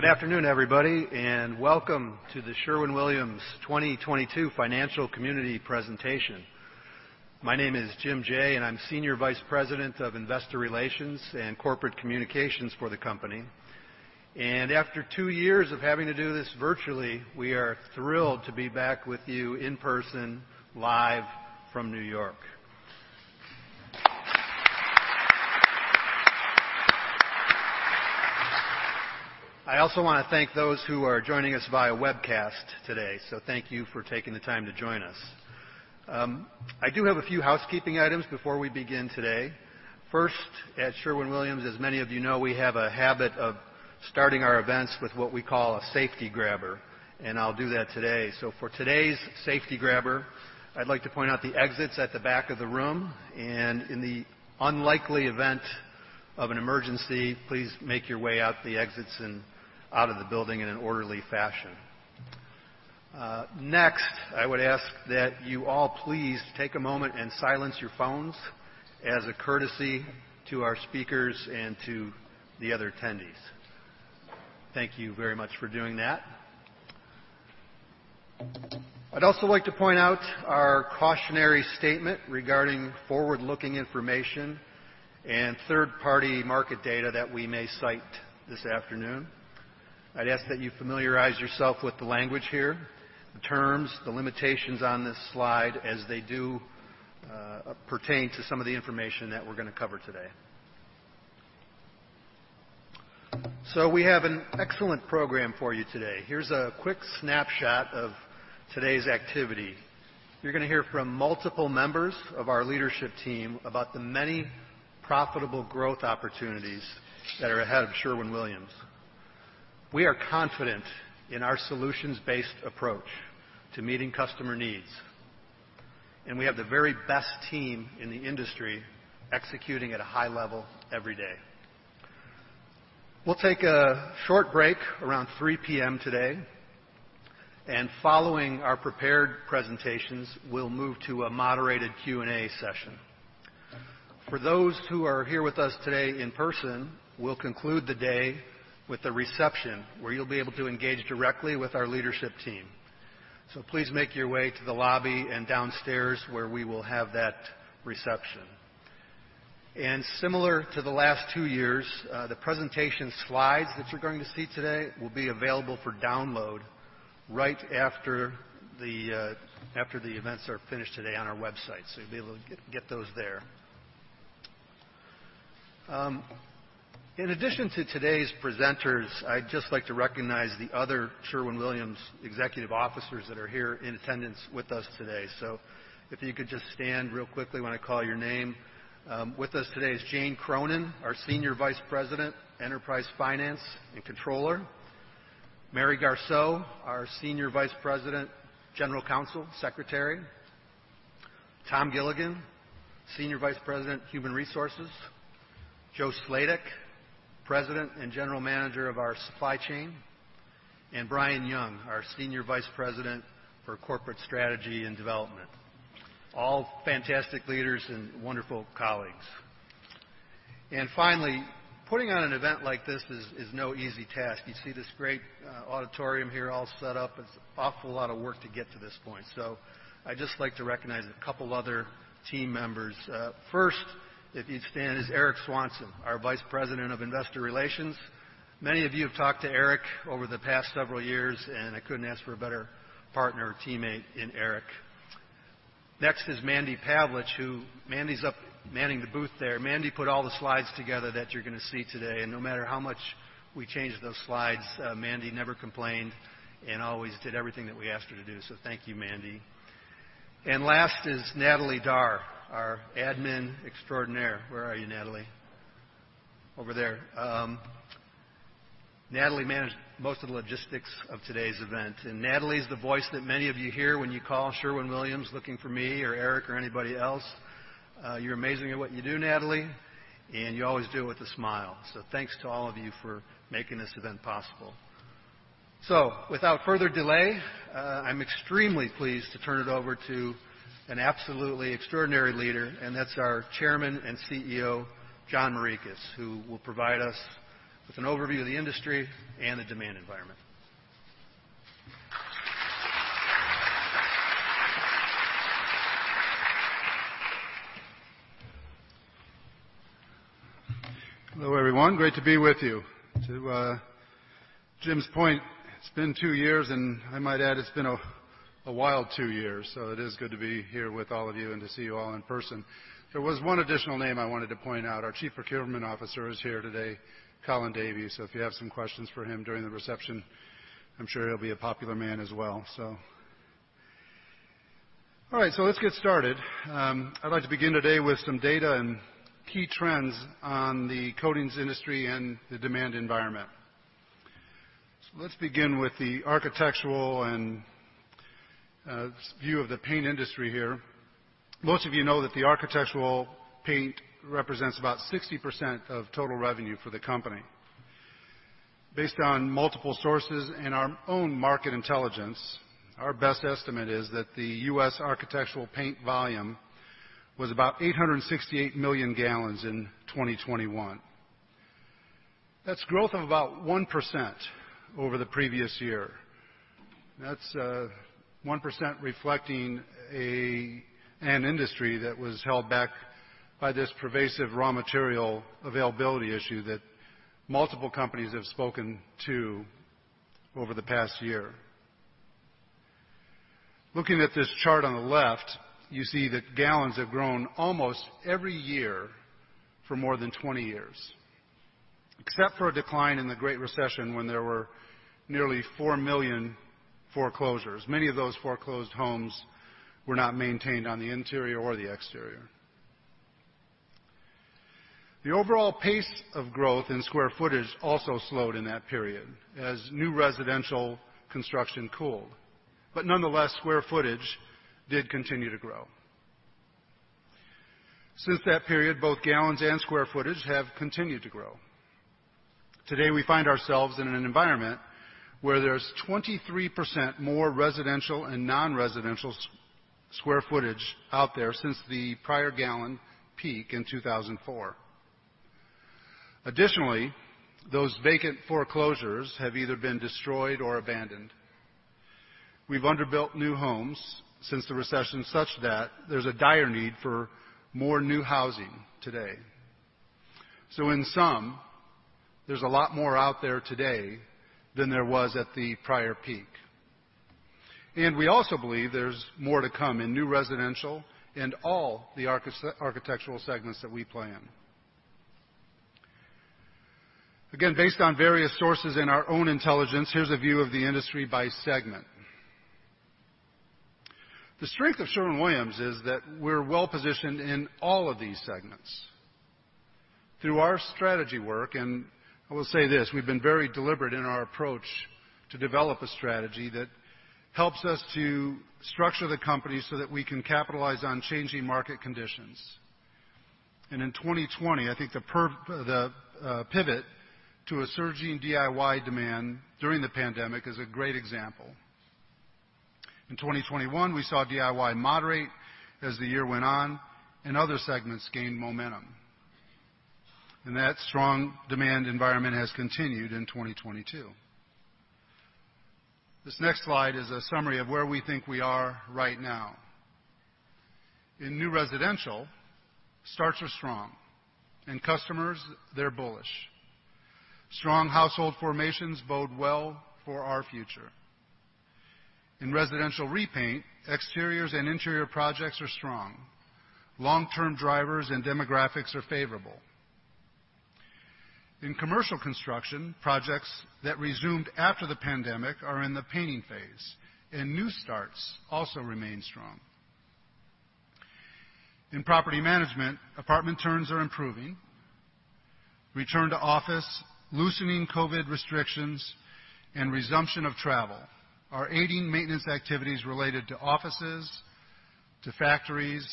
Well, good afternoon, everybody, and welcome to the Sherwin-Williams 2022 Financial Community Presentation. My name is Jim Jaye, and I'm Senior Vice President of Investor Relations and Corporate Communications for the company. After two years of having to do this virtually, we are thrilled to be back with you in person, live from New York. I also wanna thank those who are joining us via webcast today, so thank you for taking the time to join us. I do have a few housekeeping items before we begin today. First, at Sherwin-Williams, as many of you know, we have a habit of starting our events with what we call a safety grabber, and I'll do that today. For today's safety grabber, I'd like to point out the exits at the back of the room, and in the unlikely event of an emergency, please make your way out the exits and out of the building in an orderly fashion. Next, I would ask that you all please take a moment and silence your phones as a courtesy to our speakers and to the other attendees. Thank you very much for doing that. I'd also like to point out our cautionary statement regarding forward-looking information and third-party market data that we may cite this afternoon. I'd ask that you familiarize yourself with the language here, the terms, the limitations on this slide as they do pertain to some of the information that we're gonna cover today. We have an excellent program for you today. Here's a quick snapshot of today's activity. You're gonna hear from multiple members of our leadership team about the many profitable growth opportunities that are ahead of Sherwin-Williams. We are confident in our solutions-based approach to meeting customer needs, and we have the very best team in the industry executing at a high level every day. We'll take a short break around 3:00 P.M. today, and following our prepared presentations, we'll move to a moderated Q&A session. For those who are here with us today in person, we'll conclude the day with a reception where you'll be able to engage directly with our leadership team. Please make your way to the lobby and downstairs, where we will have that reception. Similar to the last two years, the presentation slides that you're going to see today will be available for download right after the events are finished today on our website. You'll be able to get those there. In addition to today's presenters, I'd just like to recognize the other Sherwin-Williams executive officers that are here in attendance with us today. If you could just stand real quickly when I call your name. With us today is Jane Cronin, our Senior Vice President, Enterprise Finance and Controller. Mary Garceau, our Senior Vice President, General Counsel, Secretary. Tom Gilligan, Senior Vice President, Human Resources. Joe Sladek, President and General Manager of our Supply Chain. And Bryan Young, our Senior Vice President for Corporate Strategy and Development. All fantastic leaders and wonderful colleagues. Finally, putting on an event like this is no easy task. You see this great auditorium here all set up. It's an awful lot of work to get to this point. I'd just like to recognize a couple other team members. First, if you'd stand, is Eric Swanson, our Vice President of Investor Relations. Many of you have talked to Eric over the past several years, and I couldn't ask for a better partner or teammate in Eric. Next is Mandy Pavlich. Mandy's up manning the booth there. Mandy put all the slides together that you're gonna see today, and no matter how much we changed those slides, Mandy never complained and always did everything that we asked her to do, so thank you, Mandy. Last is Natalie Darr, our admin extraordinaire. Where are you, Natalie? Over there. Natalie managed most of the logistics of today's event, and Natalie is the voice that many of you hear when you call Sherwin-Williams looking for me or Eric or anybody else. You're amazing at what you do, Natalie, and you always do it with a smile. Thanks to all of you for making this event possible. Without further delay, I'm extremely pleased to turn it over to an absolutely extraordinary leader, and that's our Chairman and CEO, John Morikis, who will provide us with an overview of the industry and the demand environment. Hello, everyone. Great to be with you. To Jim's point, it's been two years, and I might add, it's been a wild two years, so it is good to be here with all of you and to see you all in person. There was one additional name I wanted to point out. Our Chief Procurement Officer is here today, Colin Davie. If you have some questions for him during the reception, I'm sure he'll be a popular man as well. All right, let's get started. I'd like to begin today with some data and key trends on the coatings industry and the demand environment. Let's begin with the architectural view of the paint industry here. Most of you know that the architectural paint represents about 60% of total revenue for the company. Based on multiple sources and our own market intelligence, our best estimate is that the U.S. architectural paint volume was about 868 million gallons in 2021. That's growth of about 1% over the previous year. That's 1% reflecting an industry that was held back by this pervasive raw material availability issue that multiple companies have spoken to over the past year. Looking at this chart on the left, you see that gallons have grown almost every year for more than 20 years, except for a decline in the Great Recession when there were nearly 4 million foreclosures. Many of those foreclosed homes were not maintained on the interior or the exterior. The overall pace of growth in square footage also slowed in that period as new residential construction cooled. Nonetheless, square footage did continue to grow. Since that period, both gallons and square footage have continued to grow. Today, we find ourselves in an environment where there's 23% more residential and non-residential square footage out there since the prior gallon peak in 2004. Additionally, those vacant foreclosures have either been destroyed or abandoned. We've underbuilt new homes since the recession such that there's a dire need for more new housing today. In sum, there's a lot more out there today than there was at the prior peak. We also believe there's more to come in new residential and all the architectural segments that we play in. Again, based on various sources and our own intelligence, here's a view of the industry by segment. The strength of Sherwin-Williams is that we're well positioned in all of these segments. Through our strategy work, and I will say this, we've been very deliberate in our approach to develop a strategy that helps us to structure the company so that we can capitalize on changing market conditions. In 2020, I think the pivot to a surging DIY demand during the pandemic is a great example. In 2021, we saw DIY moderate as the year went on and other segments gained momentum. That strong demand environment has continued in 2022. This next slide is a summary of where we think we are right now. In new residential, starts are strong, and customers, they're bullish. Strong household formations bode well for our future. In residential repaint, exteriors and interior projects are strong. Long-term drivers and demographics are favorable. In commercial construction, projects that resumed after the pandemic are in the painting phase, and new starts also remain strong. In property management, apartment turns are improving. Return to office, loosening COVID restrictions, and resumption of travel are aiding maintenance activities related to offices, to factories,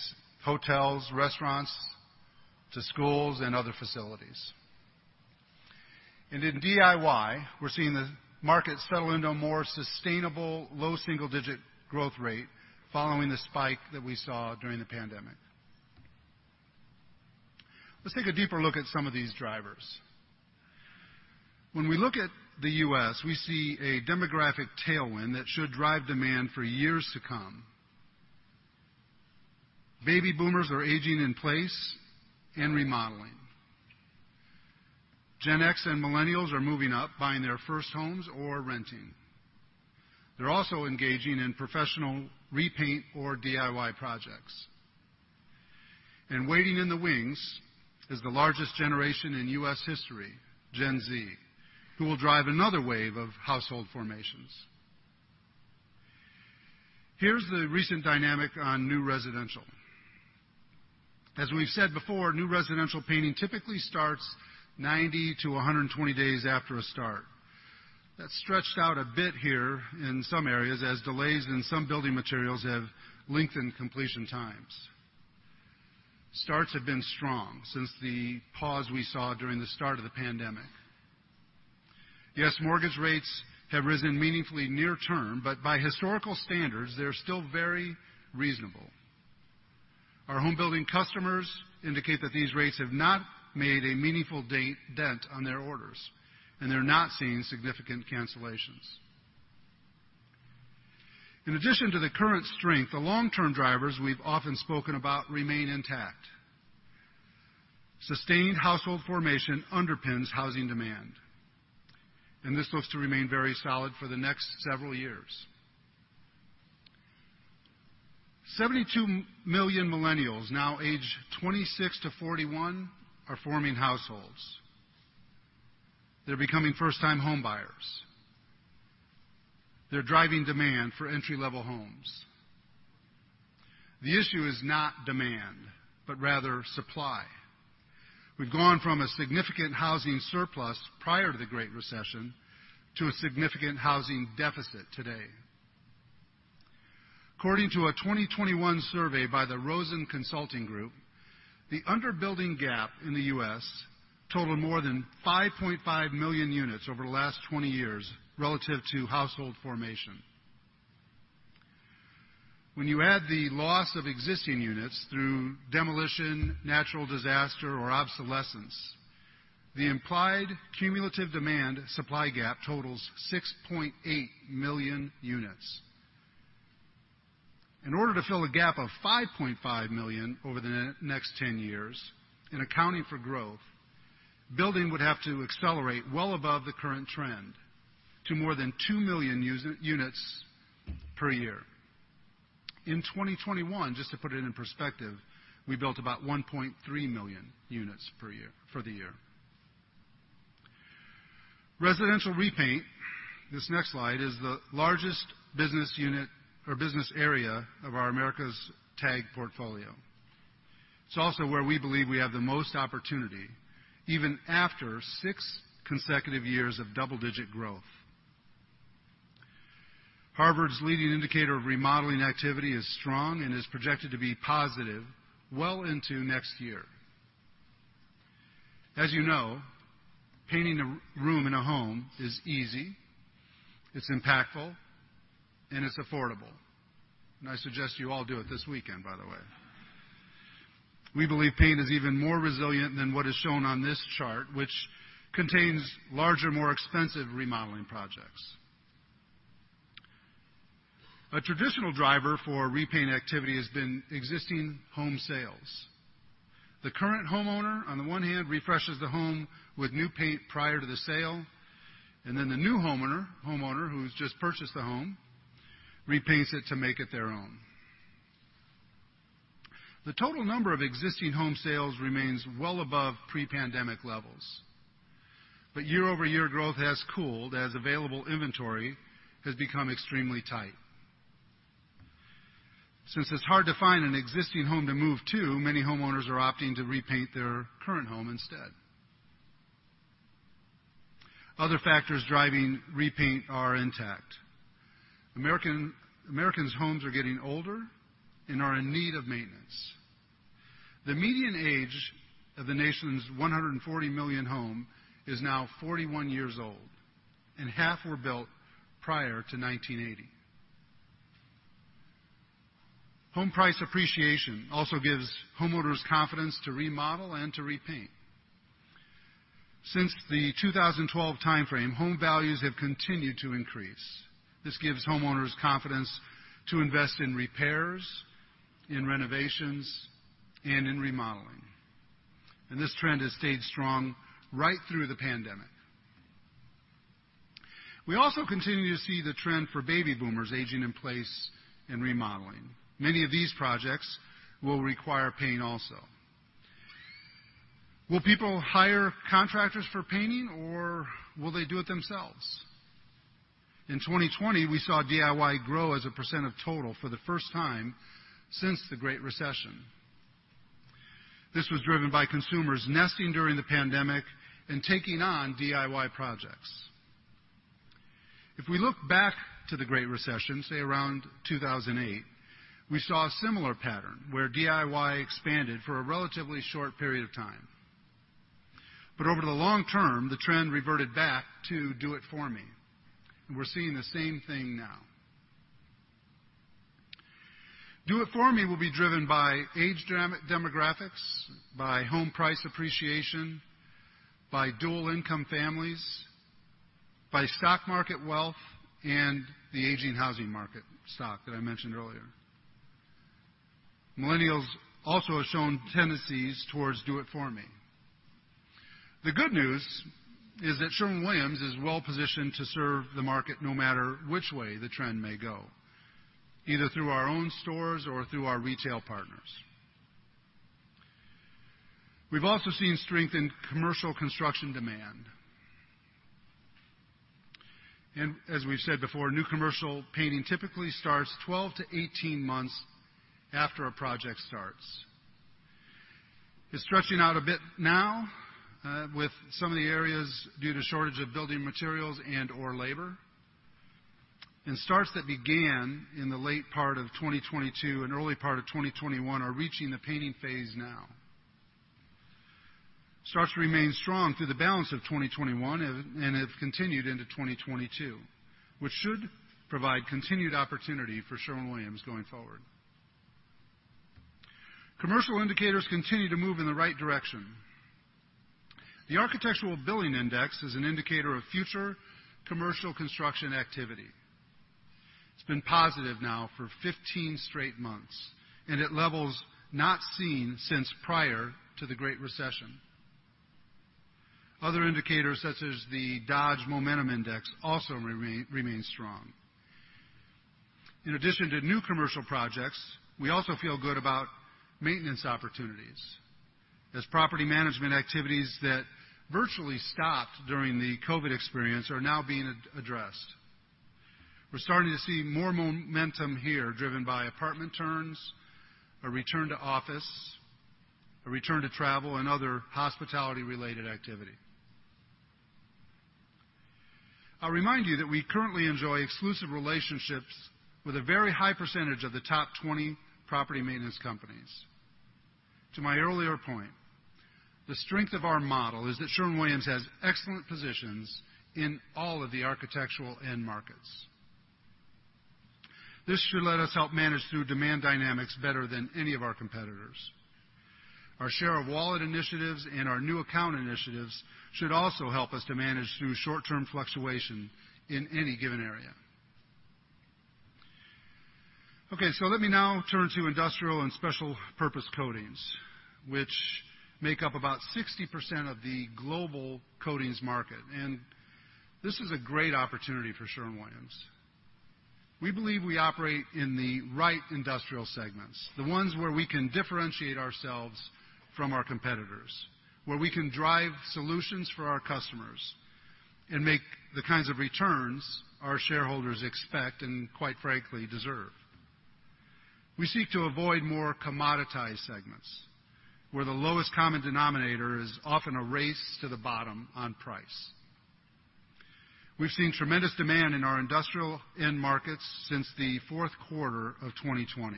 hotels, restaurants, to schools and other facilities. In DIY, we're seeing the market settle into a more sustainable low single-digit growth rate following the spike that we saw during the pandemic. Let's take a deeper look at some of these drivers. When we look at the U.S., we see a demographic tailwind that should drive demand for years to come. Baby boomers are aging in place and remodeling. Gen X and millennials are moving up, buying their first homes or renting. They're also engaging in professional repaint or DIY projects. Waiting in the wings is the largest generation in U.S. history, Gen Z, who will drive another wave of household formations. Here's the recent dynamic on new residential. As we've said before, new residential painting typically starts 90 to 120 days after a start. That stretched out a bit here in some areas as delays in some building materials have lengthened completion times. Starts have been strong since the pause we saw during the start of the pandemic. Yes, mortgage rates have risen meaningfully near-term, but by historical standards, they're still very reasonable. Our home building customers indicate that these rates have not made a meaningful dent on their orders, and they're not seeing significant cancellations. In addition to the current strength, the long-term drivers we've often spoken about remain intact. Sustained household formation underpins housing demand, and this looks to remain very solid for the next several years. 72 million millennials, now age 26 to 41, are forming households. They're becoming first-time homebuyers. They're driving demand for entry-level homes. The issue is not demand, but rather supply. We've gone from a significant housing surplus prior to the Great Recession to a significant housing deficit today. According to a 2021 survey by the Rosen Consulting Group, the under-building gap in the U.S. totaled more than 5.5 million units over the last 20 years relative to household formation. When you add the loss of existing units through demolition, natural disaster, or obsolescence, the implied cumulative demand supply gap totals 6.8 million units. In order to fill a gap of 5.5 million over the next 10 years in accounting for growth, building would have to accelerate well above the current trend to more than 2 million units per year. In 2021, just to put it in perspective, we built about 1.3 million units per year for the year. Residential repaint, this next slide, is the largest business unit or business area of our Americas TAG portfolio. It's also where we believe we have the most opportunity, even after six consecutive years of double-digit growth. Harvard's leading indicator of remodeling activity is strong and is projected to be positive well into next year. As you know, painting a room in a home is easy, it's impactful, and it's affordable. I suggest you all do it this weekend, by the way. We believe paint is even more resilient than what is shown on this chart, which contains larger, more expensive remodeling projects. A traditional driver for repaint activity has been existing home sales. The current homeowner, on the one hand, refreshes the home with new paint prior to the sale, and then the new homeowner who's just purchased the home repaints it to make it their own. The total number of existing home sales remains well above pre-pandemic levels, but year-over-year growth has cooled as available inventory has become extremely tight. Since it's hard to find an existing home to move to, many homeowners are opting to repaint their current home instead. Other factors driving repaint are intact. Americans' homes are getting older and are in need of maintenance. The median age of the nation's 140 million homes is now 41 years old, and half were built prior to 1980. Home price appreciation also gives homeowners confidence to remodel and to repaint. Since the 2012 timeframe, home values have continued to increase. This gives homeowners confidence to invest in repairs, in renovations, and in remodeling. This trend has stayed strong right through the pandemic. We also continue to see the trend for baby boomers aging in place and remodeling. Many of these projects will require paint also. Will people hire contractors for painting or will they do it themselves? In 2020, we saw DIY grow as a percent of total for the first time since the Great Recession. This was driven by consumers nesting during the pandemic and taking on DIY projects. If we look back to the Great Recession, say around 2008, we saw a similar pattern where DIY expanded for a relatively short period of time. Over the long term, the trend reverted back to do-it-for- me, and we're seeing the same thing now. Do-it-for-me will be driven by demographics, by home price appreciation, by dual income families, by stock market wealth, and the aging housing market stock that I mentioned earlier. Millennials also have shown tendencies towards do-it-for-me. The good news is that Sherwin-Williams is well positioned to serve the market no matter which way the trend may go, either through our own stores or through our retail partners. We've also seen strength in commercial construction demand. As we've said before, new commercial painting typically starts 12-18 months after a project starts. It's stretching out a bit now with some of the areas due to shortage of building materials and/or labor, and starts that began in the late part of 2022 and early part of 2021 are reaching the painting phase now. Starts remain strong through the balance of 2021 and have continued into 2022, which should provide continued opportunity for Sherwin-Williams going forward. Commercial indicators continue to move in the right direction. The Architecture Billings Index is an indicator of future commercial construction activity. It's been positive now for 15 straight months, and at levels not seen since prior to the Great Recession. Other indicators, such as the Dodge Momentum Index, also remain strong. In addition to new commercial projects, we also feel good about maintenance opportunities as property management activities that virtually stopped during the COVID experience are now being addressed. We're starting to see more momentum here driven by apartment turns, a return to office, a return to travel and other hospitality related activity. I'll remind you that we currently enjoy exclusive relationships with a very high percentage of the top 20 property maintenance companies. To my earlier point, the strength of our model is that Sherwin-Williams has excellent positions in all of the architectural end markets. This should let us help manage through demand dynamics better than any of our competitors. Our share of wallet initiatives and our new account initiatives should also help us to manage through short-term fluctuation in any given area. Okay, so let me now turn to industrial and special purpose coatings, which make up about 60% of the global coatings market. This is a great opportunity for Sherwin-Williams. We believe we operate in the right industrial segments, the ones where we can differentiate ourselves from our competitors, where we can drive solutions for our customers, and make the kinds of returns our shareholders expect and, quite frankly, deserve. We seek to avoid more commoditized segments, where the lowest common denominator is often a race to the bottom on price. We've seen tremendous demand in our industrial end markets since the fourth quarter of 2020.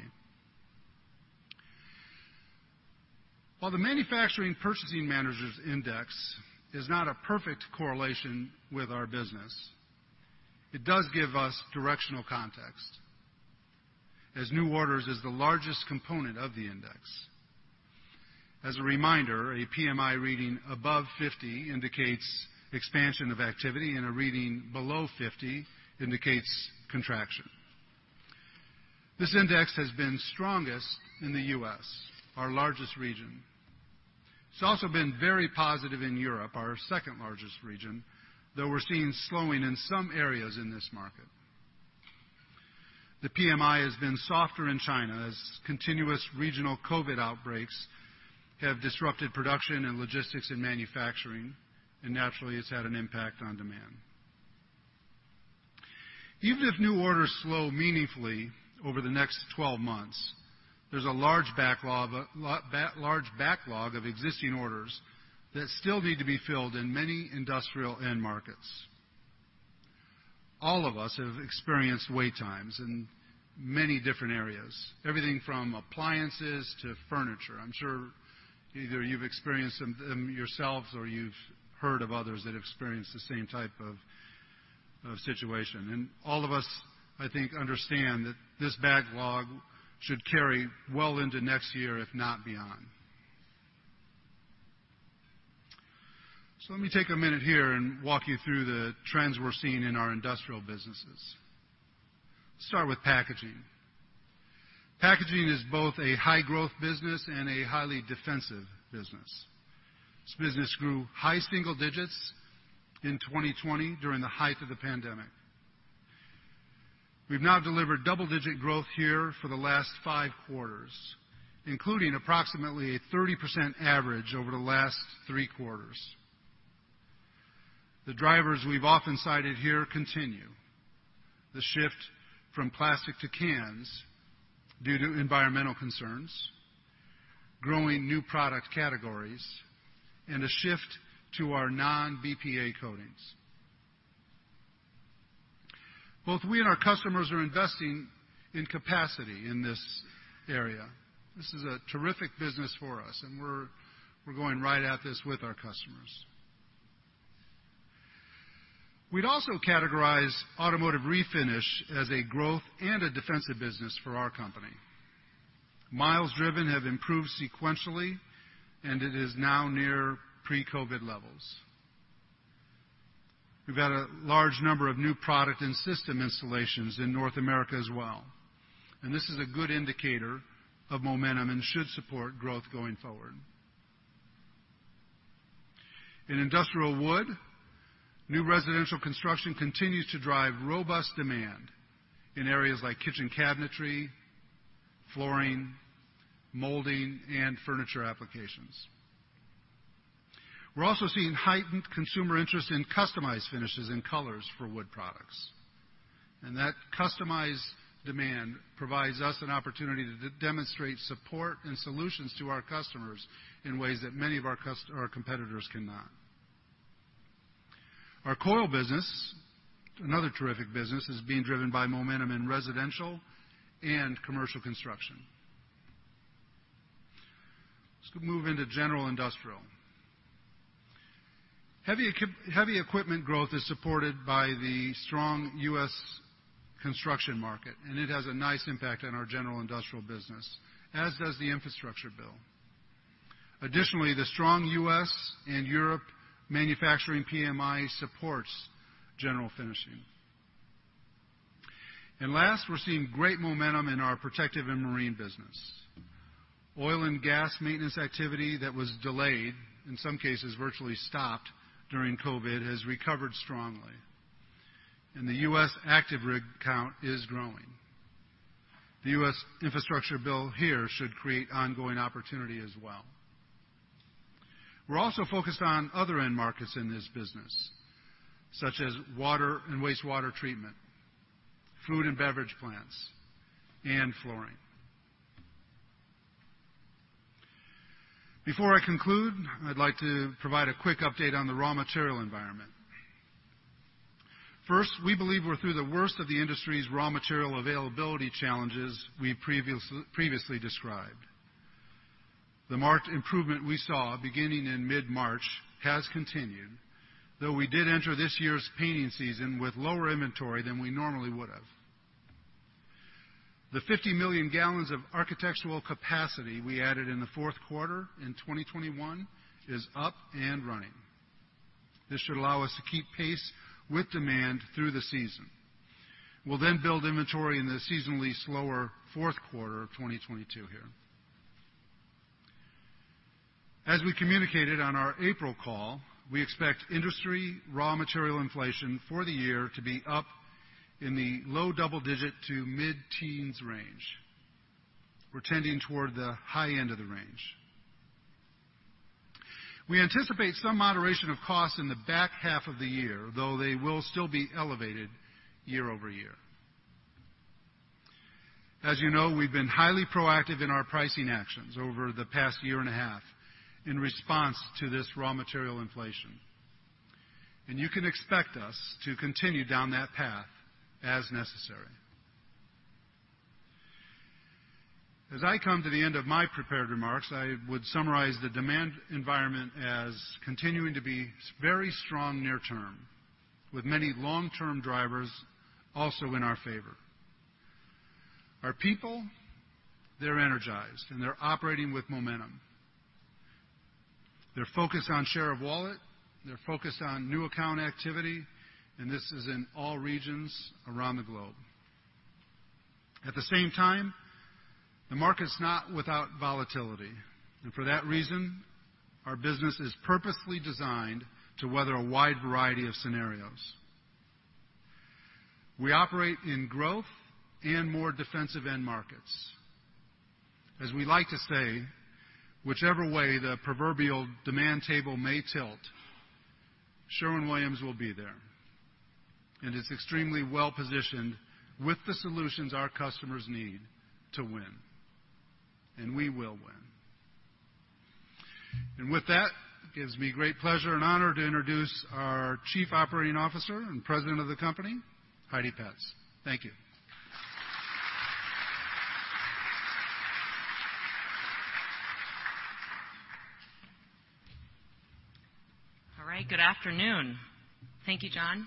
While the Manufacturing Purchasing Managers' Index is not a perfect correlation with our business, it does give us directional context as new orders is the largest component of the index. As a reminder, a PMI reading above 50 indicates expansion of activity, and a reading below 50 indicates contraction. This index has been strongest in the U.S., our largest region. It's also been very positive in Europe, our second-largest region, though we're seeing slowing in some areas in this market. The PMI has been softer in China as continuous regional COVID outbreaks have disrupted production and logistics in manufacturing, and naturally, it's had an impact on demand. Even if new orders slow meaningfully over the next 12 months, there's a large backlog of existing orders that still need to be filled in many industrial end markets. All of us have experienced wait times in many different areas, everything from appliances to furniture. I'm sure either you've experienced them yourselves, or you've heard of others that have experienced the same type of situation. All of us, I think, understand that this backlog should carry well into next year, if not beyond. Let me take a minute here and walk you through the trends we're seeing in our Industrial businesses. Start with Packaging. Packaging is both a high-growth business and a highly defensive business. This business grew high single digits in 2020 during the height of the pandemic. We've now delivered double-digit growth here for the last five quarters, including approximately a 30% average over the last three quarters. The drivers we've often cited here continue. The shift from plastic to cans due to environmental concerns, growing new product categories, and a shift to our non-BPA coatings. Both we and our customers are investing in capacity in this area. This is a terrific business for us, and we're going right at this with our customers. We'd also categorize automotive refinish as a growth and a defensive business for our company. Miles driven have improved sequentially, and it is now near pre-COVID levels. We've had a large number of new product and system installations in North America as well, and this is a good indicator of momentum and should support growth going forward. In Industrial Wood, new residential construction continues to drive robust demand in areas like kitchen cabinetry, flooring, molding, and furniture applications. We're also seeing heightened consumer interest in customized finishes and colors for wood products, and that customized demand provides us an opportunity to demonstrate support and solutions to our customers in ways that many of our competitors cannot. Our Coil business, another terrific business, is being driven by momentum in residential and commercial construction. Let's move into General Industrial. Heavy equipment growth is supported by the strong U.S. construction market, and it has a nice impact on our General Industrial business, as does the infrastructure bill. Additionally, the strong U.S. and Europe manufacturing PMI supports general finishing. Last, we're seeing great momentum in our Protective & Marine business. Oil and gas maintenance activity that was delayed, in some cases virtually stopped during COVID, has recovered strongly, and the U.S. active rig count is growing. The U.S. infrastructure bill here should create ongoing opportunity as well. We're also focused on other end markets in this business, such as water and wastewater treatment, food and beverage plants, and flooring. Before I conclude, I'd like to provide a quick update on the raw material environment. First, we believe we're through the worst of the industry's raw material availability challenges we previously described. The marked improvement we saw beginning in mid-March has continued, though we did enter this year's painting season with lower inventory than we normally would have. The 50 million gallons of architectural capacity we added in the fourth quarter of 2021 is up and running. This should allow us to keep pace with demand through the season. We'll then build inventory in the seasonally slower fourth quarter of 2022 here. As we communicated on our April call, we expect industry raw material inflation for the year to be up in the low double-digit to mid-teens range. We're tending toward the high end of the range. We anticipate some moderation of costs in the back half of the year, though they will still be elevated year-over-year. As you know, we've been highly proactive in our pricing actions over the past year and a half in response to this raw material inflation, and you can expect us to continue down that path as necessary. As I come to the end of my prepared remarks, I would summarize the demand environment as continuing to be very strong near term, with many long-term drivers also in our favor. Our people, they're energized and they're operating with momentum. They're focused on share of wallet, they're focused on new account activity, and this is in all regions around the globe. At the same time, the market's not without volatility, and for that reason, our business is purposely designed to weather a wide variety of scenarios. We operate in growth and more defensive end markets. As we like to say, whichever way the proverbial demand table may tilt, Sherwin-Williams will be there and is extremely well positioned with the solutions our customers need to win, and we will win. With that, it gives me great pleasure and honor to introduce our Chief Operating Officer and President of the company, Heidi Petz. Thank you. All right. Good afternoon. Thank you, John.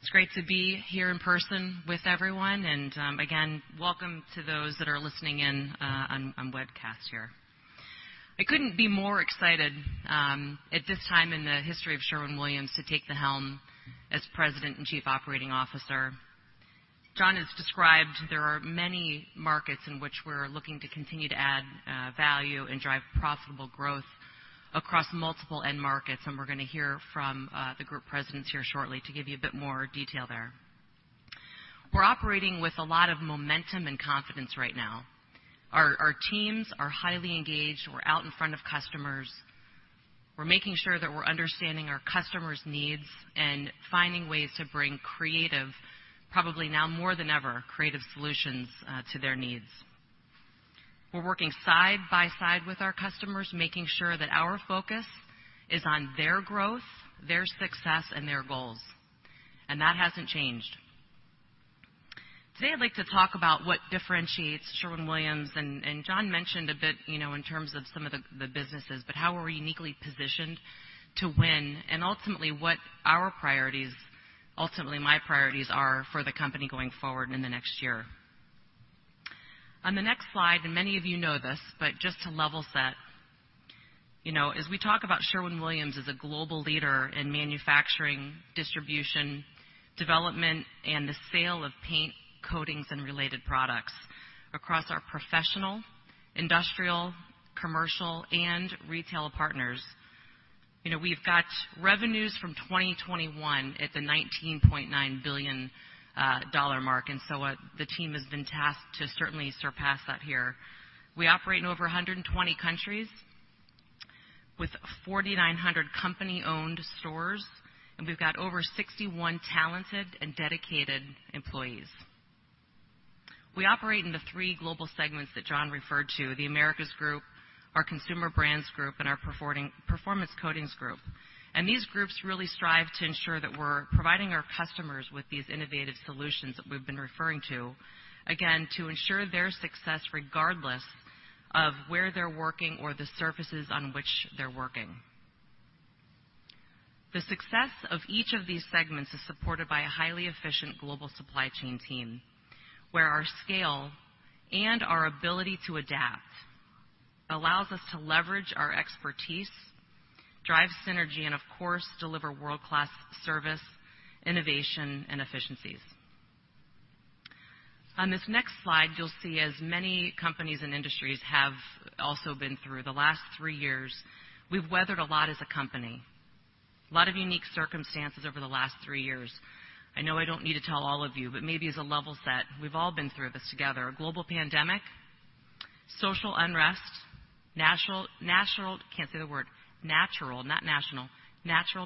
It's great to be here in person with everyone, and again, welcome to those that are listening in on webcast here. I couldn't be more excited at this time in the history of Sherwin-Williams to take the helm as President and Chief Operating Officer. John has described there are many markets in which we're looking to continue to add value and drive profitable growth across multiple end markets, and we're gonna hear from the group presidents here shortly to give you a bit more detail there. We're operating with a lot of momentum and confidence right now. Our teams are highly engaged. We're out in front of customers. We're making sure that we're understanding our customers' needs and finding ways to bring creative, probably now more than ever, creative solutions to their needs. We're working side by side with our customers, making sure that our focus is on their growth, their success, and their goals, and that hasn't changed. Today, I'd like to talk about what differentiates Sherwin-Williams, and John mentioned a bit, you know, in terms of some of the businesses, but how we're uniquely positioned to win and ultimately what our priorities, ultimately my priorities are for the company going forward in the next year. On the next slide, many of you know this, but just to level set, you know, as we talk about Sherwin-Williams as a global leader in manufacturing, distribution, development, and the sale of paint, coatings, and related products across our professional, industrial, commercial, and retail partners. You know, we've got revenues from 2021 at the $19.9 billion mark, and the team has been tasked to certainly surpass that here. We operate in over 120 countries with 4,900 company-owned stores, and we've got over 61,000 talented and dedicated employees. We operate in the three global segments that John referred to, The Americas Group, our Consumer Brands Group, and our Performance Coatings Group. These groups really strive to ensure that we're providing our customers with these innovative solutions that we've been referring to, again, to ensure their success regardless of where they're working or the surfaces on which they're working. The success of each of these segments is supported by a highly efficient global supply chain team, where our scale and our ability to adapt allows us to leverage our expertise, drive synergy, and of course, deliver world-class service, innovation, and efficiencies. On this next slide, you'll see, as many companies and industries have also been through the last three years, we've weathered a lot as a company. A lot of unique circumstances over the last three years. I know I don't need to tell all of you, but maybe as a level set, we've all been through this together. A global pandemic, social unrest, natural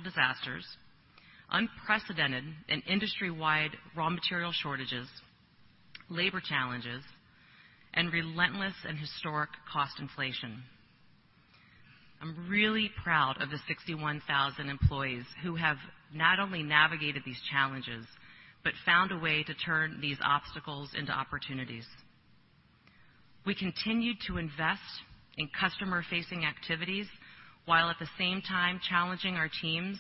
disasters, unprecedented and industry-wide raw material shortages. Labor challenges and relentless and historic cost inflation. I'm really proud of the 61,000 employees who have not only navigated these challenges, but found a way to turn these obstacles into opportunities. We continued to invest in customer-facing activities while at the same time challenging our teams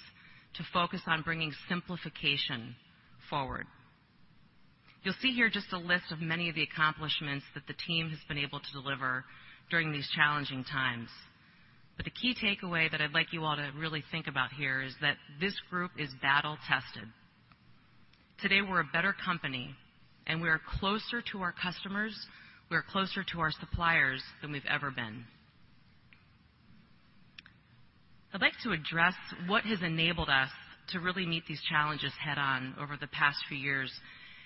to focus on bringing simplification forward. You'll see here just a list of many of the accomplishments that the team has been able to deliver during these challenging times. The key takeaway that I'd like you all to really think about here is that this group is battle tested. Today, we're a better company, and we are closer to our customers, we are closer to our suppliers than we've ever been. I'd like to address what has enabled us to really meet these challenges head on over the past few years,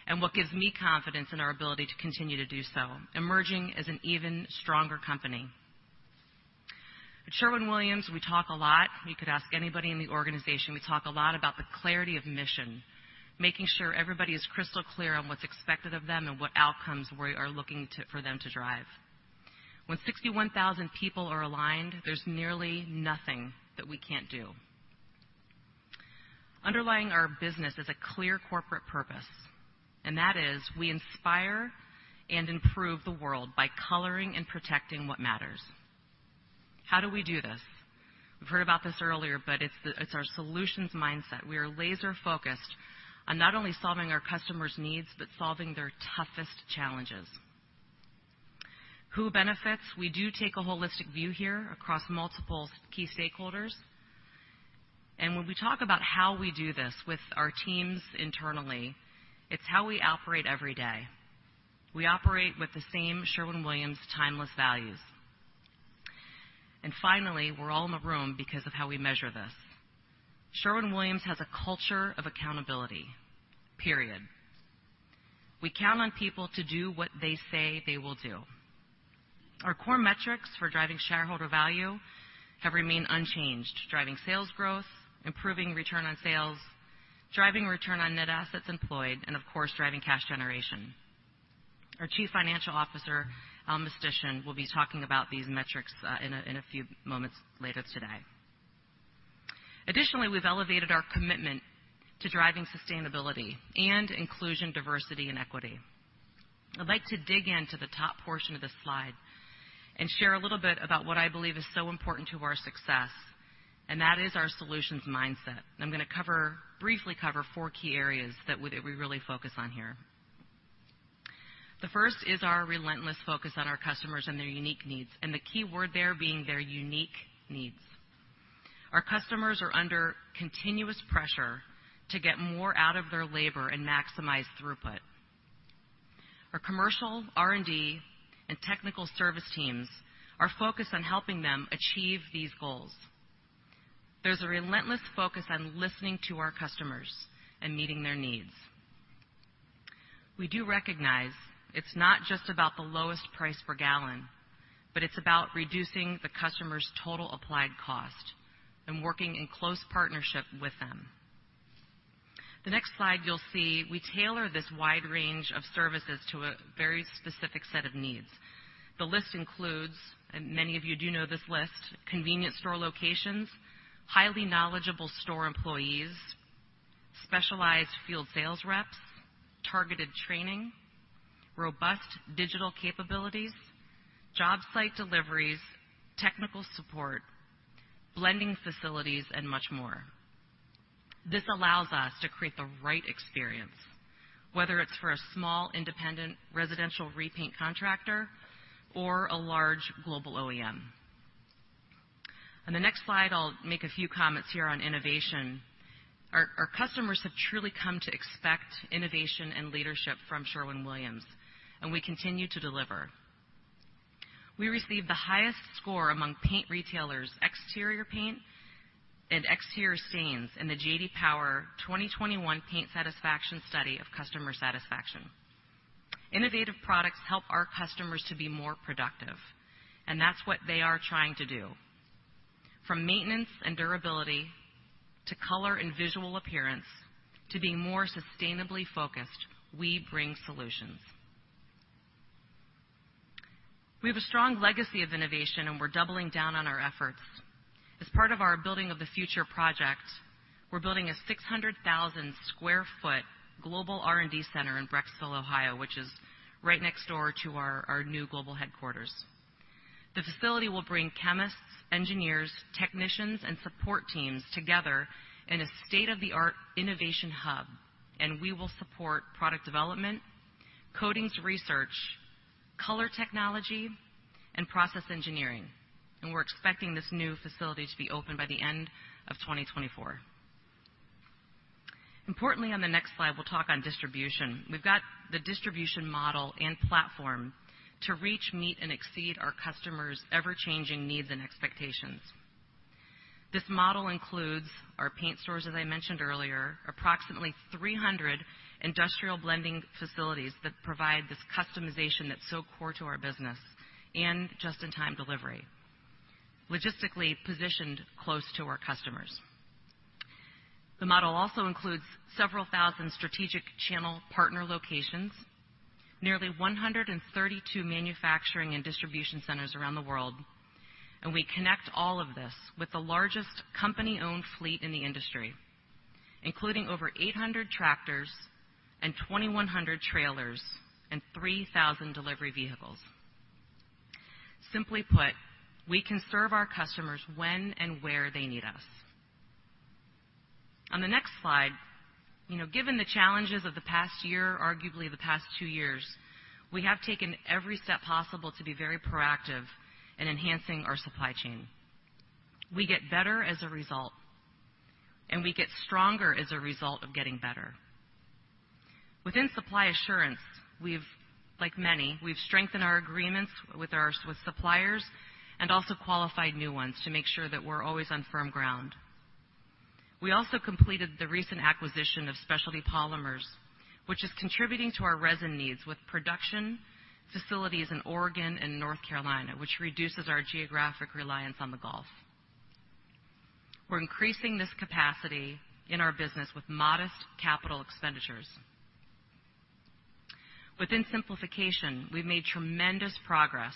and what gives me confidence in our ability to continue to do so, emerging as an even stronger company. At Sherwin-Williams, we talk a lot. You could ask anybody in the organization. We talk a lot about the clarity of mission, making sure everybody is crystal clear on what's expected of them and what outcomes we are looking for them to drive. When 61,000 people are aligned, there's nearly nothing that we can't do. Underlying our business is a clear corporate purpose, and that is we inspire and improve the world by coloring and protecting what matters. How do we do this? We've heard about this earlier, but it's our solutions mindset. We are laser-focused on not only solving our customers' needs, but solving their toughest challenges. Who benefits? We do take a holistic view here across multiple key stakeholders. When we talk about how we do this with our teams internally, it's how we operate every day. We operate with the same Sherwin-Williams timeless values. Finally, we're all in the room because of how we measure this. Sherwin-Williams has a culture of accountability, period. We count on people to do what they say they will do. Our core metrics for driving shareholder value have remained unchanged, driving sales growth, improving return on sales, driving return on net assets employed, and of course, driving cash generation. Our Chief Financial Officer, Allen Mistysyn, will be talking about these metrics in a few moments later today. Additionally, we've elevated our commitment to driving sustainability and inclusion, diversity, and equity. I'd like to dig into the top portion of this slide and share a little bit about what I believe is so important to our success, and that is our solutions mindset. I'm gonna briefly cover four key areas that we really focus on here. The first is our relentless focus on our customers and their unique needs, and the key word there being their unique needs. Our customers are under continuous pressure to get more out of their labor and maximize throughput. Our commercial, R&D, and technical service teams are focused on helping them achieve these goals. There's a relentless focus on listening to our customers and meeting their needs. We do recognize it's not just about the lowest price per gallon, but it's about reducing the customer's total applied cost and working in close partnership with them. The next slide you'll see, we tailor this wide range of services to a very specific set of needs. The list includes, and many of you do know this list, convenience store locations, highly knowledgeable store employees, specialized field sales reps, targeted training, robust digital capabilities, job site deliveries, technical support, blending facilities, and much more. This allows us to create the right experience, whether it's for a small independent residential repaint contractor or a large global OEM. On the next slide, I'll make a few comments here on innovation. Our customers have truly come to expect innovation and leadership from Sherwin-Williams, and we continue to deliver. We received the highest score among paint retailers, exterior paint and exterior stains, in the J.D. Power 2021 Paint Satisfaction Study of customer satisfaction. Innovative products help our customers to be more productive, and that's what they are trying to do. From maintenance and durability to color and visual appearance to being more sustainably focused, we bring solutions. We have a strong legacy of innovation, and we're doubling down on our efforts. As part of our Building Our Future project, we're building a 600,000 sq ft global R&D center in Brecksville, Ohio, which is right next door to our new global headquarters. The facility will bring chemists, engineers, technicians, and support teams together in a state-of-the-art innovation hub, and we will support product development, coatings research, color technology, and process engineering. We're expecting this new facility to be open by the end of 2024. Importantly, on the next slide, we'll talk on distribution. We've got the distribution model and platform to reach, meet, and exceed our customers' ever-changing needs and expectations. This model includes our paint stores, as I mentioned earlier, approximately 300 industrial blending facilities that provide this customization that's so core to our business and just-in-time delivery, logistically positioned close to our customers. The model also includes several thousand strategic channel partner locations, nearly 132 manufacturing and distribution centers around the world, and we connect all of this with the largest company-owned fleet in the industry, including over 800 tractors and 2,100 trailers and 3,000 delivery vehicles. Simply put, we can serve our customers when and where they need us. On the next slide, you know, given the challenges of the past year, arguably the past two years, we have taken every step possible to be very proactive in enhancing our supply chain. We get better as a result, and we get stronger as a result of getting better. Within supply assurance, like many, we've strengthened our agreements with our suppliers and also qualified new ones to make sure that we're always on firm ground. We also completed the recent acquisition of Specialty Polymers, which is contributing to our resin needs with production facilities in Oregon and North Carolina, which reduces our geographic reliance on the Gulf. We're increasing this capacity in our business with modest capital expenditures. Within simplification, we've made tremendous progress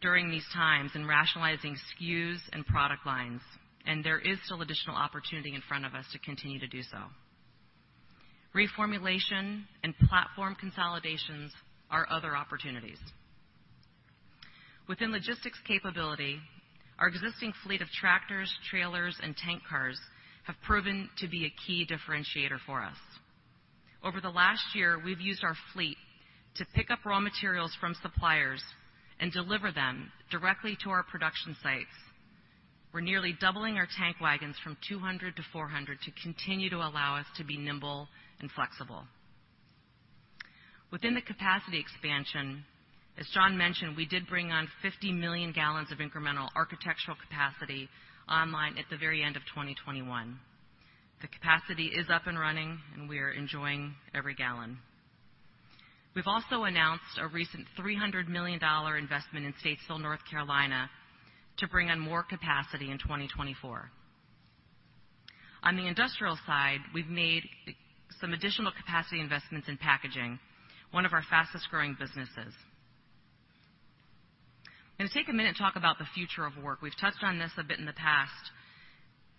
during these times in rationalizing SKUs and product lines, and there is still additional opportunity in front of us to continue to do so. Reformulation and platform consolidations are other opportunities. Within logistics capability, our existing fleet of tractors, trailers, and tank cars have proven to be a key differentiator for us. Over the last year, we've used our fleet to pick up raw materials from suppliers and deliver them directly to our production sites. We're nearly doubling our tank wagons from 200 to 400 to continue to allow us to be nimble and flexible. Within the capacity expansion, as John mentioned, we did bring on 50 million gallons of incremental architectural capacity online at the very end of 2021. The capacity is up and running, and we are enjoying every gallon. We've also announced a recent $300 million investment in Statesville, North Carolina, to bring on more capacity in 2024. On the Industrial side, we've made some additional capacity investments in packaging, one of our fastest-growing businesses. I'm gonna take a minute and talk about the future of work. We've touched on this a bit in the past.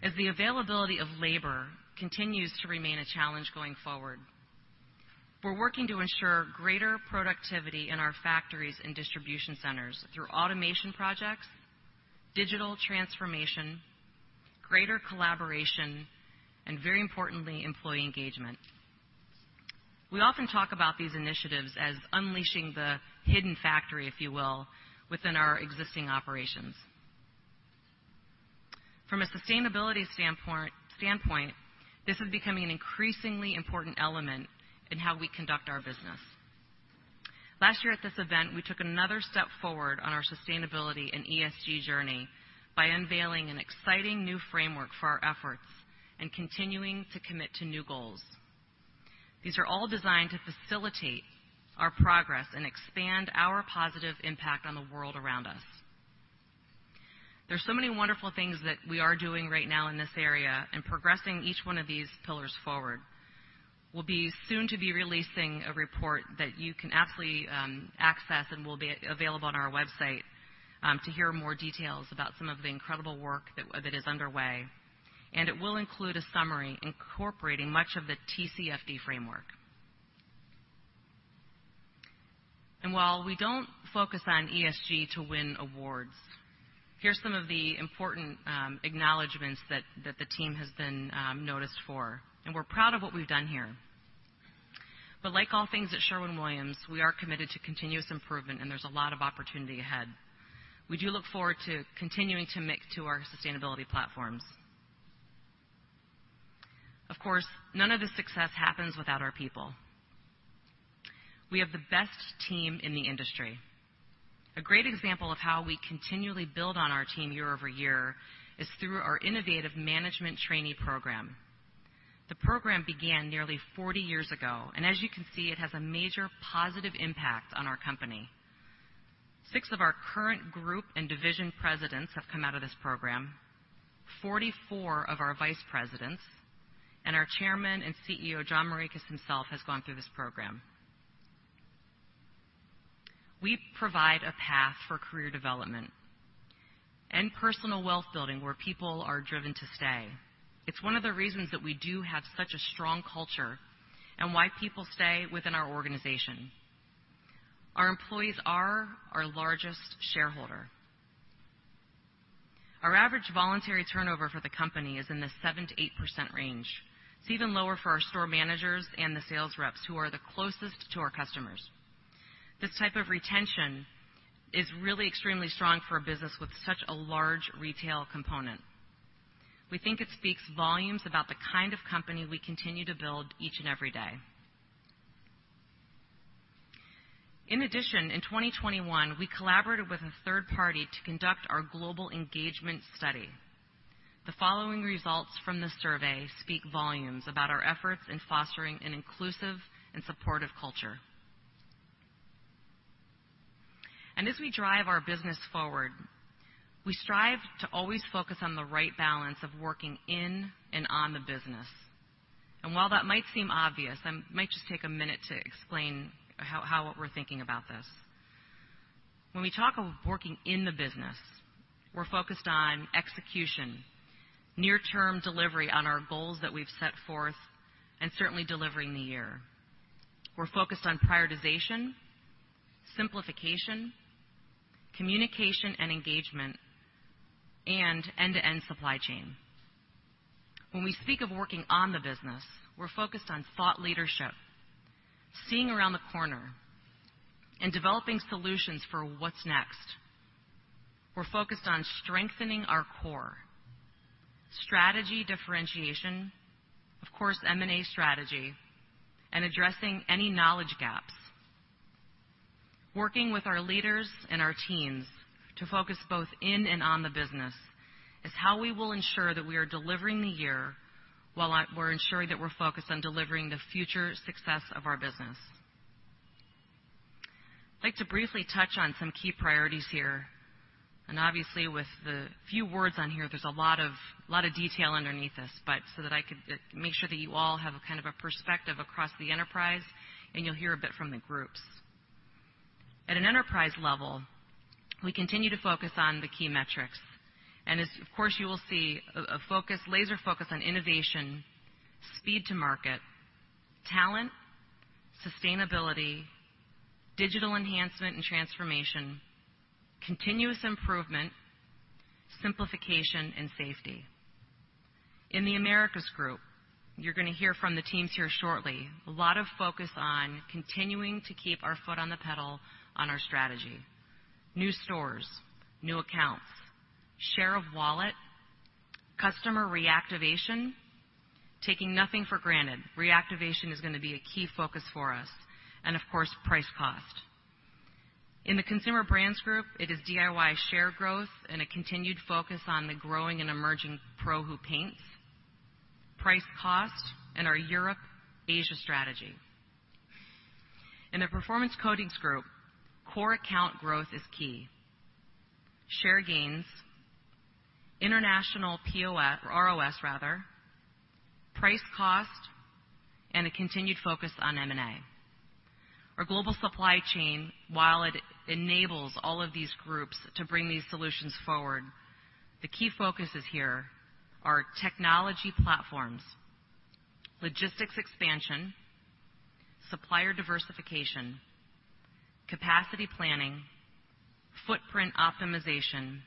As the availability of labor continues to remain a challenge going forward, we're working to ensure greater productivity in our factories and distribution centers through automation projects, digital transformation, greater collaboration, and very importantly, employee engagement. We often talk about these initiatives as unleashing the hidden factory, if you will, within our existing operations. From a sustainability standpoint, this is becoming an increasingly important element in how we conduct our business. Last year at this event, we took another step forward on our sustainability and ESG journey by unveiling an exciting new framework for our efforts and continuing to commit to new goals. These are all designed to facilitate our progress and expand our positive impact on the world around us. There are so many wonderful things that we are doing right now in this area and progressing each one of these pillars forward. We'll be soon to be releasing a report that you can actually access and will be available on our website to hear more details about some of the incredible work that is underway. It will include a summary incorporating much of the TCFD framework. While we don't focus on ESG to win awards, here's some of the important acknowledgments that the team has been noticed for, and we're proud of what we've done here. Like all things at Sherwin-Williams, we are committed to continuous improvement, and there's a lot of opportunity ahead. We do look forward to continuing to add to our sustainability platforms. Of course, none of this success happens without our people. We have the best team in the industry. A great example of how we continually build on our team year-over-year is through our innovative management trainee program. The program began nearly 40 years ago, and as you can see, it has a major positive impact on our company. Six of our current group and division presidents have come out of this program, 44 of our Vice Presidents, and our Chairman and CEO, John G. Morikis himself, has gone through this program. We provide a path for career development and personal wealth building where people are driven to stay. It's one of the reasons that we do have such a strong culture and why people stay within our organization. Our employees are our largest shareholder. Our average voluntary turnover for the company is in the 7%-8% range. It's even lower for our store managers and the sales reps, who are the closest to our customers. This type of retention is really extremely strong for a business with such a large retail component. We think it speaks volumes about the kind of company we continue to build each and every day. In addition, in 2021, we collaborated with a third party to conduct our global engagement study. The following results from the survey speak volumes about our efforts in fostering an inclusive and supportive culture. As we drive our business forward, we strive to always focus on the right balance of working in and on the business. While that might seem obvious, I might just take a minute to explain how we're thinking about this. When we talk of working in the business, we're focused on execution, near-term delivery on our goals that we've set forth, and certainly delivering the year. We're focused on prioritization, simplification, communication and engagement, and end-to-end supply chain. When we speak of working on the business, we're focused on thought leadership, seeing around the corner and developing solutions for what's next. We're focused on strengthening our core, strategy differentiation, of course, M&A strategy, and addressing any knowledge gaps. Working with our leaders and our teams to focus both in and on the business is how we will ensure that we are delivering the year while we're ensuring that we're focused on delivering the future success of our business. I'd like to briefly touch on some key priorities here, and obviously, with the few words on here, there's a lot of detail underneath this, but so that I could make sure that you all have kind of a perspective across the enterprise, and you'll hear a bit from the groups. At an enterprise level, we continue to focus on the key metrics, and of course, you will see a focus, laser focus on innovation, speed to market, talent, sustainability, digital enhancement and transformation, continuous improvement, simplification, and safety. In The Americas Group, you're gonna hear from the teams here shortly. A lot of focus on continuing to keep our foot on the pedal on our strategy. New stores, new accounts, share of wallet, customer reactivation, taking nothing for granted. Reactivation is gonna be a key focus for us, and of course, price cost. In the Consumer Brands Group, it is DIY share growth and a continued focus on the growing and emerging pro who paints, price cost, and our Europe-Asia strategy. In the Performance Coatings Group, core account growth is key. Share gains, international POF or ROS rather, price cost, and a continued focus on M&A. Our global supply chain, while it enables all of these groups to bring these solutions forward, the key focuses here are technology platforms, logistics expansion, supplier diversification, capacity planning, footprint optimization,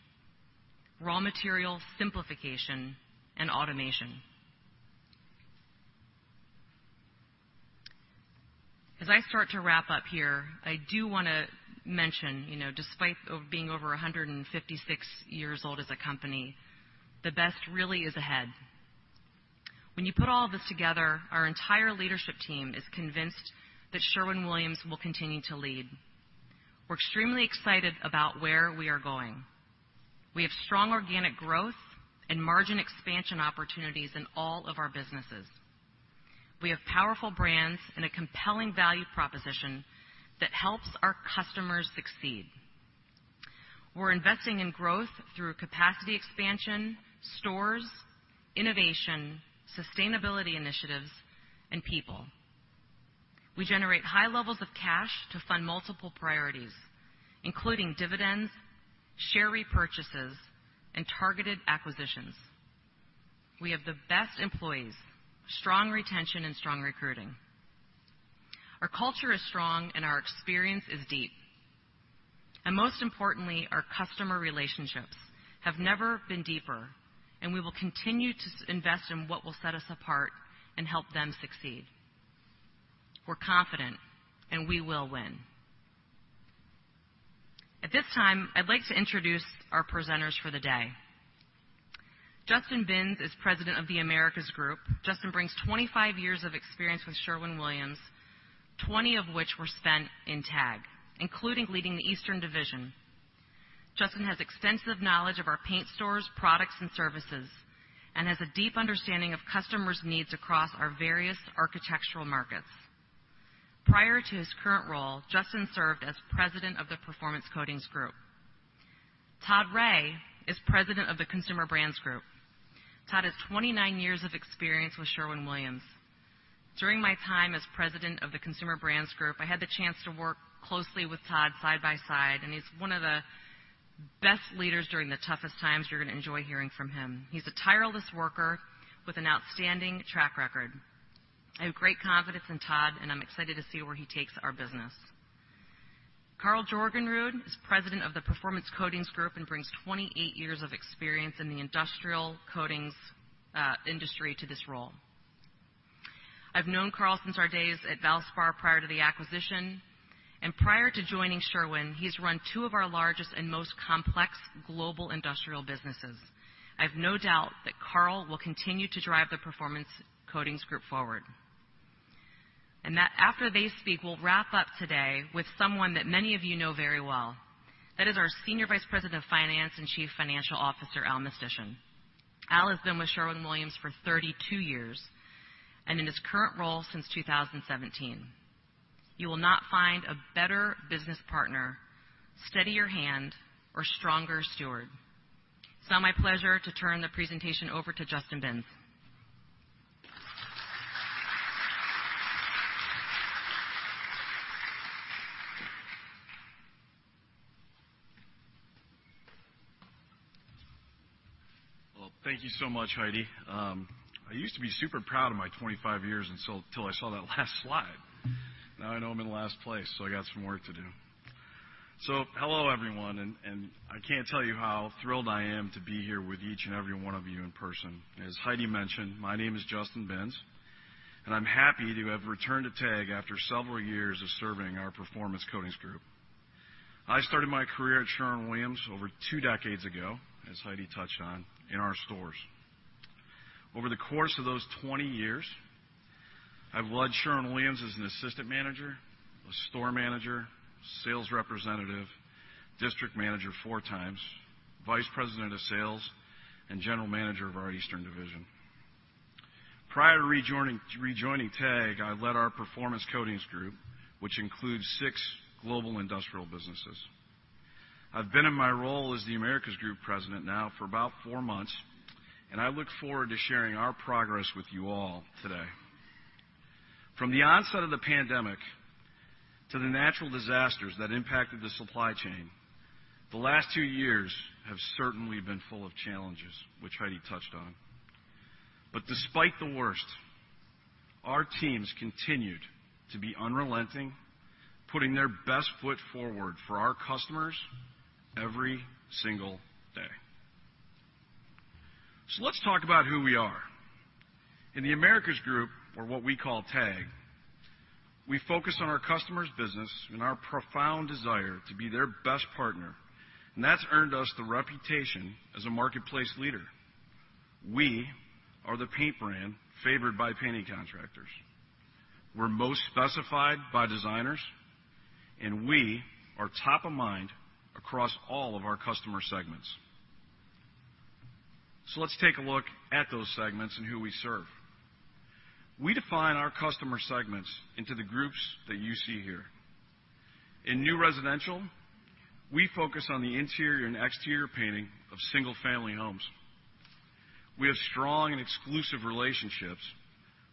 raw material simplification, and automation. As I start to wrap up here, I do wanna mention, you know, despite being over 156 years old as a company, the best really is ahead. When you put all this together, our entire leadership team is convinced that Sherwin-Williams will continue to lead. We're extremely excited about where we are going. We have strong organic growth and margin expansion opportunities in all of our businesses. We have powerful brands and a compelling value proposition that helps our customers succeed. We're investing in growth through capacity expansion, stores, innovation, sustainability initiatives, and people. We generate high levels of cash to fund multiple priorities, including dividends, share repurchases, and targeted acquisitions. We have the best employees, strong retention, and strong recruiting. Our culture is strong, and our experience is deep. Most importantly, our customer relationships have never been deeper, and we will continue to invest in what will set us apart and help them succeed. We're confident, and we will win. At this time, I'd like to introduce our presenters for the day. Justin Binns is President of The Americas Group. Justin brings 25 years of experience with Sherwin-Williams, 20 of which were spent in TAG, including leading the Eastern Division. Justin has extensive knowledge of our paint stores, products, and services and has a deep understanding of customers' needs across our various architectural markets. Prior to his current role, Justin served as president of the Performance Coatings Group. Todd Rea is President of the Consumer Brands Group. Todd has 29 years of experience with Sherwin-Williams. During my time as president of the Consumer Brands Group, I had the chance to work closely with Todd side by side, and he's one of the best leaders during the toughest times. You're gonna enjoy hearing from him. He's a tireless worker with an outstanding track record. I have great confidence in Todd, and I'm excited to see where he takes our business. Karl Jorgenrud is President of the Performance Coatings Group and brings 28 years of experience in the industrial coatings industry to this role. I've known Karl since our days at Valspar prior to the acquisition, and prior to joining Sherwin, he's run two of our largest and most complex global industrial businesses. I have no doubt that Karl will continue to drive the Performance Coatings Group forward. That after they speak, we'll wrap up today with someone that many of you know very well. That is our Senior Vice President of Finance and Chief Financial Officer, Allen Mistysyn. Allen has been with Sherwin-Williams for 32 years and in his current role since 2017. You will not find a better business partner, steadier hand, or stronger steward. It's now my pleasure to turn the presentation over to Justin Binns. Well, thank you so much, Heidi. I used to be super proud of my 25 years until I saw that last slide. Now I know I'm in last place, so I got some work to do. Hello, everyone, and I can't tell you how thrilled I am to be here with each and every one of you in person. As Heidi mentioned, my name is Justin Binns, and I'm happy to have returned to TAG after several years of serving our Performance Coatings Group. I started my career at Sherwin-Williams over two decades ago, as Heidi touched on, in our stores. Over the course of those 20 years, I've led Sherwin-Williams as an assistant manager, a store manager, sales representative, district manager four times, vice president of sales, and general manager of our Eastern Division. Prior to rejoining TAG, I led our Performance Coatings Group, which includes six global industrial businesses. I've been in my role as the Americas Group President now for about four months, and I look forward to sharing our progress with you all today. From the onset of the pandemic to the natural disasters that impacted the supply chain, the last two years have certainly been full of challenges, which Heidi touched on. Despite the worst, our teams continued to be unrelenting, putting their best foot forward for our customers every single day. Let's talk about who we are. In the Americas Group, or what we call TAG, we focus on our customer's business and our profound desire to be their best partner, and that's earned us the reputation as a market leader. We are the paint brand favored by painting contractors. We're most specified by designers, and we are top of mind across all of our customer segments. Let's take a look at those segments and who we serve. We define our customer segments into the groups that you see here. In New Residential, we focus on the interior and exterior painting of single-family homes. We have strong and exclusive relationships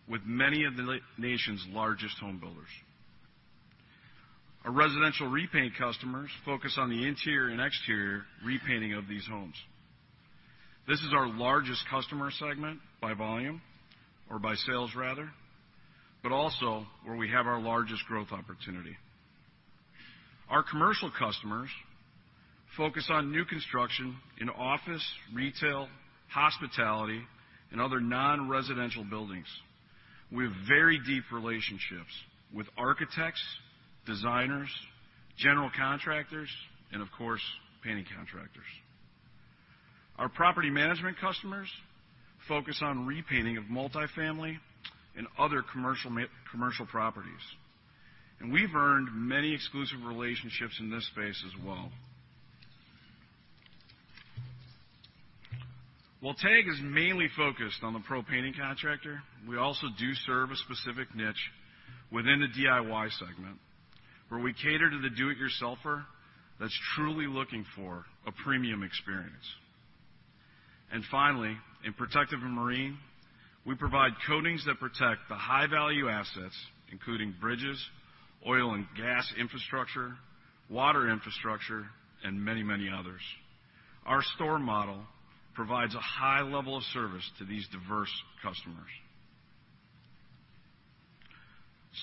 with many of the nation's largest home builders. Our residential repaint customers focus on the interior and exterior repainting of these homes. This is our largest customer segment by volume or by sales rather, but also where we have our largest growth opportunity. Our commercial customers focus on new construction in office, retail, hospitality, and other non-residential buildings. We have very deep relationships with architects, designers, general contractors, and of course, painting contractors. Our property management customers focus on repainting of multi-family and other commercial properties. We've earned many exclusive relationships in this space as well. While TAG is mainly focused on the pro painting contractor, we also do serve a specific niche within the DIY segment, where we cater to the do-it-yourselfer that's truly looking for a premium experience. Finally, in Protective & Marine, we provide coatings that protect the high-value assets, including bridges, oil and gas infrastructure, water infrastructure, and many, many others. Our store model provides a high level of service to these diverse customers.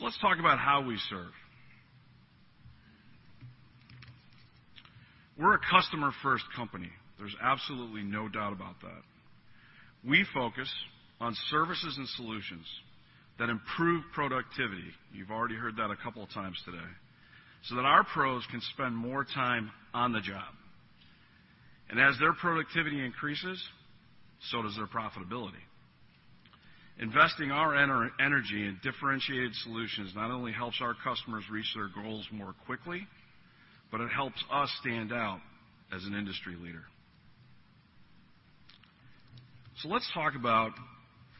Let's talk about how we serve. We're a customer-first company. There's absolutely no doubt about that. We focus on services and solutions that improve productivity, you've already heard that a couple of times today, so that our pros can spend more time on the job. As their productivity increases, so does their profitability. Investing our energy in differentiated solutions not only helps our customers reach their goals more quickly, but it helps us stand out as an industry leader. Let's talk about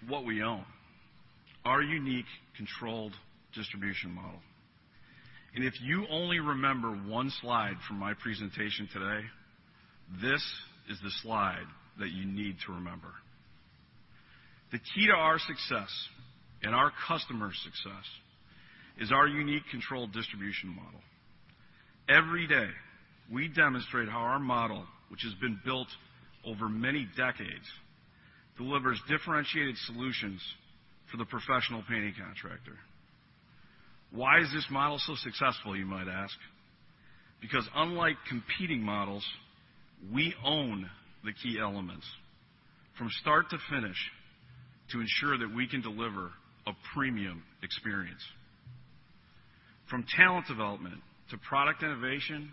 what we own, our unique controlled distribution model. If you only remember one slide from my presentation today, this is the slide that you need to remember. The key to our success and our customers' success is our unique controlled distribution model. Every day, we demonstrate how our model, which has been built over many decades, delivers differentiated solutions for the professional painting contractor. Why is this model so successful, you might ask? Because unlike competing models, we own the key elements from start to finish to ensure that we can deliver a premium experience. From talent development to product innovation,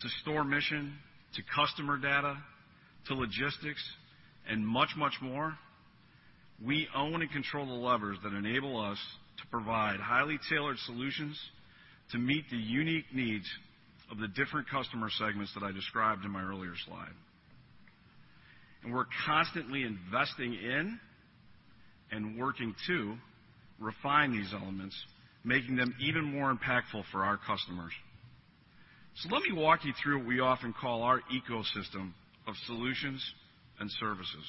to store mission, to customer data, to logistics and much, much more. We own and control the levers that enable us to provide highly tailored solutions to meet the unique needs of the different customer segments that I described in my earlier slide. We're constantly investing in and working to refine these elements, making them even more impactful for our customers. Let me walk you through what we often call our ecosystem of solutions and services.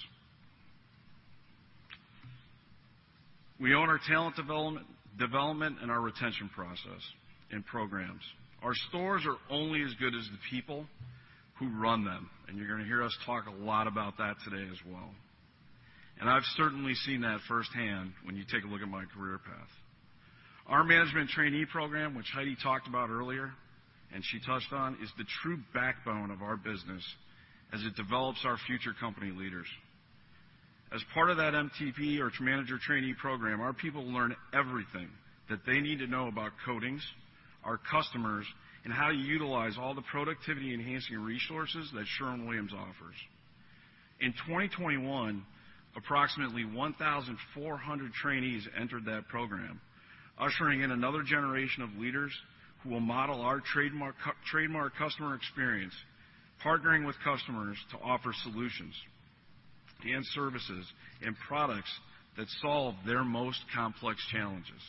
We own our talent development and our retention process and programs. Our stores are only as good as the people who run them, and you're gonna hear us talk a lot about that today as well. I've certainly seen that firsthand when you take a look at my career path. Our Management Trainee Program, which Heidi talked about earlier and she touched on, is the true backbone of our business as it develops our future company leaders. As part of that MTP or its Manager Trainee Program, our people learn everything that they need to know about coatings, our customers, and how to utilize all the productivity-enhancing resources that Sherwin-Williams offers. In 2021, approximately 1,400 trainees entered that program, ushering in another generation of leaders who will model our trademark customer experience, partnering with customers to offer solutions and services and products that solve their most complex challenges.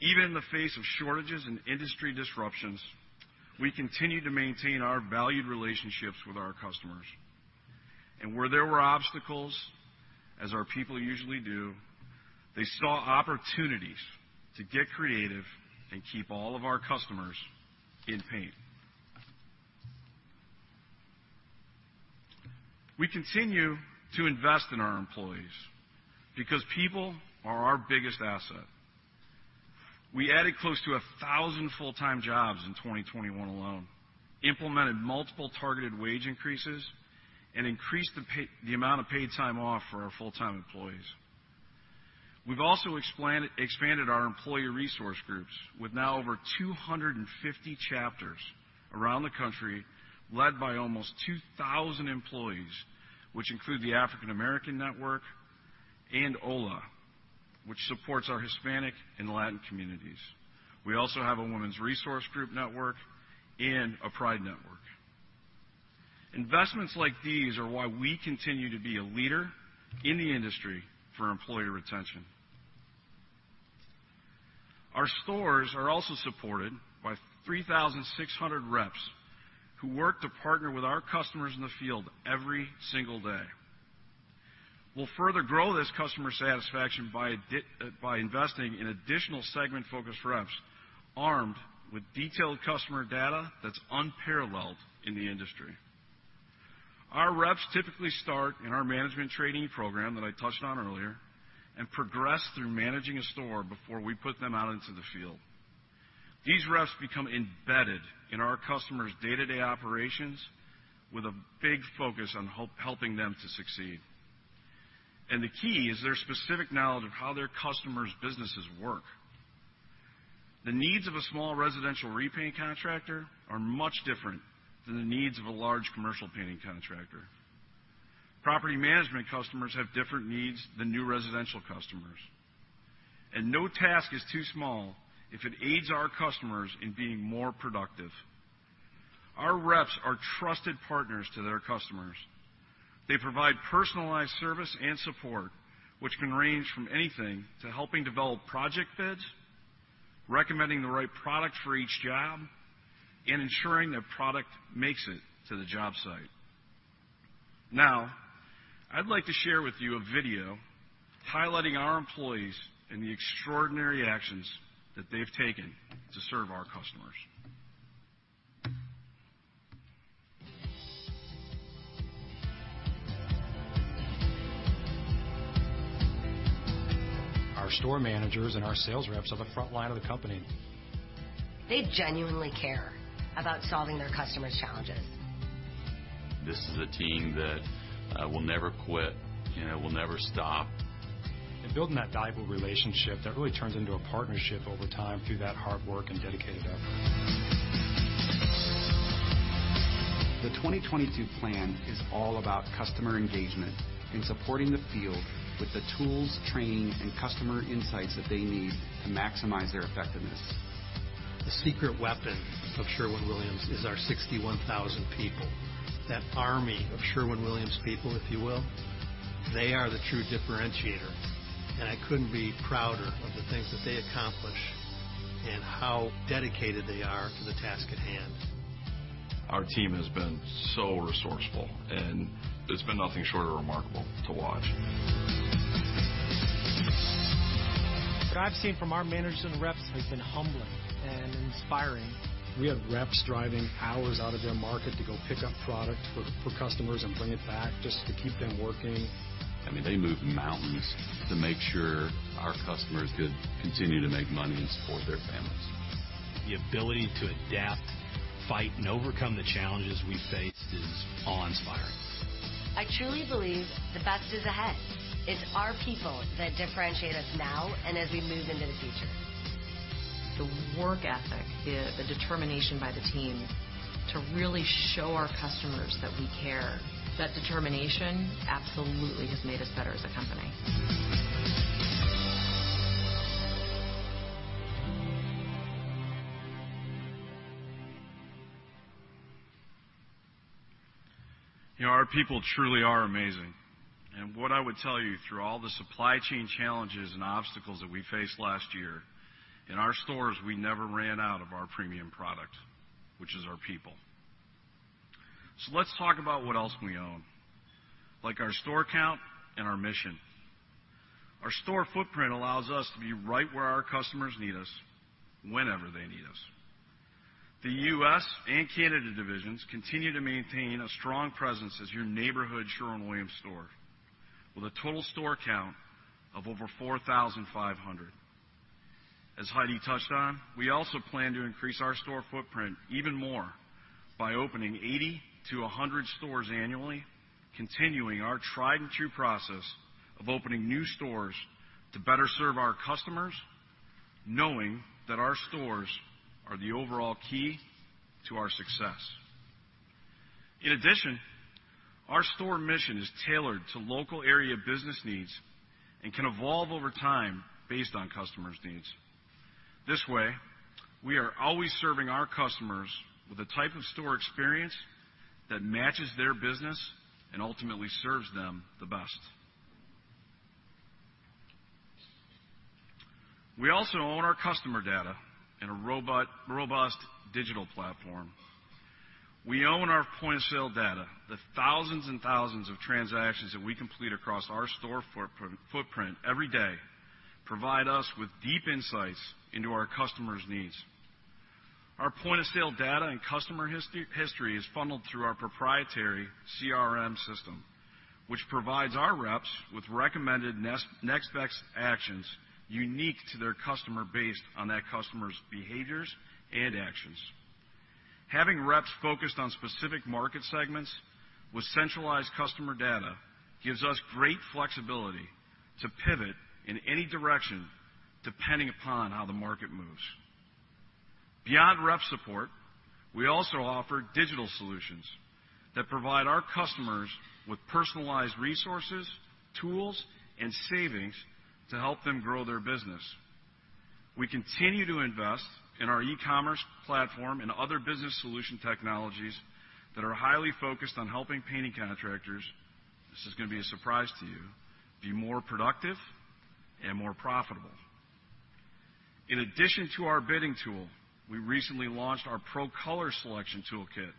Even in the face of shortages and industry disruptions, we continue to maintain our valued relationships with our customers. Where there were obstacles, as our people usually do, they saw opportunities to get creative and keep all of our customers in paint. We continue to invest in our employees because people are our biggest asset. We added close to 1,000 full-time jobs in 2021 alone, implemented multiple targeted wage increases, and increased the amount of paid time off for our full-time employees. We've also expanded our employee resource groups with now over 250 chapters around the country, led by almost 2,000 employees, which include the African American Network and HOLA, which supports our Hispanic and Latin communities. We also have a women's resource group network and a pride network. Investments like these are why we continue to be a leader in the industry for employee retention. Our stores are also supported by 3,600 reps who work to partner with our customers in the field every single day. We'll further grow this customer satisfaction by investing in additional segment-focused reps armed with detailed customer data that's unparalleled in the industry. Our reps typically start in our Management Trainee Program that I touched on earlier and progress through managing a store before we put them out into the field. These reps become embedded in our customers' day-to-day operations with a big focus on helping them to succeed. The key is their specific knowledge of how their customers' businesses work. The needs of a small residential repaint contractor are much different than the needs of a large commercial painting contractor. Property management customers have different needs than new residential customers. No task is too small if it aids our customers in being more productive. Our reps are trusted partners to their customers. They provide personalized service and support, which can range from anything to helping develop project bids, recommending the right product for each job, and ensuring their product makes it to the job site. Now, I'd like to share with you a video highlighting our employees and the extraordinary actions that they've taken to serve our customers. Our store managers and our sales reps are the front line of the company. They genuinely care about solving their customers' challenges. This is a team that will never quit, you know, will never stop. Building that valuable relationship, that really turns into a partnership over time through that hard work and dedicated effort. The 2022 plan is all about customer engagement and supporting the field with the tools, training, and customer insights that they need to maximize their effectiveness. The secret weapon of Sherwin-Williams is our 61,000 people. That army of Sherwin-Williams people, if you will, they are the true differentiator, and I couldn't be prouder of the things that they accomplish and how dedicated they are to the task at hand. Our team has been so resourceful, and it's been nothing short of remarkable to watch. What I've seen from our managers and reps has been humbling and inspiring. We have reps driving hours out of their market to go pick up product for customers and bring it back just to keep them working. I mean, they moved mountains to make sure our customers could continue to make money and support their families. The ability to adapt, fight, and overcome the challenges we faced is awe-inspiring. I truly believe the best is ahead. It's our people that differentiate us now and as we move into the future. The work ethic, the determination by the team to really show our customers that we care, that determination absolutely has made us better as a company. You know, our people truly are amazing. What I would tell you, through all the supply chain challenges and obstacles that we faced last year, in our stores, we never ran out of our premium product, which is our people. Let's talk about what else we own, like our store count and our mission. Our store footprint allows us to be right where our customers need us, whenever they need us. The U.S. and Canada divisions continue to maintain a strong presence as your neighborhood Sherwin-Williams store with a total store count of over 4,500. As Heidi touched on, we also plan to increase our store footprint even more by opening 80-100 stores annually, continuing our tried and true process of opening new stores to better serve our customers, knowing that our stores are the overall key to our success. In addition, our store mission is tailored to local area business needs and can evolve over time based on customers' needs. This way, we are always serving our customers with the type of store experience that matches their business and ultimately serves them the best. We also own our customer data in a robust digital platform. We own our point-of-sale data. The thousands and thousands of transactions that we complete across our store footprint every day provide us with deep insights into our customers' needs. Our point-of-sale data and customer history is funneled through our proprietary CRM system, which provides our reps with recommended next best actions unique to their customer based on that customer's behaviors and actions. Having reps focused on specific market segments with centralized customer data gives us great flexibility to pivot in any direction depending upon how the market moves. Beyond rep support, we also offer digital solutions that provide our customers with personalized resources, tools, and savings to help them grow their business. We continue to invest in our e-commerce platform and other business solution technologies that are highly focused on helping painting contractors. This is gonna be a surprise to you, be more productive and more profitable. In addition to our bidding tool, we recently launched our Pro Color Toolkit,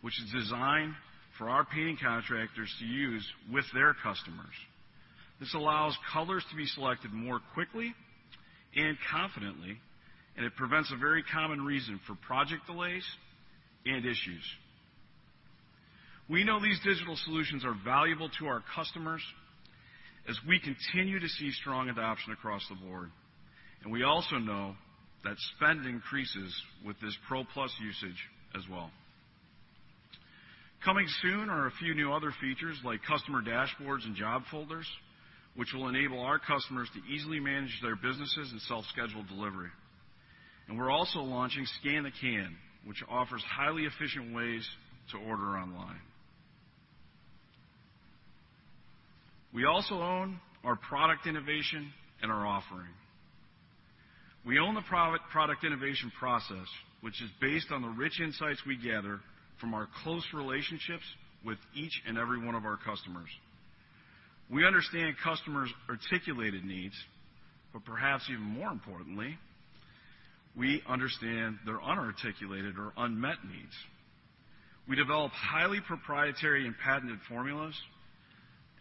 which is designed for our painting contractors to use with their customers. This allows colors to be selected more quickly and confidently, and it prevents a very common reason for project delays and issues. We know these digital solutions are valuable to our customers as we continue to see strong adoption across the board, and we also know that spend increases with this PRO+ usage as well. Coming soon are a few new other features like customer dashboards and job folders, which will enable our customers to easily manage their businesses and self-schedule delivery. We're also launching Scan-A-Can, which offers highly efficient ways to order online. We also own our product innovation and our offering. We own the product innovation process, which is based on the rich insights we gather from our close relationships with each and every one of our customers. We understand customers' articulated needs, but perhaps even more importantly, we understand their unarticulated or unmet needs. We develop highly proprietary and patented formulas,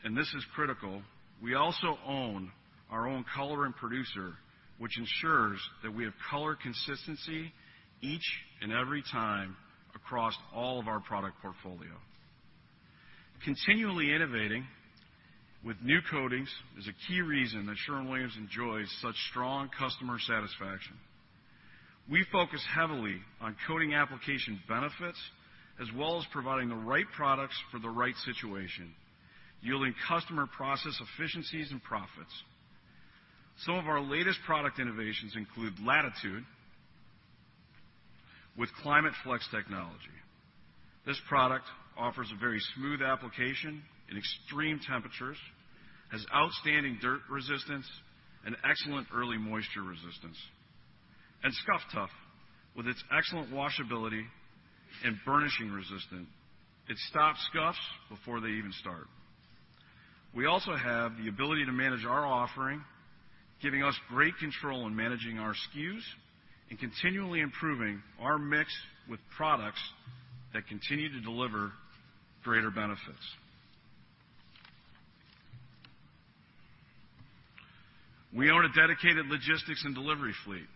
and this is critical. We also own our own color and production, which ensures that we have color consistency each and every time across all of our product portfolio. Continually innovating with new coatings is a key reason that Sherwin-Williams enjoys such strong customer satisfaction. We focus heavily on coating application benefits as well as providing the right products for the right situation, yielding customer process efficiencies and profits. Some of our latest product innovations include Latitude with ClimateFlex technology. This product offers a very smooth application in extreme temperatures, has outstanding dirt resistance and excellent early moisture resistance. Scuff Tuff, with its excellent washability and burnishing resistant, it stops scuffs before they even start. We also have the ability to manage our offering, giving us great control in managing our SKUs and continually improving our mix with products that continue to deliver greater benefits. We own a dedicated logistics and delivery fleet.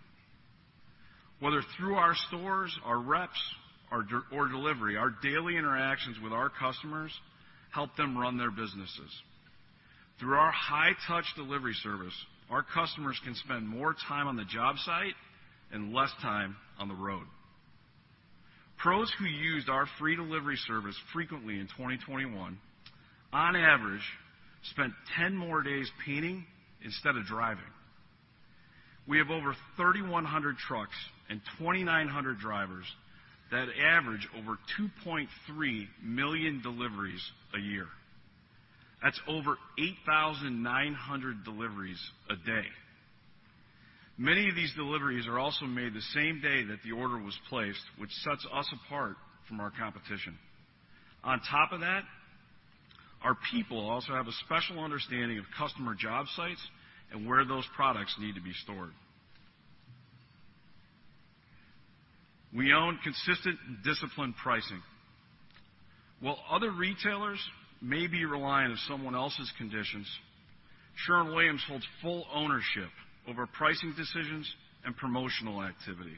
Whether through our stores, our reps, or delivery, our daily interactions with our customers help them run their businesses. Through our high-touch delivery service, our customers can spend more time on the job site and less time on the road. Pros who used our free delivery service frequently in 2021, on average, spent 10 more days painting instead of driving. We have over 3,100 trucks and 2,900 drivers that average over 2.3 million deliveries a year. That's over 8,900 deliveries a day. Many of these deliveries are also made the same day that the order was placed, which sets us apart from our competition. On top of that, our people also have a special understanding of customer job sites and where those products need to be stored. We own consistent and disciplined pricing. While other retailers may be reliant on someone else's conditions, Sherwin-Williams holds full ownership over pricing decisions and promotional activity.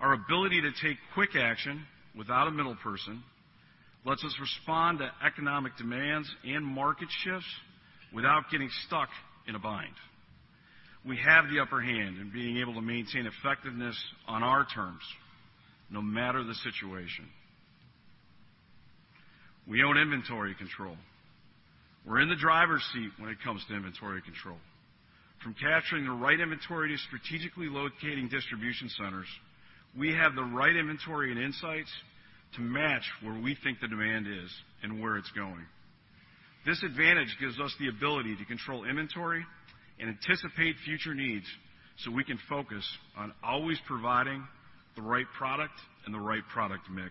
Our ability to take quick action without a middle person lets us respond to economic demands and market shifts without getting stuck in a bind. We have the upper hand in being able to maintain effectiveness on our terms, no matter the situation. We own inventory control. We're in the driver's seat when it comes to inventory control. From capturing the right inventory to strategically locating distribution centers, we have the right inventory and insights to match where we think the demand is and where it's going. This advantage gives us the ability to control inventory and anticipate future needs so we can focus on always providing the right product and the right product mix.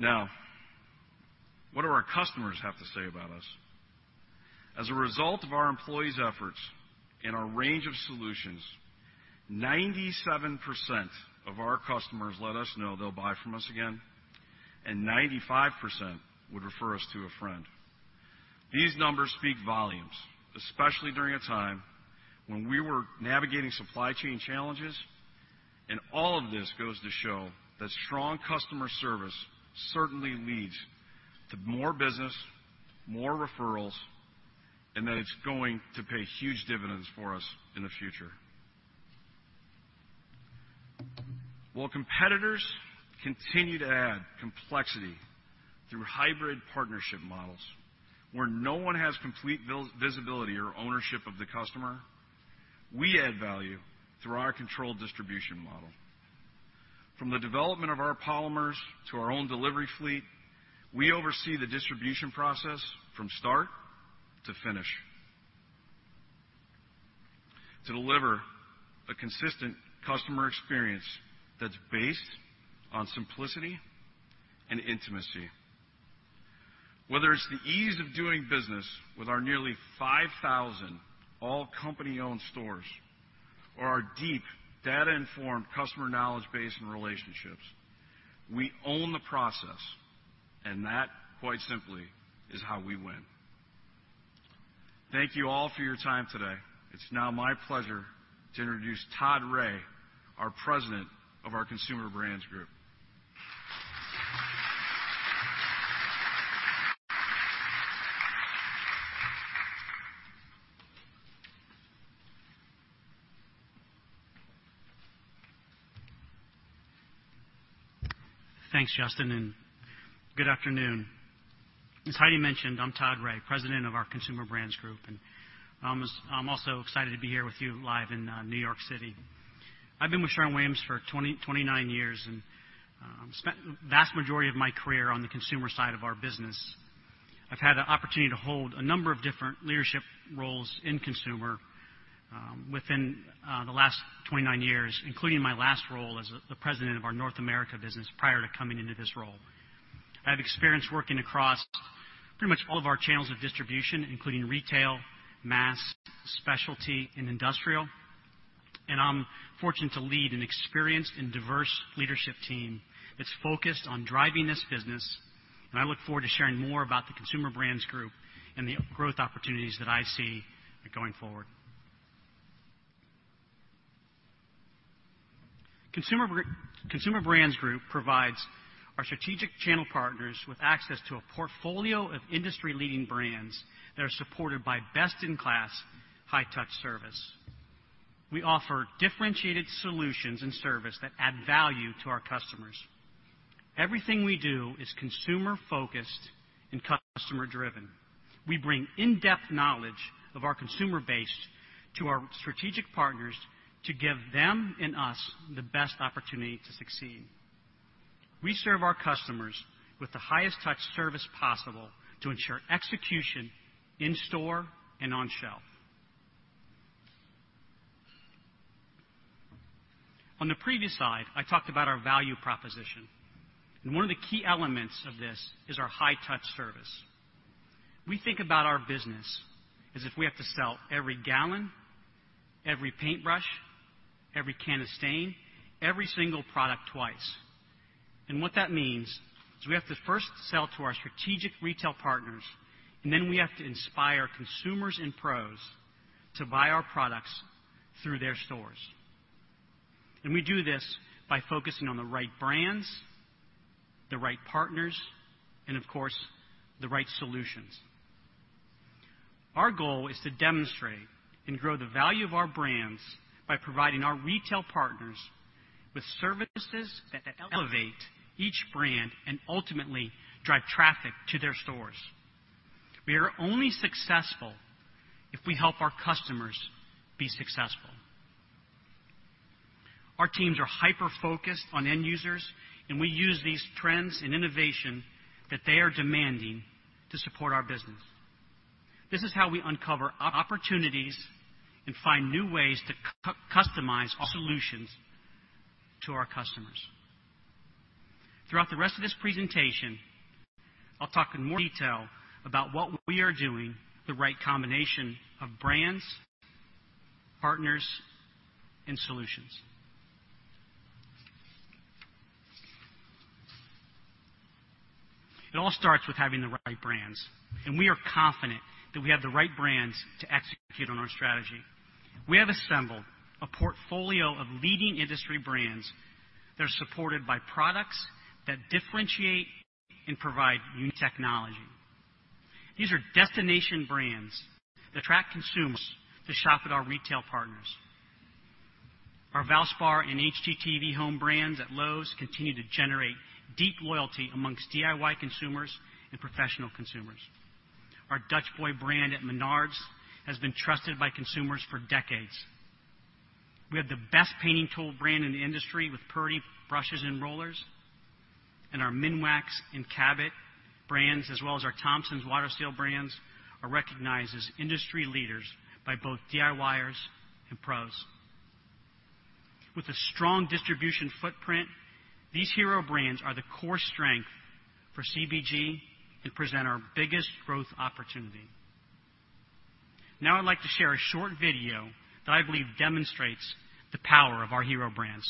Now, what do our customers have to say about us? As a result of our employees' efforts and our range of solutions, 97% of our customers let us know they'll buy from us again, and 95% would refer us to a friend. These numbers speak volumes, especially during a time when we were navigating supply chain challenges, and all of this goes to show that strong customer service certainly leads to more business, more referrals, and that it's going to pay huge dividends for us in the future. While competitors continue to add complexity through hybrid partnership models where no one has complete visibility or ownership of the customer, we add value through our controlled distribution model. From the development of our polymers to our own delivery fleet, we oversee the distribution process from start to finish to deliver a consistent customer experience that's based on simplicity and intimacy. Whether it's the ease of doing business with our nearly 5,000 all company-owned stores or our deep data-informed customer knowledge base and relationships, we own the process, and that, quite simply, is how we win. Thank you all for your time today. It's now my pleasure to introduce Todd Rea, our President of our Consumer Brands Group. Thanks, Justin Binns, and good afternoon. As Heidi Petz mentioned, I'm Todd Rea, President of our Consumer Brands Group, and I'm also excited to be here with you live in New York City. I've been with Sherwin-Williams for 29 years and spent vast majority of my career on the consumer side of our business. I've had the opportunity to hold a number of different leadership roles in consumer within the last 29 years, including my last role as the President of our North America business prior to coming into this role. I have experience working across pretty much all of our channels of distribution, including retail, mass, specialty and industrial. I'm fortunate to lead an experienced and diverse leadership team that's focused on driving this business, and I look forward to sharing more about the Consumer Brands Group and the growth opportunities that I see going forward. Consumer Brands Group provides our strategic channel partners with access to a portfolio of industry-leading brands that are supported by best-in-class high touch service. We offer differentiated solutions and service that add value to our customers. Everything we do is consumer focused and customer driven. We bring in-depth knowledge of our consumer base to our strategic partners to give them and us the best opportunity to succeed. We serve our customers with the highest touch service possible to ensure execution in store and on shelf. On the previous slide, I talked about our value proposition, and one of the key elements of this is our high touch service. We think about our business as if we have to sell every gallon, every paintbrush, every can of stain, every single product twice. What that means is we have to first sell to our strategic retail partners, and then we have to inspire consumers and pros to buy our products through their stores. We do this by focusing on the right brands, the right partners, and of course, the right solutions. Our goal is to demonstrate and grow the value of our brands by providing our retail partners with services that elevate each brand and ultimately drive traffic to their stores. We are only successful if we help our customers be successful. Our teams are hyper-focused on end users, and we use these trends in innovation that they are demanding to support our business. This is how we uncover opportunities and find new ways to customize our solutions to our customers. Throughout the rest of this presentation, I'll talk in more detail about what we are doing, the right combination of brands, partners, and solutions. It all starts with having the right brands, and we are confident that we have the right brands to execute on our strategy. We have assembled a portfolio of leading industry brands that are supported by products that differentiate and provide new technology. These are destination brands that attract consumers to shop at our retail partners. Our Valspar and HGTV Home brands at Lowe's continue to generate deep loyalty among DIY consumers and professional consumers. Our Dutch Boy brand at Menards has been trusted by consumers for decades. We have the best painting tool brand in the industry with Purdy brushes and rollers, and our Minwax and Cabot brands, as well as our Thompson's WaterSeal brands, are recognized as industry leaders by both DIYers and pros. With a strong distribution footprint, these hero brands are the core strength for CBG and present our biggest growth opportunity. Now I'd like to share a short video that I believe demonstrates the power of our hero brands.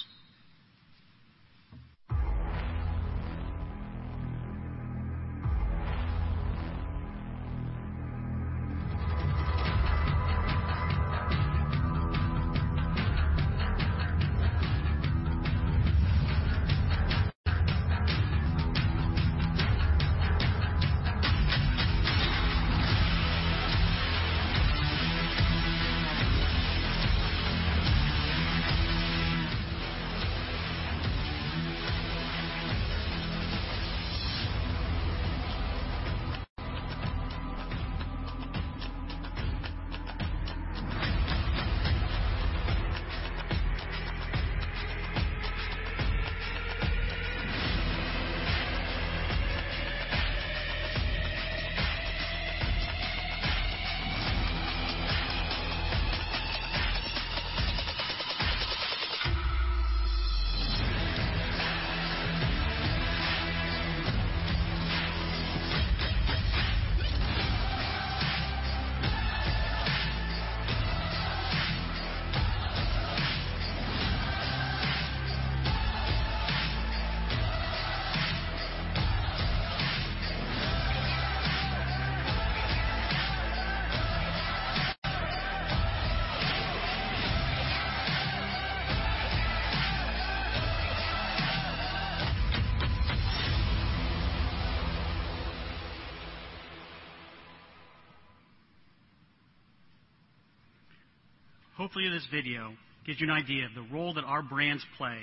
Hopefully, this video gives you an idea of the role that our brands play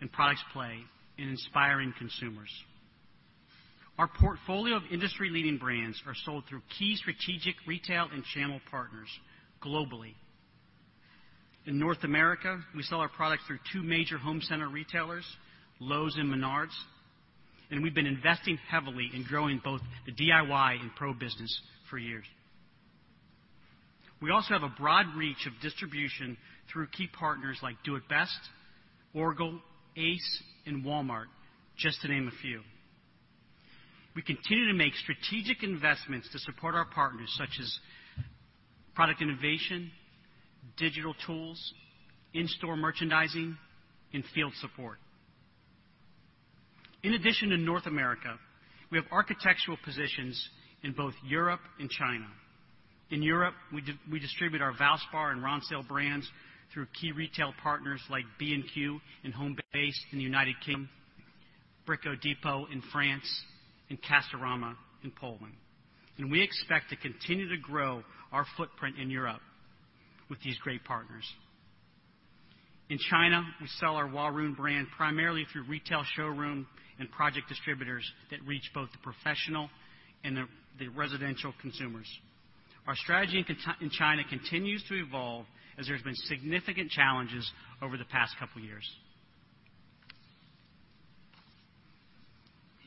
and products play in inspiring consumers. Our portfolio of industry-leading brands are sold through key strategic retail and channel partners globally. In North America, we sell our products through two major home center retailers, Lowe's and Menards, and we've been investing heavily in growing both the DIY and pro business for years. We also have a broad reach of distribution through key partners like Do it Best, Orgill, Ace, and Walmart, just to name a few. We continue to make strategic investments to support our partners, such as product innovation, digital tools, in-store merchandising, and field support. In addition to North America, we have architectural positions in both Europe and China. In Europe, we distribute our Valspar and Ronseal brands through key retail partners like B&Q and Homebase in the United Kingdom, Brico Dépôt in France, and Castorama in Poland. We expect to continue to grow our footprint in Europe with these great partners. In China, we sell our Huarun brand primarily through retail showroom and project distributors that reach both the professional and the residential consumers. Our strategy in China continues to evolve as there's been significant challenges over the past couple years.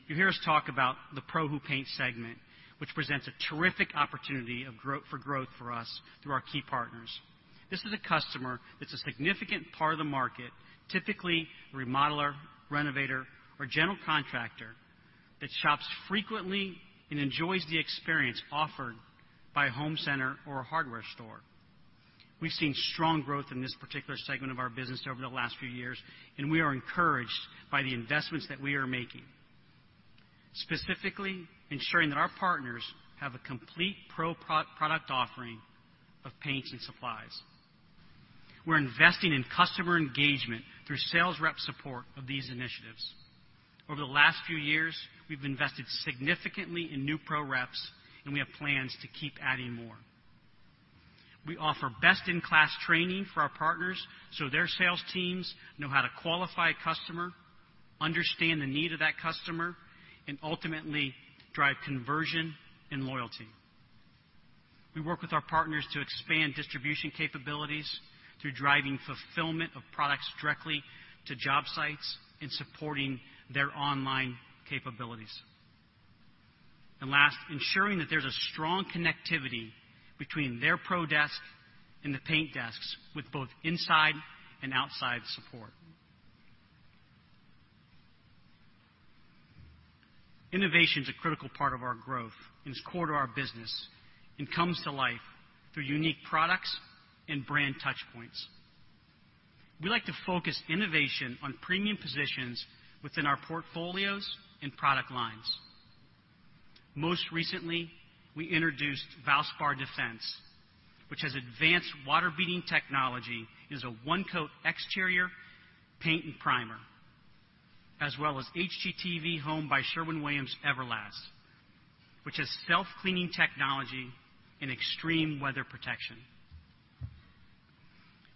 You'll hear us talk about the pro who paints segment, which presents a terrific opportunity for growth for us through our key partners. This is a customer that's a significant part of the market, typically a remodeler, renovator, or general contractor that shops frequently and enjoys the experience offered by a home center or a hardware store. We've seen strong growth in this particular segment of our business over the last few years, and we are encouraged by the investments that we are making, specifically ensuring that our partners have a complete pro-product offering of paints and supplies. We're investing in customer engagement through sales rep support of these initiatives. Over the last few years, we've invested significantly in new pro reps, and we have plans to keep adding more. We offer best-in-class training for our partners so their sales teams know how to qualify a customer, understand the need of that customer, and ultimately drive conversion and loyalty. We work with our partners to expand distribution capabilities through driving fulfillment of products directly to job sites and supporting their online capabilities. Last, ensuring that there's a strong connectivity between their pro desk and the paint desks with both inside and outside support. Innovation is a critical part of our growth and is core to our business, and comes to life through unique products and brand touchpoints. We like to focus innovation on premium positions within our portfolios and product lines. Most recently, we introduced Valspar Defense, which has advanced water-beading technology, and is a one-coat exterior paint and primer, as well as HGTV Home by Sherwin-Williams Everlast, which has self-cleaning technology and extreme weather protection.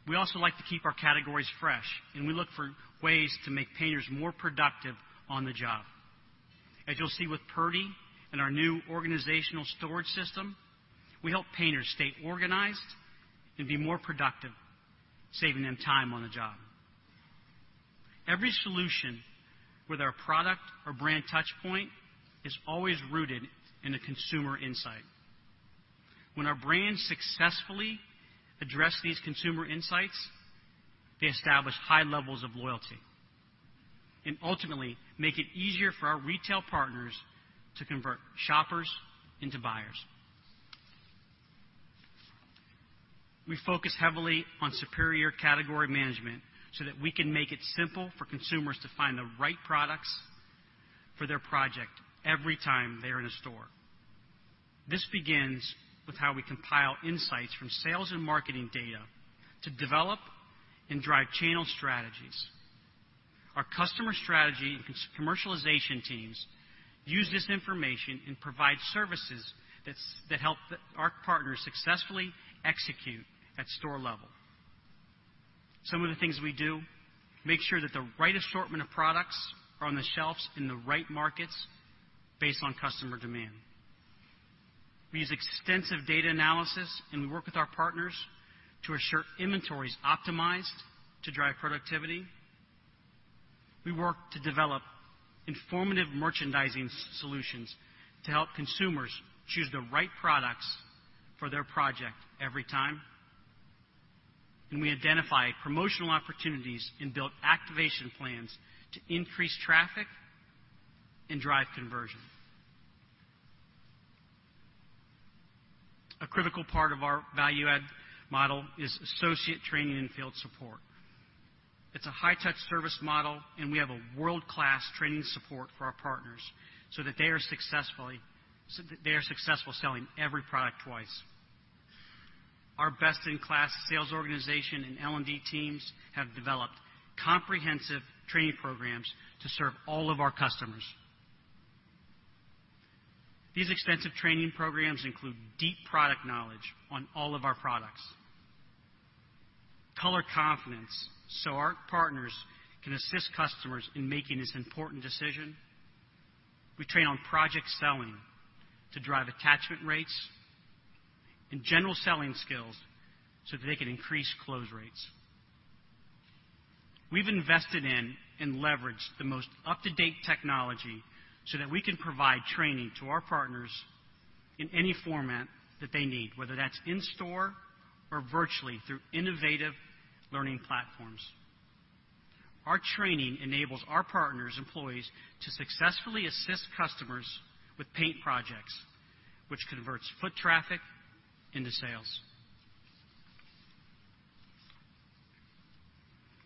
We also like to keep our categories fresh, and we look for ways to make painters more productive on the job. As you'll see with Purdy and our new organizational storage system, we help painters stay organized and be more productive, saving them time on the job. Every solution with our product or brand touchpoint is always rooted in a consumer insight. When our brands successfully address these consumer insights, they establish high levels of loyalty and ultimately make it easier for our retail partners to convert shoppers into buyers. We focus heavily on superior category management so that we can make it simple for consumers to find the right products for their project every time they're in a store. This begins with how we compile insights from sales and marketing data to develop and drive channel strategies. Our customer strategy and commercialization teams use this information and provide services that help our partners successfully execute at store level. Some of the things we do, make sure that the right assortment of products are on the shelves in the right markets based on customer demand. We use extensive data analysis, and we work with our partners to ensure inventory's optimized to drive productivity. We work to develop informative merchandising solutions to help consumers choose the right products for their project every time. We identify promotional opportunities and build activation plans to increase traffic and drive conversion. A critical part of our value add model is associate training and field support. It's a high-touch service model, and we have a world-class training support for our partners so that they are successful selling every product twice. Our best-in-class sales organization and L&D teams have developed comprehensive training programs to serve all of our customers. These extensive training programs include deep product knowledge on all of our products, color confidence so our partners can assist customers in making this important decision. We train on project selling to drive attachment rates and general selling skills so that they can increase close rates. We've invested in and leveraged the most up-to-date technology so that we can provide training to our partners in any format that they need, whether that's in store or virtually through innovative learning platforms. Our training enables our partners' employees to successfully assist customers with paint projects, which converts foot traffic into sales.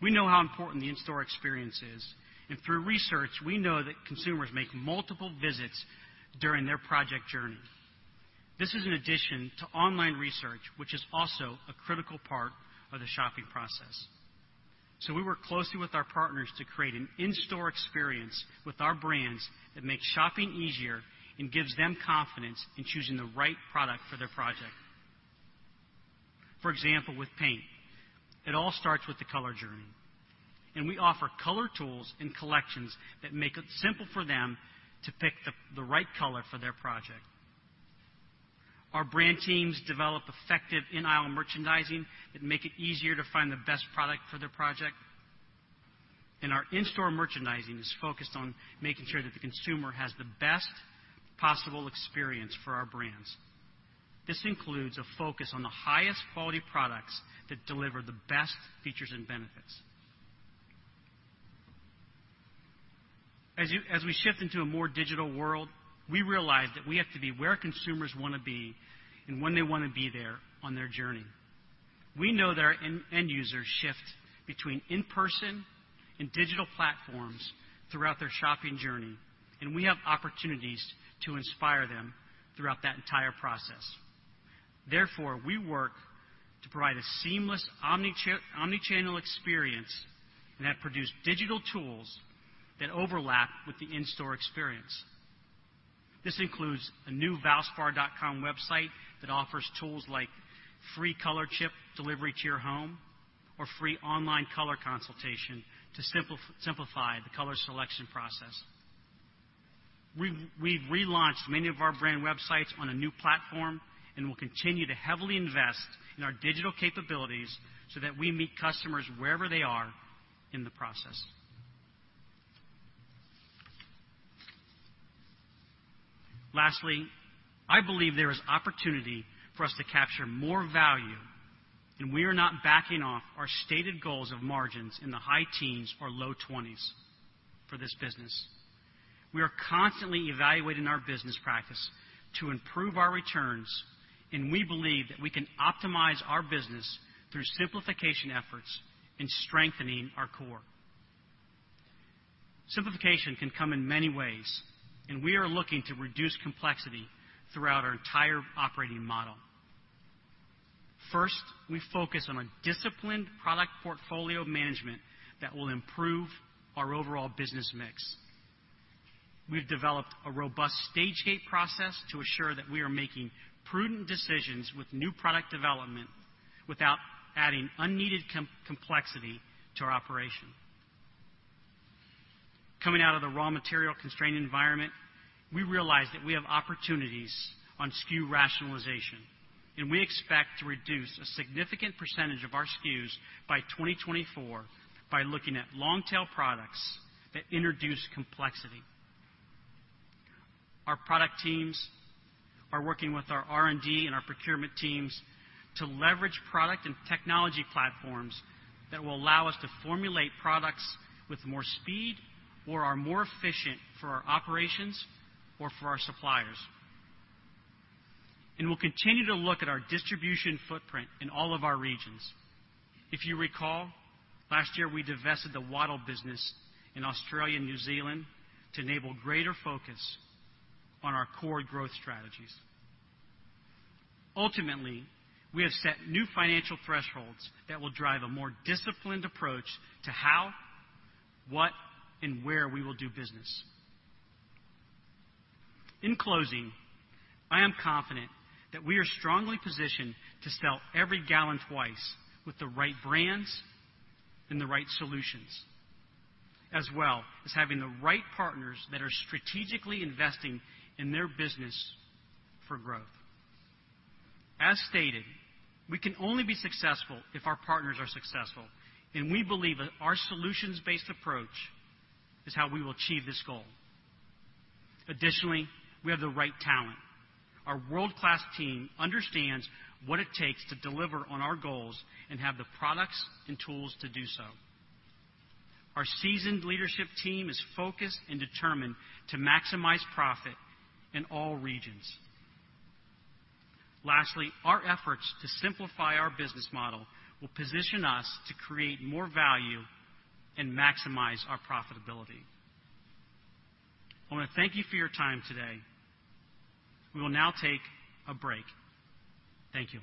We know how important the in-store experience is, and through research, we know that consumers make multiple visits during their project journey. This is an addition to online research, which is also a critical part of the shopping process. We work closely with our partners to create an in-store experience with our brands that makes shopping easier and gives them confidence in choosing the right product for their project. For example, with paint, it all starts with the color journey, and we offer color tools and collections that make it simple for them to pick the right color for their project. Our brand teams develop effective in-aisle merchandising that make it easier to find the best product for their project. Our in-store merchandising is focused on making sure that the consumer has the best possible experience for our brands. This includes a focus on the highest quality products that deliver the best features and benefits. As we shift into a more digital world, we realize that we have to be where consumers wanna be and when they wanna be there on their journey. We know that our end users shift between in-person and digital platforms throughout their shopping journey, and we have opportunities to inspire them throughout that entire process. Therefore, we work to provide a seamless omnichannel experience and have produced digital tools that overlap with the in-store experience. This includes a new Valspar.com website that offers tools like free color chip delivery to your home or free online color consultation to simplify the color selection process. We've relaunched many of our brand websites on a new platform and will continue to heavily invest in our digital capabilities so that we meet customers wherever they are in the process. Lastly, I believe there is opportunity for us to capture more value, and we are not backing off our stated goals of margins in the high teens or low twenties for this business. We are constantly evaluating our business practice to improve our returns, and we believe that we can optimize our business through simplification efforts and strengthening our core. Simplification can come in many ways, and we are looking to reduce complexity throughout our entire operating model. First, we focus on a disciplined product portfolio management that will improve our overall business mix. We've developed a robust Stage-Gate process to assure that we are making prudent decisions with new product development without adding unneeded complexity to our operation. Coming out of the raw material constrained environment, we realize that we have opportunities on SKU rationalization, and we expect to reduce a significant percentage of our SKUs by 2024 by looking at long tail products that introduce complexity. Our product teams are working with our R&D and our procurement teams to leverage product and technology platforms that will allow us to formulate products with more speed or are more efficient for our operations or for our suppliers. We'll continue to look at our distribution footprint in all of our regions. If you recall, last year, we divested the Wattyl business in Australia and New Zealand to enable greater focus on our core growth strategies. Ultimately, we have set new financial thresholds that will drive a more disciplined approach to how, what, and where we will do business. In closing, I am confident that we are strongly positioned to sell every gallon twice with the right brands and the right solutions, as well as having the right partners that are strategically investing in their business for growth. As stated, we can only be successful if our partners are successful, and we believe that our solutions-based approach is how we will achieve this goal. Additionally, we have the right talent. Our world-class team understands what it takes to deliver on our goals and have the products and tools to do so. Our seasoned leadership team is focused and determined to maximize profit in all regions. Lastly, our efforts to simplify our business model will position us to create more value and maximize our profitability. I wanna thank you for your time today. We will now take a break. Thank you.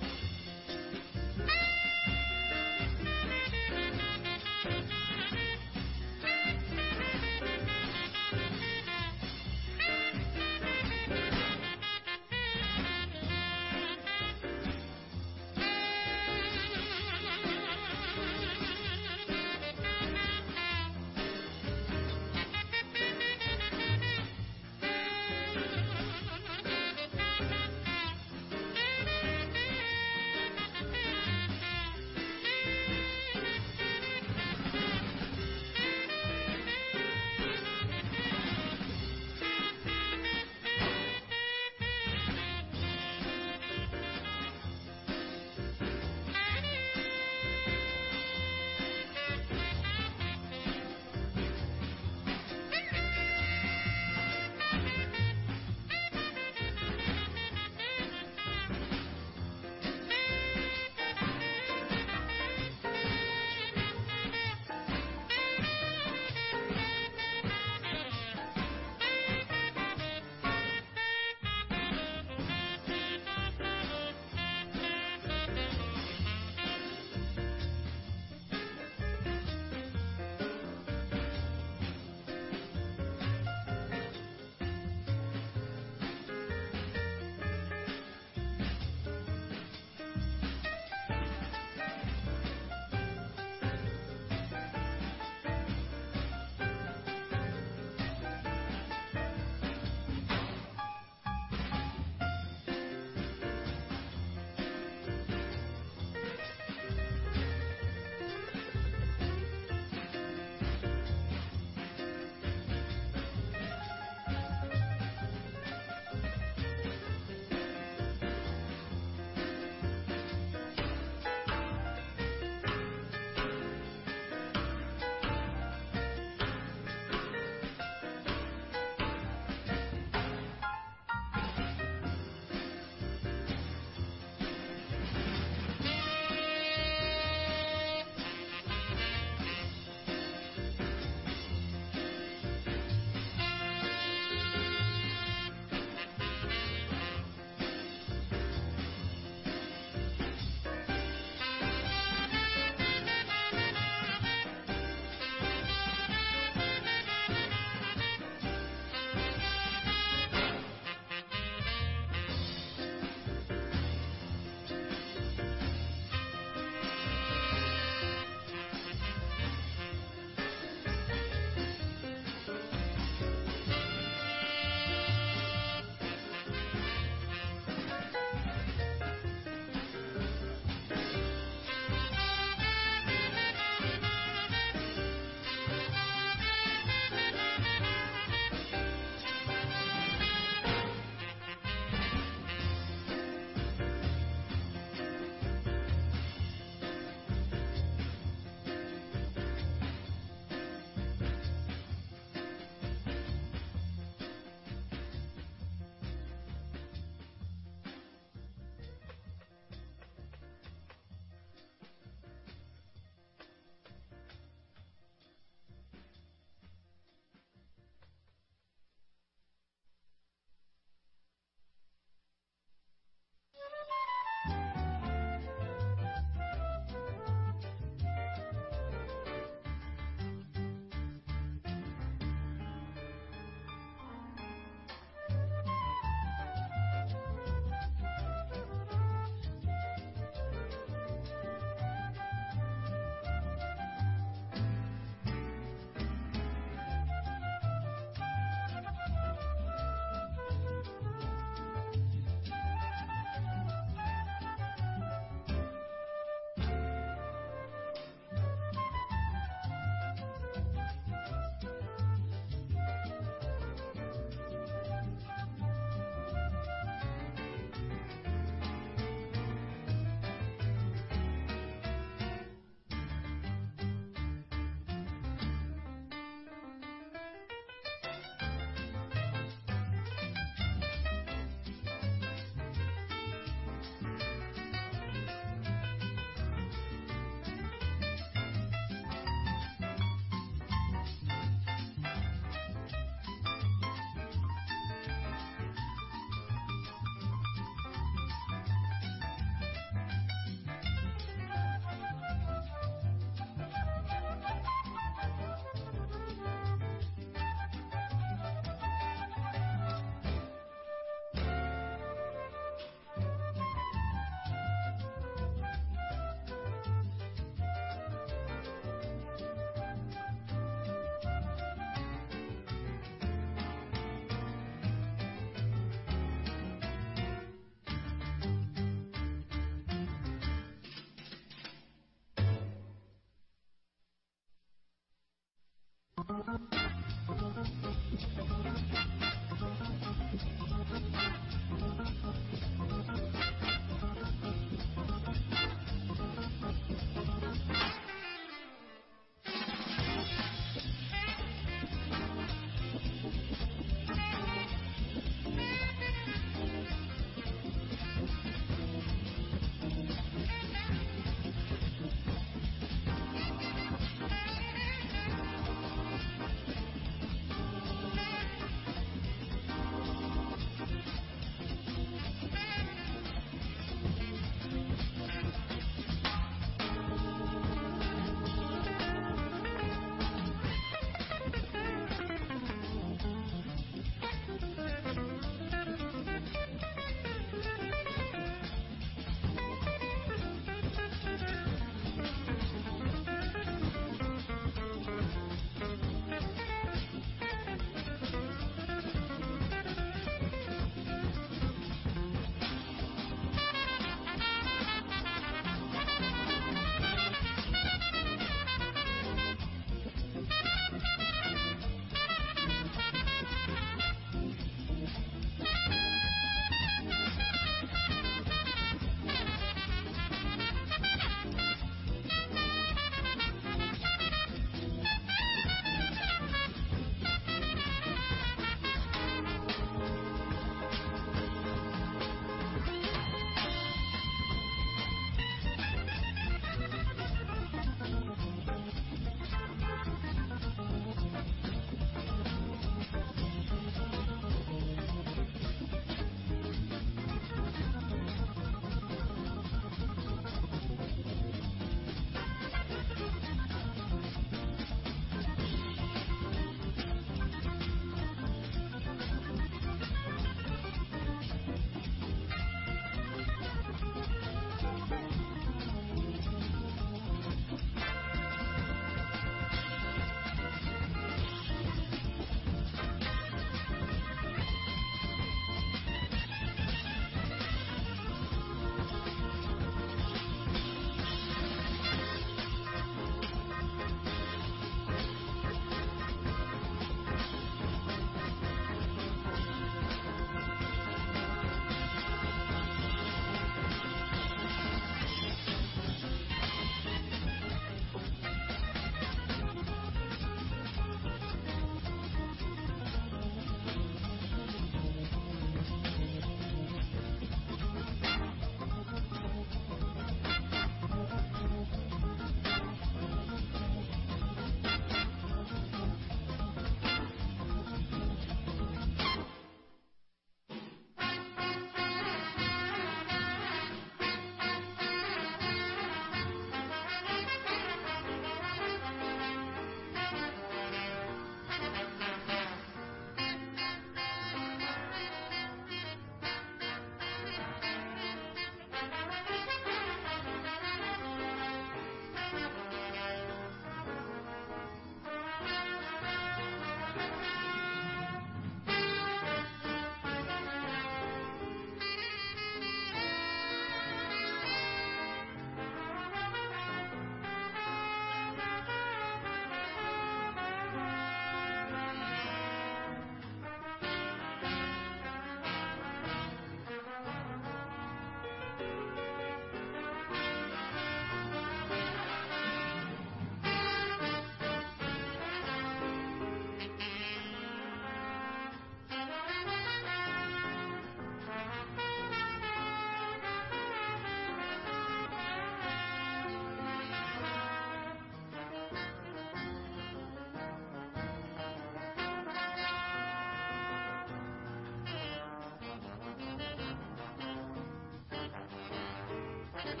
Hey,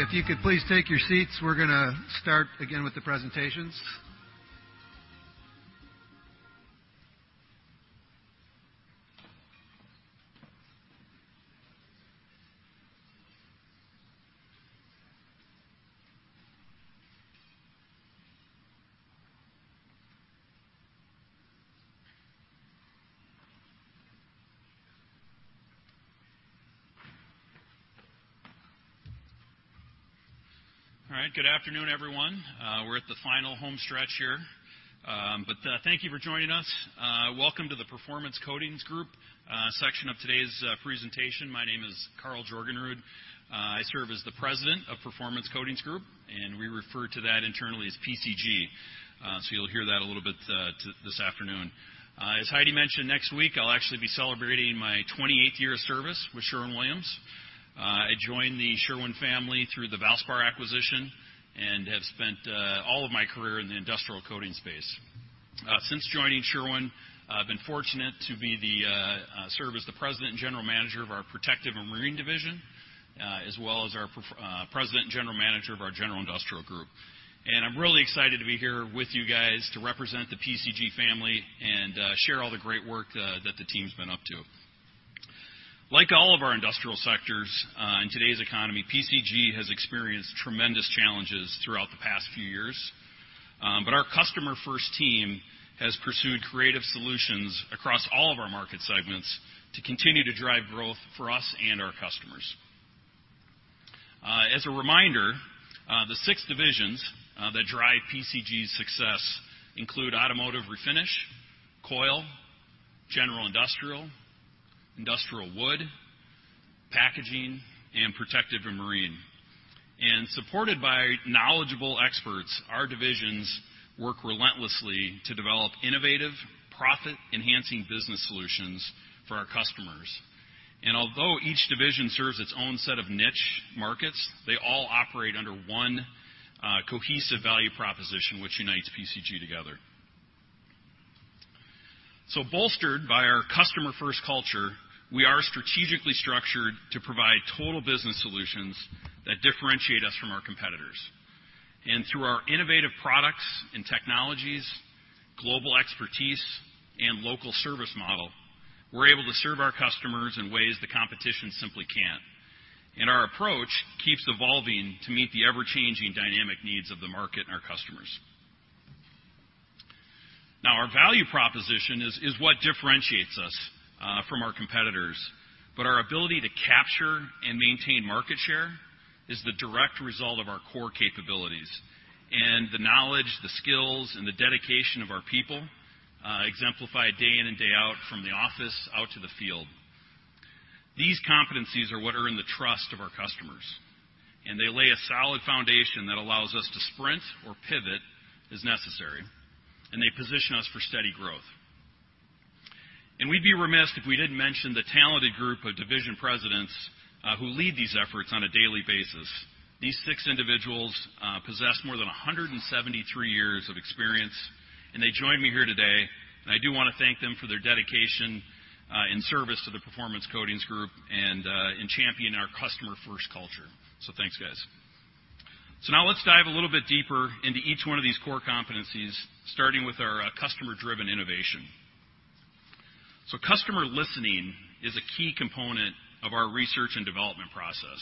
if you could please take your seats, we're gonna start again with the presentations. All right. Good afternoon, everyone. We're at the final home stretch here. Thank you for joining us. Welcome to the Performance Coatings Group section of today's presentation. My name is Karl Jorgenrud. I serve as the President of Performance Coatings Group, and we refer to that internally as PCG, so you'll hear that a little bit this afternoon. As Heidi mentioned, next week, I'll actually be celebrating my 28th year of service with Sherwin-Williams. I joined the Sherwin family through the Valspar acquisition and have spent all of my career in the industrial coatings space. Since joining Sherwin, I've been fortunate to serve as the President and General Manager of our Protective & Marine division, as well as President and General Manager of our General Industrial. I'm really excited to be here with you guys to represent the PCG family and share all the great work that the team's been up to. Like all of our industrial sectors, in today's economy, PCG has experienced tremendous challenges throughout the past few years. Our customer-first team has pursued creative solutions across all of our market segments to continue to drive growth for us and our customers. As a reminder, the six divisions that drive PCG's success include Automotive Refinish, Coil, General Industrial Wood, Packaging, and Protective & Marine. Supported by knowledgeable experts, our divisions work relentlessly to develop innovative, profit-enhancing business solutions for our customers. Although each division serves its own set of niche markets, they all operate under one cohesive value proposition which unites PCG together. Bolstered by our customer-first culture, we are strategically structured to provide total business solutions that differentiate us from our competitors. Through our innovative products and technologies, global expertise, and local service model, we're able to serve our customers in ways the competition simply can't. Our approach keeps evolving to meet the ever-changing dynamic needs of the market and our customers. Now, our value proposition is what differentiates us from our competitors, but our ability to capture and maintain market share is the direct result of our core capabilities and the knowledge, the skills, and the dedication of our people, exemplified day in and day out from the office out to the field. These competencies are what earn the trust of our customers, and they lay a solid foundation that allows us to sprint or pivot as necessary, and they position us for steady growth. We'd be remiss if we didn't mention the talented group of division presidents who lead these efforts on a daily basis. These six individuals possess more than 173 years of experience, and they join me here today, and I do wanna thank them for their dedication and service to the Performance Coatings Group and in championing our customer-first culture. Thanks, guys. Now let's dive a little bit deeper into each one of these core competencies, starting with our customer-driven innovation. Customer listening is a key component of our research and development process.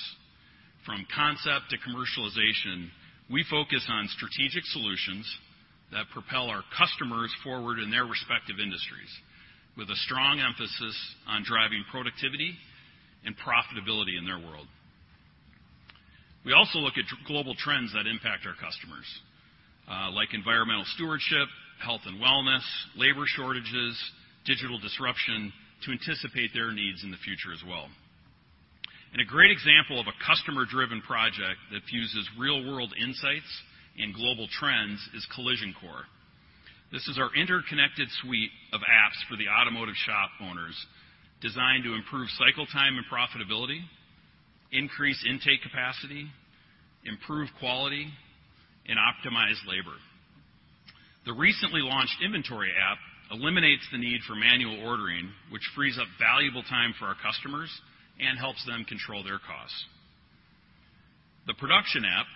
From concept to commercialization, we focus on strategic solutions that propel our customers forward in their respective industries with a strong emphasis on driving productivity and profitability in their world. We also look at global trends that impact our customers, like environmental stewardship, health and wellness, labor shortages, digital disruption to anticipate their needs in the future as well. A great example of a customer-driven project that fuses real-world insights and global trends is Collision Core. This is our interconnected suite of apps for the automotive shop owners designed to improve cycle time and profitability, increase intake capacity, improve quality, and optimize labor. The recently launched inventory app eliminates the need for manual ordering, which frees up valuable time for our customers and helps them control their costs. The production app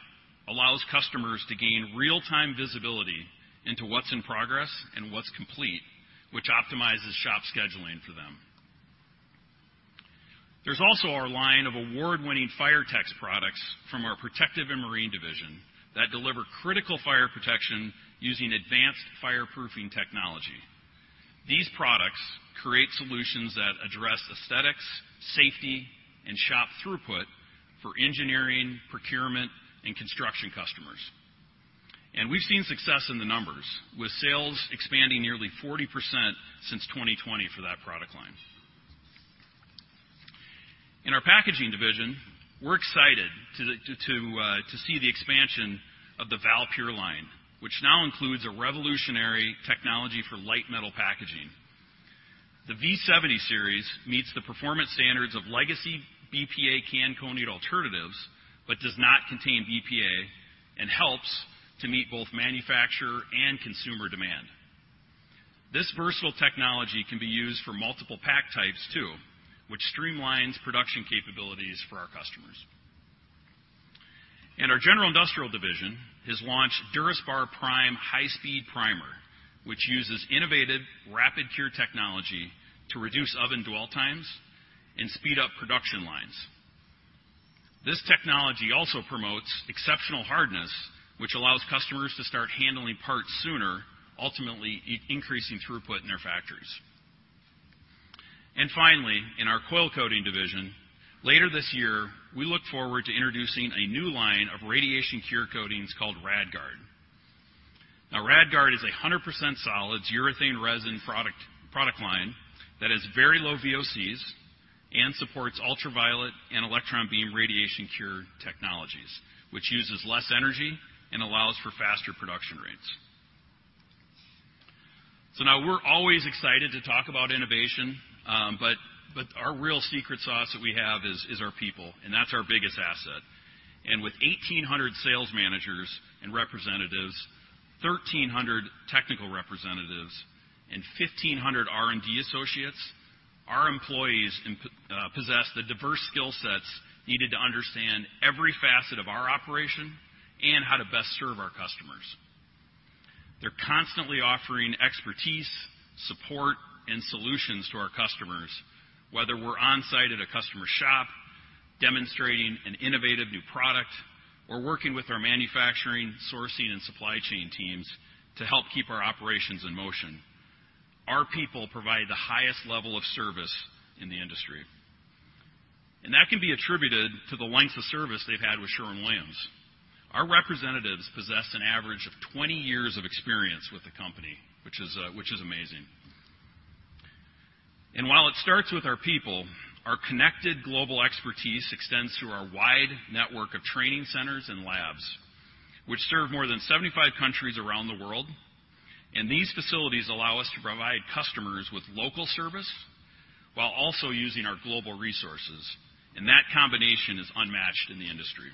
allows customers to gain real-time visibility into what's in progress and what's complete, which optimizes shop scheduling for them. There's also our line of award-winning Firetex products from our Protective & Marine division that deliver critical fire protection using advanced fireproofing technology. These products create solutions that address aesthetics, safety, and shop throughput for engineering, procurement, and construction customers. We've seen success in the numbers with sales expanding nearly 40% since 2020 for that product line. In our Packaging division, we're excited to see the expansion of the ValPure line, which now includes a revolutionary technology for light metal packaging. The V70 series meets the performance standards of legacy BPA can coating alternatives but does not contain BPA and helps to meet both manufacturer and consumer demand. This versatile technology can be used for multiple pack types too, which streamlines production capabilities for our customers. Our General Industrial division has launched DuraSpar Prime High-Speed Primer, which uses innovative rapid cure technology to reduce oven dwell times and speed up production lines. This technology also promotes exceptional hardness, which allows customers to start handling parts sooner, ultimately increasing throughput in their factories. Finally, in our Coil Coating division, later this year, we look forward to introducing a new line of radiation cure coatings called RadGuard. Now RadGuard is a 100% solids urethane resin product line that has very low VOCs and supports ultraviolet and electron beam radiation cure technologies, which uses less energy and allows for faster production rates. Now we're always excited to talk about innovation, but our real secret sauce that we have is our people, and that's our biggest asset. With 1,800 sales managers and representatives, 1,300 technical representatives, and 1,500 R&D associates, our employees possess the diverse skill sets needed to understand every facet of our operation and how to best serve our customers. They're constantly offering expertise, support, and solutions to our customers, whether we're on-site at a customer shop demonstrating an innovative new product or working with our manufacturing, sourcing, and supply chain teams to help keep our operations in motion. Our people provide the highest level of service in the industry, and that can be attributed to the length of service they've had with Sherwin-Williams. Our representatives possess an average of 20 years of experience with the company, which is amazing. While it starts with our people, our connected global expertise extends through our wide network of training centers and labs, which serve more than 75 countries around the world. These facilities allow us to provide customers with local service while also using our global resources, and that combination is unmatched in the industry.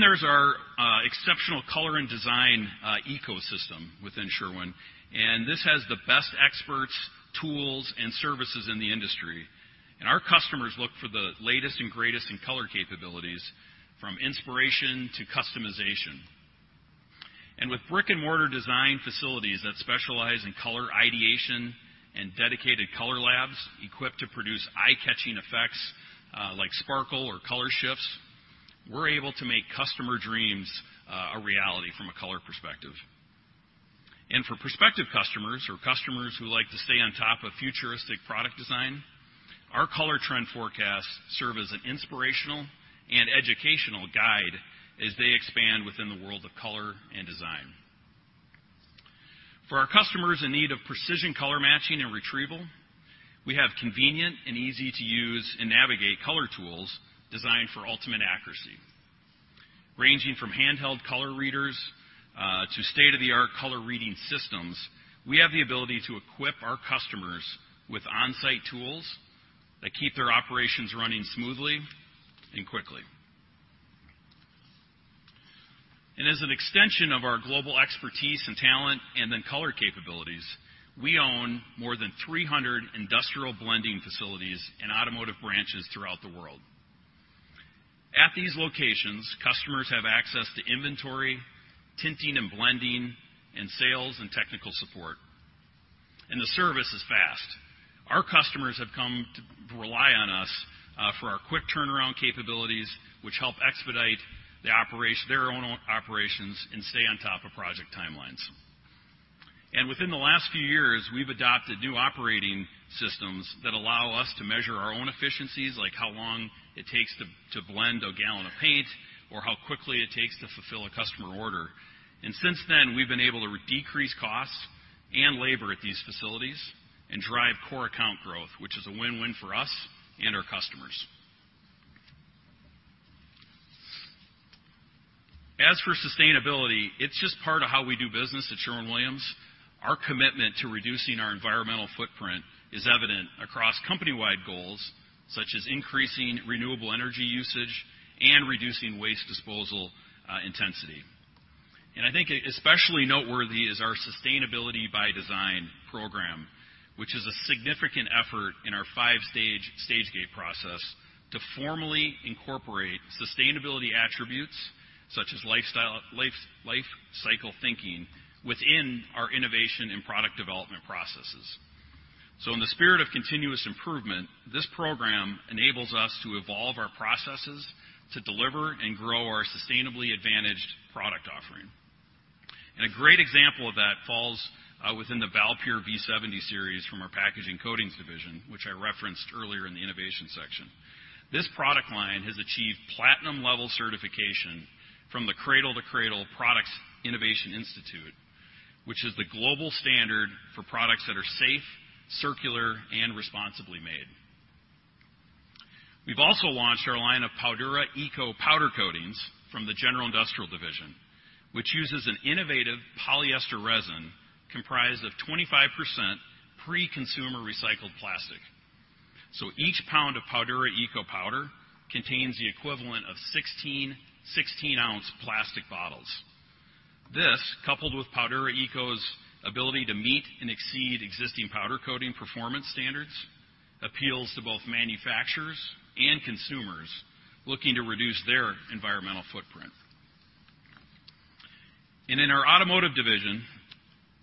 There's our exceptional color and design ecosystem within Sherwin, and this has the best experts, tools, and services in the industry. Our customers look for the latest and greatest in color capabilities from inspiration to customization. With brick-and-mortar design facilities that specialize in color ideation and dedicated color labs equipped to produce eye-catching effects, like sparkle or color shifts, we're able to make customer dreams a reality from a color perspective. For prospective customers or customers who like to stay on top of futuristic product design, our color trend forecasts serve as an inspirational and educational guide as they expand within the world of color and design. For our customers in need of precision color matching and retrieval, we have convenient and easy-to-use and navigate color tools designed for ultimate accuracy. Ranging from handheld color readers to state-of-the-art color reading systems, we have the ability to equip our customers with on-site tools that keep their operations running smoothly and quickly. As an extension of our global expertise and talent and then color capabilities, we own more than 300 industrial blending facilities and automotive branches throughout the world. At these locations, customers have access to inventory, tinting and blending, and sales and technical support. The service is fast. Our customers have come to rely on us for our quick turnaround capabilities, which help expedite their own operations and stay on top of project timelines. Within the last few years, we've adopted new operating systems that allow us to measure our own efficiencies, like how long it takes to blend a gallon of paint or how quickly it takes to fulfill a customer order. Since then, we've been able to decrease costs and labor at these facilities and drive core account growth, which is a win-win for us and our customers. As for sustainability, it's just part of how we do business at Sherwin-Williams. Our commitment to reducing our environmental footprint is evident across company-wide goals, such as increasing renewable energy usage and reducing waste disposal intensity. I think especially noteworthy is our Sustainability by Design program, which is a significant effort in our five-stage Stage-Gate process to formally incorporate sustainability attributes such as life cycle thinking within our innovation and product development processes. In the spirit of continuous improvement, this program enables us to evolve our processes to deliver and grow our sustainably advantaged product offering. A great example of that falls within the ValPure V70 series from our Packaging Coatings division, which I referenced earlier in the innovation section. This product line has achieved platinum-level certification from the Cradle to Cradle Products Innovation Institute, which is the global standard for products that are safe, circular, and responsibly made. We've also launched our line of Powdura ECO powder coatings from the General Industrial division, which uses an innovative polyester resin comprised of 25% pre-consumer recycled plastic. Each pound of Powdura ECO powder contains the equivalent of sixteen 16-ounce plastic bottles. This, coupled with Powdura ECO's ability to meet and exceed existing powder coating performance standards, appeals to both manufacturers and consumers looking to reduce their environmental footprint. In our automotive division,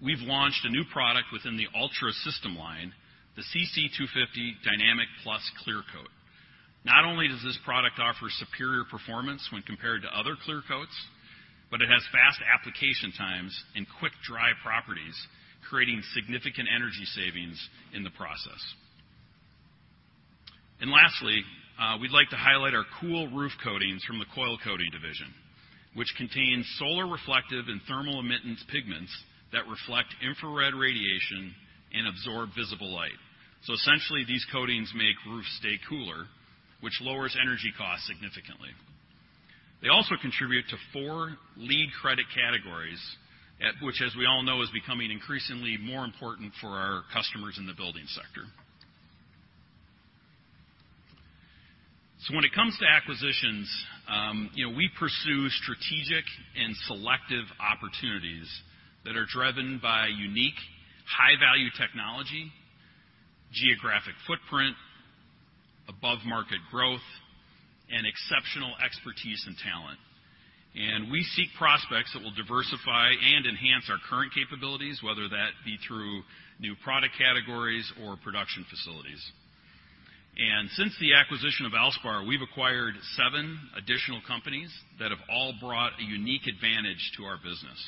we've launched a new product within the Ultra System line, the CC250 Dynamic Plus clear coat. Not only does this product offer superior performance when compared to other clear coats, but it has fast application times and quick dry properties, creating significant energy savings in the process. Lastly, we'd like to highlight our cool roof coatings from the Coil Coating division, which contains solar reflective and thermal emittance pigments that reflect infrared radiation and absorb visible light. Essentially, these coatings make roofs stay cooler, which lowers energy costs significantly. They also contribute to four LEED credit categories, which, as we all know, is becoming increasingly more important for our customers in the building sector. When it comes to acquisitions, you know, we pursue strategic and selective opportunities that are driven by unique high-value technology, geographic footprint, above market growth, and exceptional expertise and talent. We seek prospects that will diversify and enhance our current capabilities, whether that be through new product categories or production facilities. Since the acquisition of Valspar, we've acquired seven additional companies that have all brought a unique advantage to our business.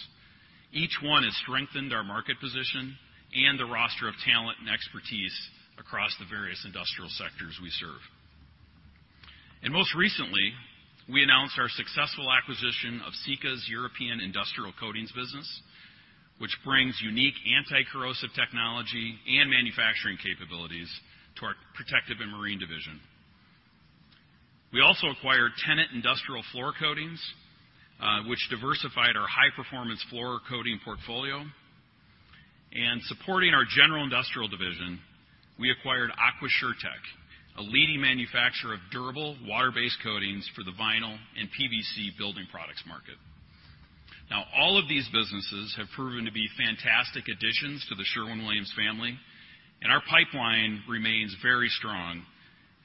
Each one has strengthened our market position and the roster of talent and expertise across the various industrial sectors we serve. Most recently, we announced our successful acquisition of Sika's European Industrial Coatings business, which brings unique anti-corrosive technology and manufacturing capabilities to our Protective & Marine division. We also acquired Tennant Industrial Floor Coatings, which diversified our high-performance floor coating portfolio. Supporting our General Industrial division, we acquired AquaSurTech, a leading manufacturer of durable water-based coatings for the vinyl and PVC building products market. Now, all of these businesses have proven to be fantastic additions to the Sherwin-Williams family, and our pipeline remains very strong.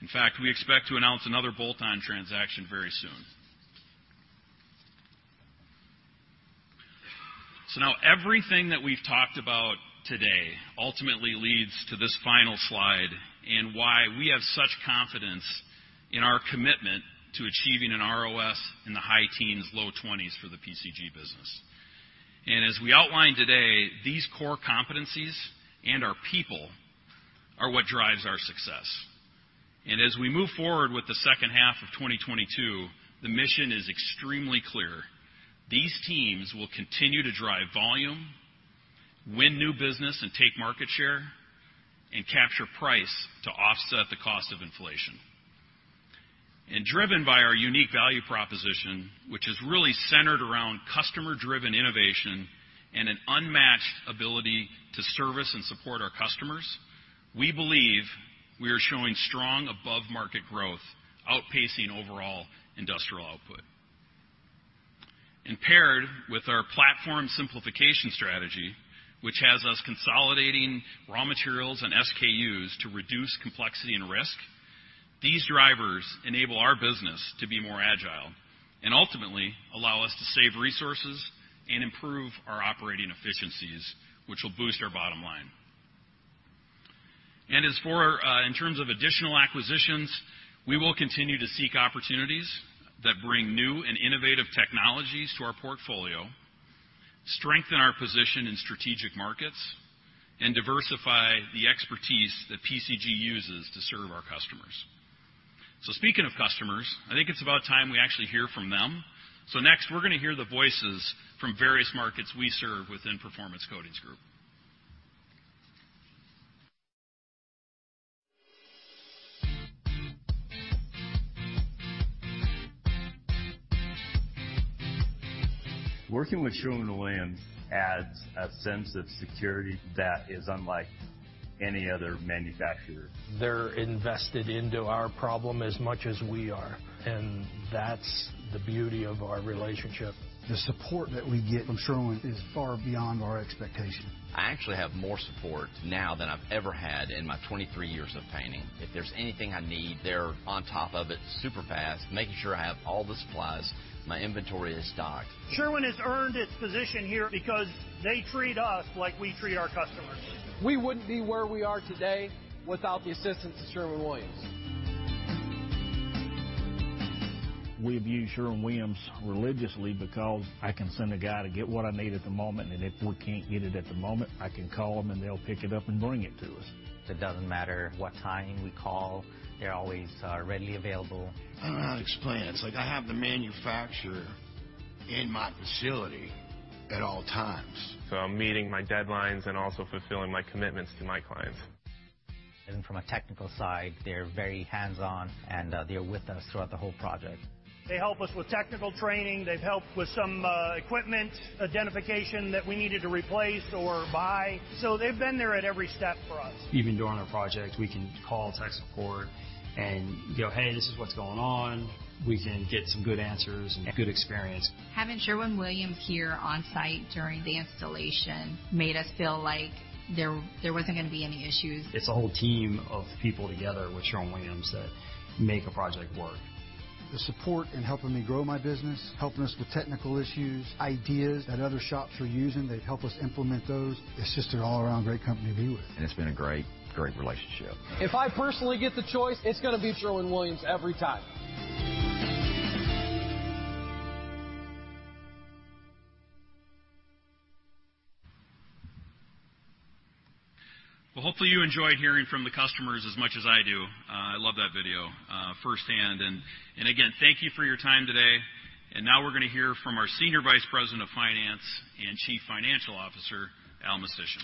In fact, we expect to announce another bolt-on transaction very soon. Now everything that we've talked about today ultimately leads to this final slide and why we have such confidence in our commitment to achieving an ROS in the high teens-low twenties for the PCG business. As we outlined today, these core competencies and our people are what drives our success. As we move forward with the second half of 2022, the mission is extremely clear. These teams will continue to drive volume, win new business, and take market share, and capture price to offset the cost of inflation. Driven by our unique value proposition, which is really centered around customer-driven innovation and an unmatched ability to service and support our customers, we believe we are showing strong above market growth, outpacing overall industrial output. Paired with our platform simplification strategy, which has us consolidating raw materials and SKUs to reduce complexity and risk, these drivers enable our business to be more agile and ultimately allow us to save resources and improve our operating efficiencies, which will boost our bottom line. As for our, in terms of additional acquisitions, we will continue to seek opportunities that bring new and innovative technologies to our portfolio, strengthen our position in strategic markets, and diversify the expertise that PCG uses to serve our customers. Speaking of customers, I think it's about time we actually hear from them. Next, we're gonna hear the voices from various markets we serve within Performance Coatings Group. Working with Sherwin-Williams adds a sense of security that is unlike any other manufacturer. They're invested into our problem as much as we are, and that's the beauty of our relationship. The support that we get from Sherwin is far beyond our expectation. I actually have more support now than I've ever had in my 23 years of painting. If there's anything I need, they're on top of it super fast, making sure I have all the supplies, my inventory is stocked. Sherwin has earned its position here because they treat us like we treat our customers. We wouldn't be where we are today without the assistance of Sherwin-Williams. We view Sherwin-Williams religiously because I can send a guy to get what I need at the moment, and if we can't get it at the moment, I can call them, and they'll pick it up and bring it to us. It doesn't matter what time we call, they're always readily available. I don't know how to explain it. It's like I have the manufacturer in my facility at all times. I'm meeting my deadlines and also fulfilling my commitments to my clients. From a technical side, they're very hands-on, and they're with us throughout the whole project. They help us with technical training. They've helped with some, equipment identification that we needed to replace or buy. They've been there at every step for us. Even during a project, we can call tech support and go, "Hey, this is what's going on." We can get some good answers and good experience. Having Sherwin-Williams here on-site during the installation made us feel like there wasn't gonna be any issues. It's a whole team of people together with Sherwin-Williams that make a project work. The support in helping me grow my business, helping us with technical issues, ideas that other shops were using, they've helped us implement those. It's just an all-around great company to be with. It's been a great relationship. If I personally get the choice, it's gonna be Sherwin-Williams every time. Well, hopefully, you enjoyed hearing from the customers as much as I do. I love that video firsthand. Again, thank you for your time today. Now we're gonna hear from our Senior Vice President of Finance and Chief Financial Officer, Allen Mistysyn.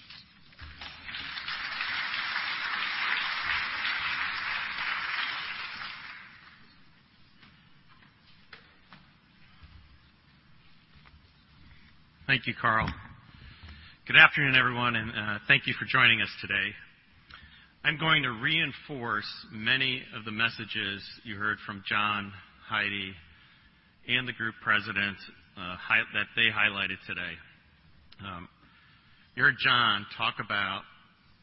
Thank you, Karl. Good afternoon, everyone, and thank you for joining us today. I'm going to reinforce many of the messages you heard from John, Heidi, and the Group Presidents that they highlighted today. You heard John talk about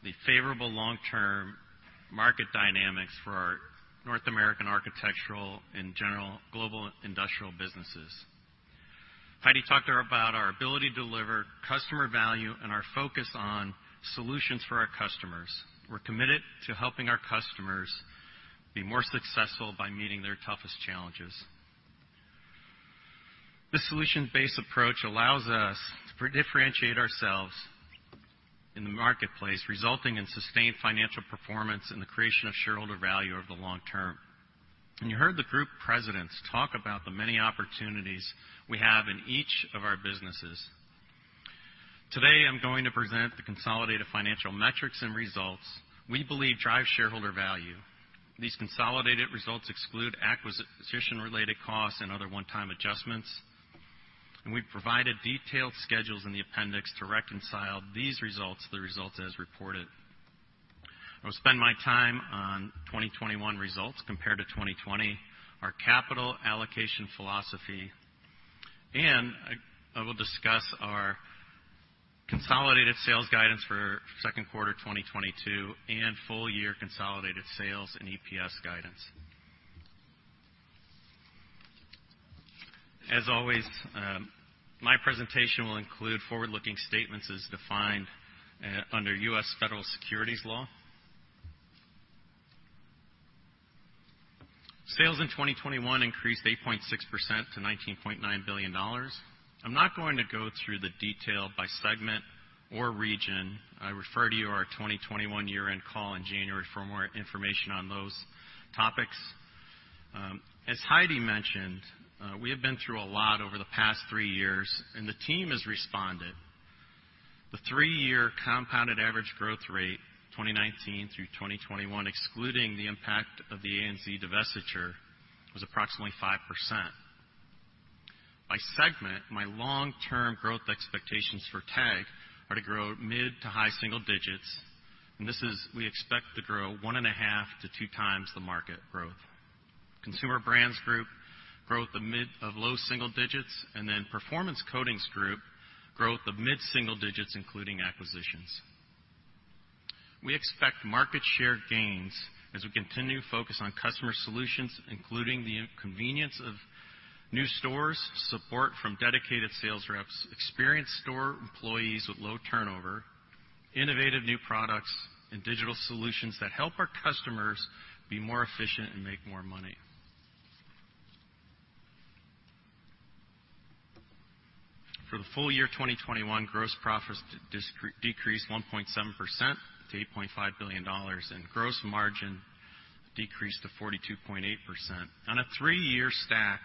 the favorable long-term market dynamics for our North American Architectural and general global industrial businesses. Heidi talked about our ability to deliver customer value and our focus on solutions for our customers. We're committed to helping our customers be more successful by meeting their toughest challenges. This solution-based approach allows us to differentiate ourselves in the marketplace, resulting in sustained financial performance and the creation of shareholder value over the long term. You heard the Group Presidents talk about the many opportunities we have in each of our businesses. Today, I'm going to present the consolidated financial metrics and results we believe drive shareholder value. These consolidated results exclude acquisition-related costs and other one-time adjustments, and we've provided detailed schedules in the appendix to reconcile these results to the results as reported. I'm gonna spend my time on 2021 results compared to 2020, our capital allocation philosophy, and I will discuss our consolidated sales guidance for second quarter 2022 and full year consolidated sales and EPS guidance. As always, my presentation will include forward-looking statements as defined under U.S. Federal Securities Law. Sales in 2021 increased 8.6% to $19.9 billion. I'm not going to go through the detail by segment or region. I refer to our 2021 year-end call in January for more information on those topics. As Heidi mentioned, we have been through a lot over the past three years, and the team has responded. The three-year compounded average growth rate, 2019 through 2021, excluding the impact of the ANZ divestiture, was approximately 5%. By segment, my long-term growth expectations for TAG are to grow mid- to high-single digits, and we expect to grow 1.5-2x the market growth. Consumer Brands Group growth of low single digits, and then Performance Coatings Group growth of mid-single digits, including acquisitions. We expect market share gains as we continue to focus on customer solutions, including the convenience of new stores, support from dedicated sales reps, experienced store employees with low turnover, innovative new products, and digital solutions that help our customers be more efficient and make more money. For the full year 2021, gross profits decreased 1.7% to $8.5 billion, and gross margin decreased to 42.8%. On a three-year stack,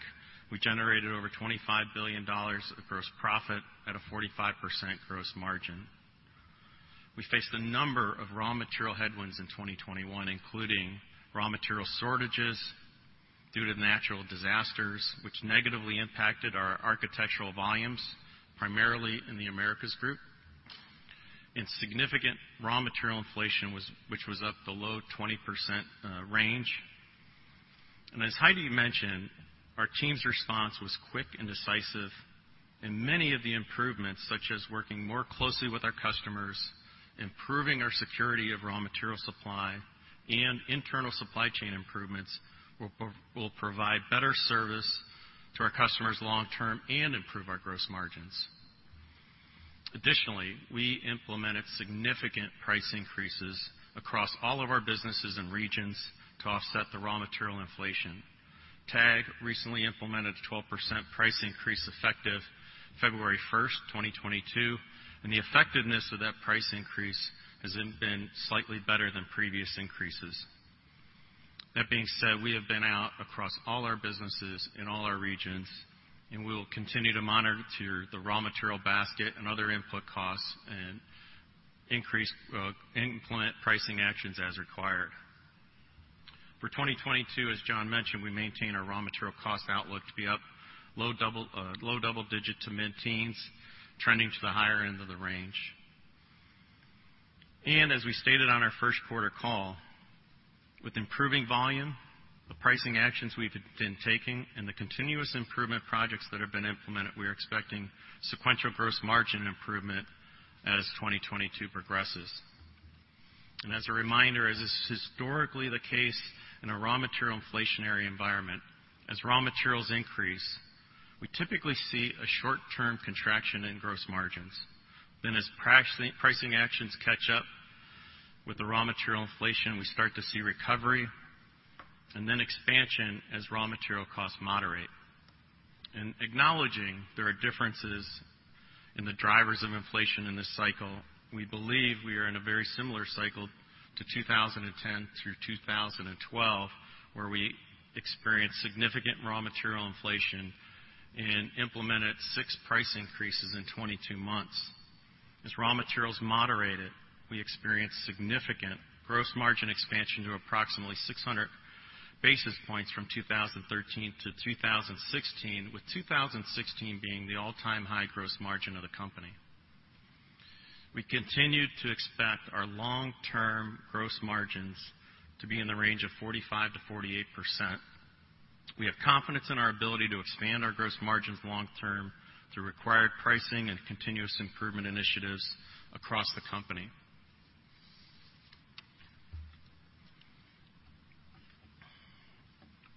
we generated over $25 billion of gross profit at a 45% gross margin. We faced a number of raw material headwinds in 2021, including raw material shortages due to natural disasters, which negatively impacted our architectural volumes, primarily in The Americas Group, and significant raw material inflation, which was up in the low 20% range. As Heidi mentioned, our team's response was quick and decisive, and many of the improvements, such as working more closely with our customers, improving our security of raw material supply, and internal supply chain improvements will provide better service to our customers long term and improve our gross margins. Additionally, we implemented significant price increases across all of our businesses and regions to offset the raw material inflation. TAG recently implemented a 12% price increase effective February 1, 2022, and the effectiveness of that price increase has been slightly better than previous increases. That being said, we have been out across all our businesses in all our regions, and we will continue to monitor the raw material basket and other input costs and increase, implement pricing actions as required. For 2022, as John mentioned, we maintain our raw material cost outlook to be up low double-digit to mid-teens, trending to the higher end of the range. As we stated on our first quarter call, with improving volume, the pricing actions we've been taking, and the continuous improvement projects that have been implemented, we are expecting sequential gross margin improvement as 2022 progresses. As a reminder, as is historically the case in a raw material inflationary environment, as raw materials increase, we typically see a short-term contraction in gross margins. As pricing actions catch up with the raw material inflation, we start to see recovery and then expansion as raw material costs moderate. Acknowledging there are differences in the drivers of inflation in this cycle, we believe we are in a very similar cycle to 2010 through 2012, where we experienced significant raw material inflation and implemented six price increases in 22 months. As raw materials moderated, we experienced significant gross margin expansion to approximately 600 basis points from 2013 to 2016, with 2016 being the all-time high gross margin of the company. We continue to expect our long-term gross margins to be in the range of 45%-48%. We have confidence in our ability to expand our gross margins long term through required pricing and continuous improvement initiatives across the company.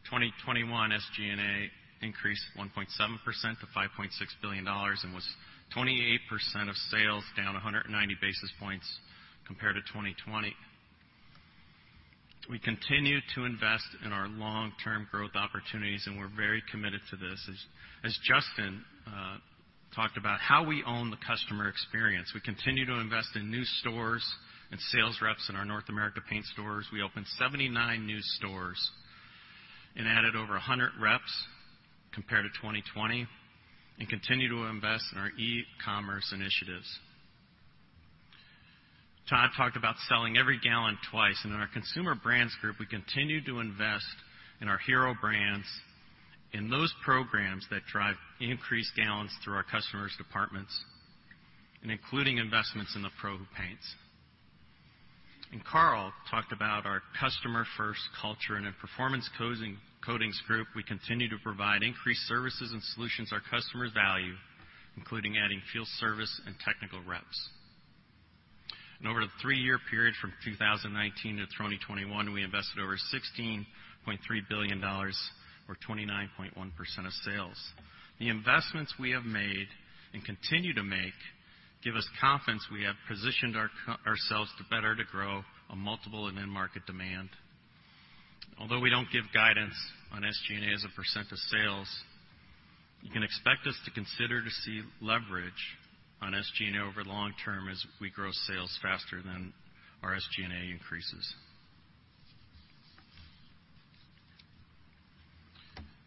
2021 SG&A increased 1.7% to $5.6 billion and was 28% of sales down 190 basis points compared to 2020. We continue to invest in our long-term growth opportunities, and we're very committed to this. As Justin talked about how we own the customer experience, we continue to invest in new stores and sales reps in our North America paint stores. We opened 79 new stores and added over 100 reps compared to 2020 and continue to invest in our e-commerce initiatives. Todd talked about selling every gallon twice. In our Consumer Brands Group, we continue to invest in our hero brands in those programs that drive increased gallons through our customers' departments, and including investments in the pro paints. Karl talked about our customer-first culture, and in Performance Coatings Group, we continue to provide increased services and solutions our customers value, including adding field service and technical reps. Over the three-year period from 2019 to 2021, we invested over $16.3 billion or 29.1% of sales. The investments we have made and continue to make give us confidence we have positioned ourselves to better grow on multiple and end market demand. Although we don't give guidance on SG&A as a percent of sales, you can expect us to continue to see leverage on SG&A over long term as we grow sales faster than our SG&A increases.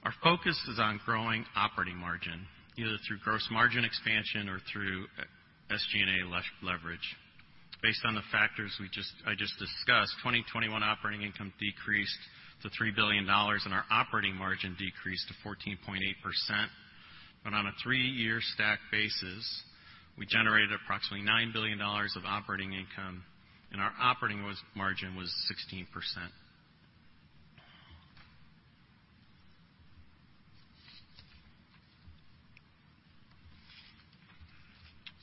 Our focus is on growing operating margin, either through gross margin expansion or through SG&A leverage. Based on the factors I just discussed, 2021 operating income decreased to $3 billion, and our operating margin decreased to 14.8%. On a three-year stack basis, we generated approximately $9 billion of operating income, and our operating margin was 16%.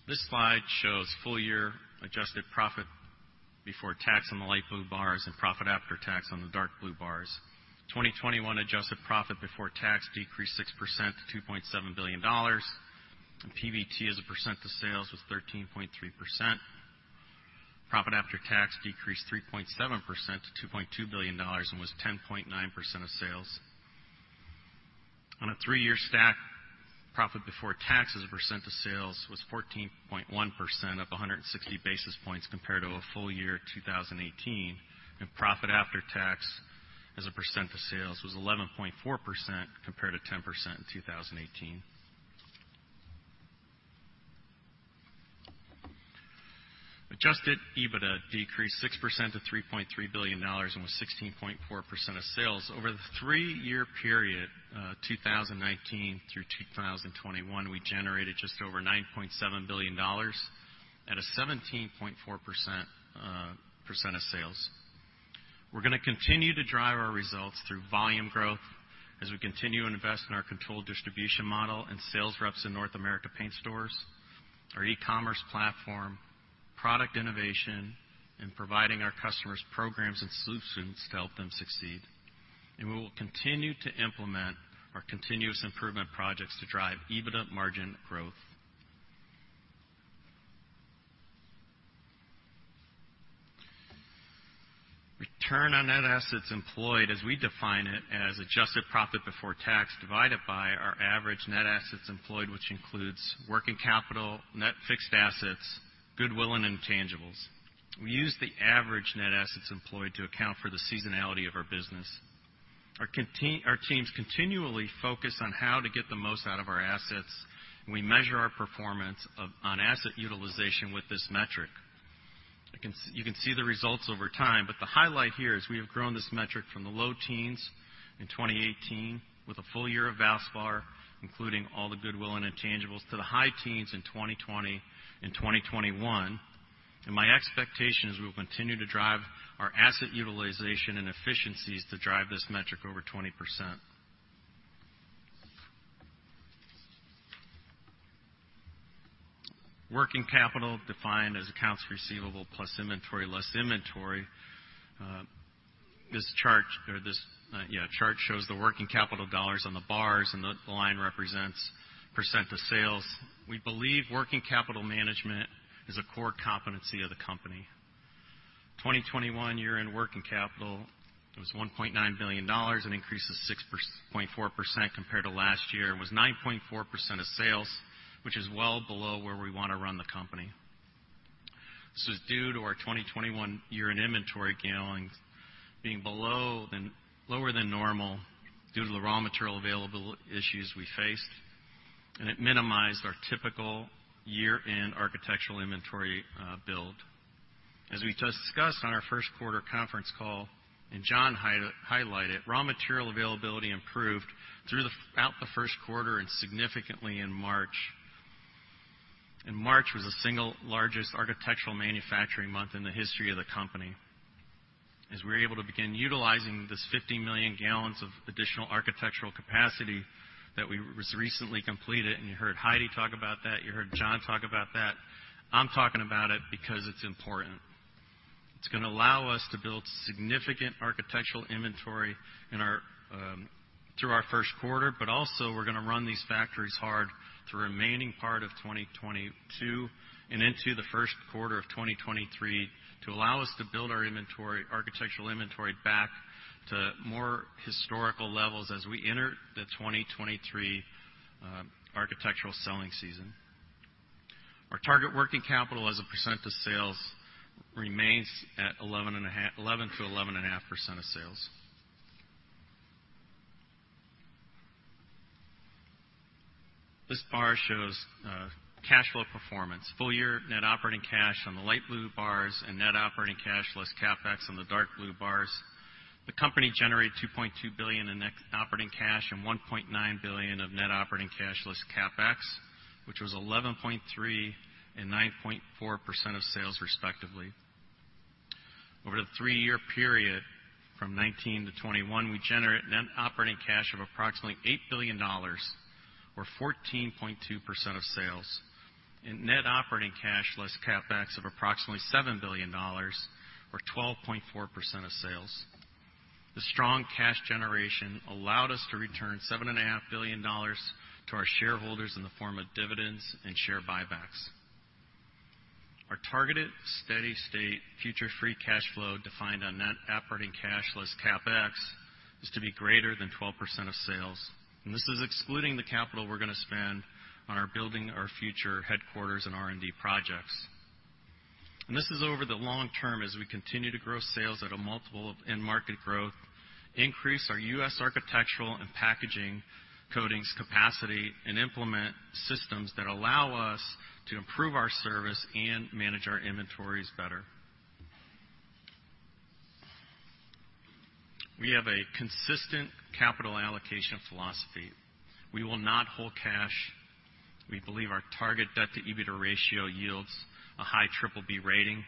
This slide shows full-year adjusted profit before tax on the light blue bars and profit after tax on the dark blue bars. 2021 adjusted profit before tax decreased 6% to $2.7 billion, and PBT as a percent of sales was 13.3%. Profit after tax decreased 3.7% to $2.2 billion and was 10.9% of sales. On a three-year stack, profit before tax as a percent of sales was 14.1%, up 160 basis points compared to a full year 2018, and profit after tax as a percent of sales was 11.4% compared to 10% in 2018. Adjusted EBITDA decreased 6% to $3.3 billion and was 16.4% of sales. Over the three-year period, 2019 through 2021, we generated just over $9.7 billion at 17.4% of sales. We're gonna continue to drive our results through volume growth as we continue to invest in our controlled distribution model and sales reps in North America Paint Stores, our e-commerce platform, product innovation, and providing our customers programs and solutions to help them succeed. We will continue to implement our continuous improvement projects to drive EBITDA margin growth. Return on net assets employed, as we define it, as adjusted profit before tax divided by our average net assets employed, which includes working capital, net fixed assets, goodwill, and intangibles. We use the average net assets employed to account for the seasonality of our business. Our teams continually focus on how to get the most out of our assets. We measure our performance on asset utilization with this metric. You can see the results over time, but the highlight here is we have grown this metric from the low-teens in 2018 with a full year of Valspar, including all the goodwill and intangibles, to the high-teens in 2020 and 2021. My expectation is we will continue to drive our asset utilization and efficiencies to drive this metric over 20%. Working capital defined as accounts receivable plus inventory, less accounts payable. This chart shows the working capital dollars on the bars and the line represents percent of sales. We believe working capital management is a core competency of the company. 2021 year-end working capital was $1.9 billion. It increases 6.4% compared to last year. It was 9.4% of sales, which is well below where we wanna run the company. This is due to our 2021 year-end inventory gallons being lower than normal due to the raw material availability issues we faced, and it minimized our typical year-end architectural inventory build. As we just discussed on our first quarter conference call, and John highlighted, raw material availability improved throughout the first quarter and significantly in March. March was the single largest architectural manufacturing month in the history of the company. As we're able to begin utilizing this 50 million gallons of additional architectural capacity that we recently completed, and you heard Heidi talk about that, you heard John talk about that. I'm talking about it because it's important. It's gonna allow us to build significant architectural inventory in our through our first quarter, but also we're gonna run these factories hard through remaining part of 2022 and into the first quarter of 2023 to allow us to build our inventory, architectural inventory, back to more historical levels as we enter the 2023 architectural selling season. Our target working capital as a percent of sales remains at 11%-11.5% of sales. This bar shows cash flow performance. Full year net operating cash on the light blue bars and net operating cash less CapEx on the dark blue bars. The company generated $2.2 billion in net operating cash and $1.9 billion of net operating cash less CapEx, which was 11.3% and 9.4% of sales respectively. Over the three-year period from 2019 to 2021, we generate net operating cash of approximately $8 billion or 14.2% of sales, and net operating cash less CapEx of approximately $7 billion or 12.4% of sales. The strong cash generation allowed us to return $7.5 billion to our shareholders in the form of dividends and share buybacks. Our targeted steady-state future free cash flow defined on net operating cash less CapEx is to be greater than 12% of sales. This is excluding the capital we're gonna spend on our Building Our Future headquarters and R&D projects. This is over the long term as we continue to grow sales at a multiple of end market growth, increase our U.S. architectural and packaging coatings capacity, and implement systems that allow us to improve our service and manage our inventories better. We have a consistent capital allocation philosophy. We will not hold cash. We believe our target debt to EBITDA ratio yields a high BBB rating.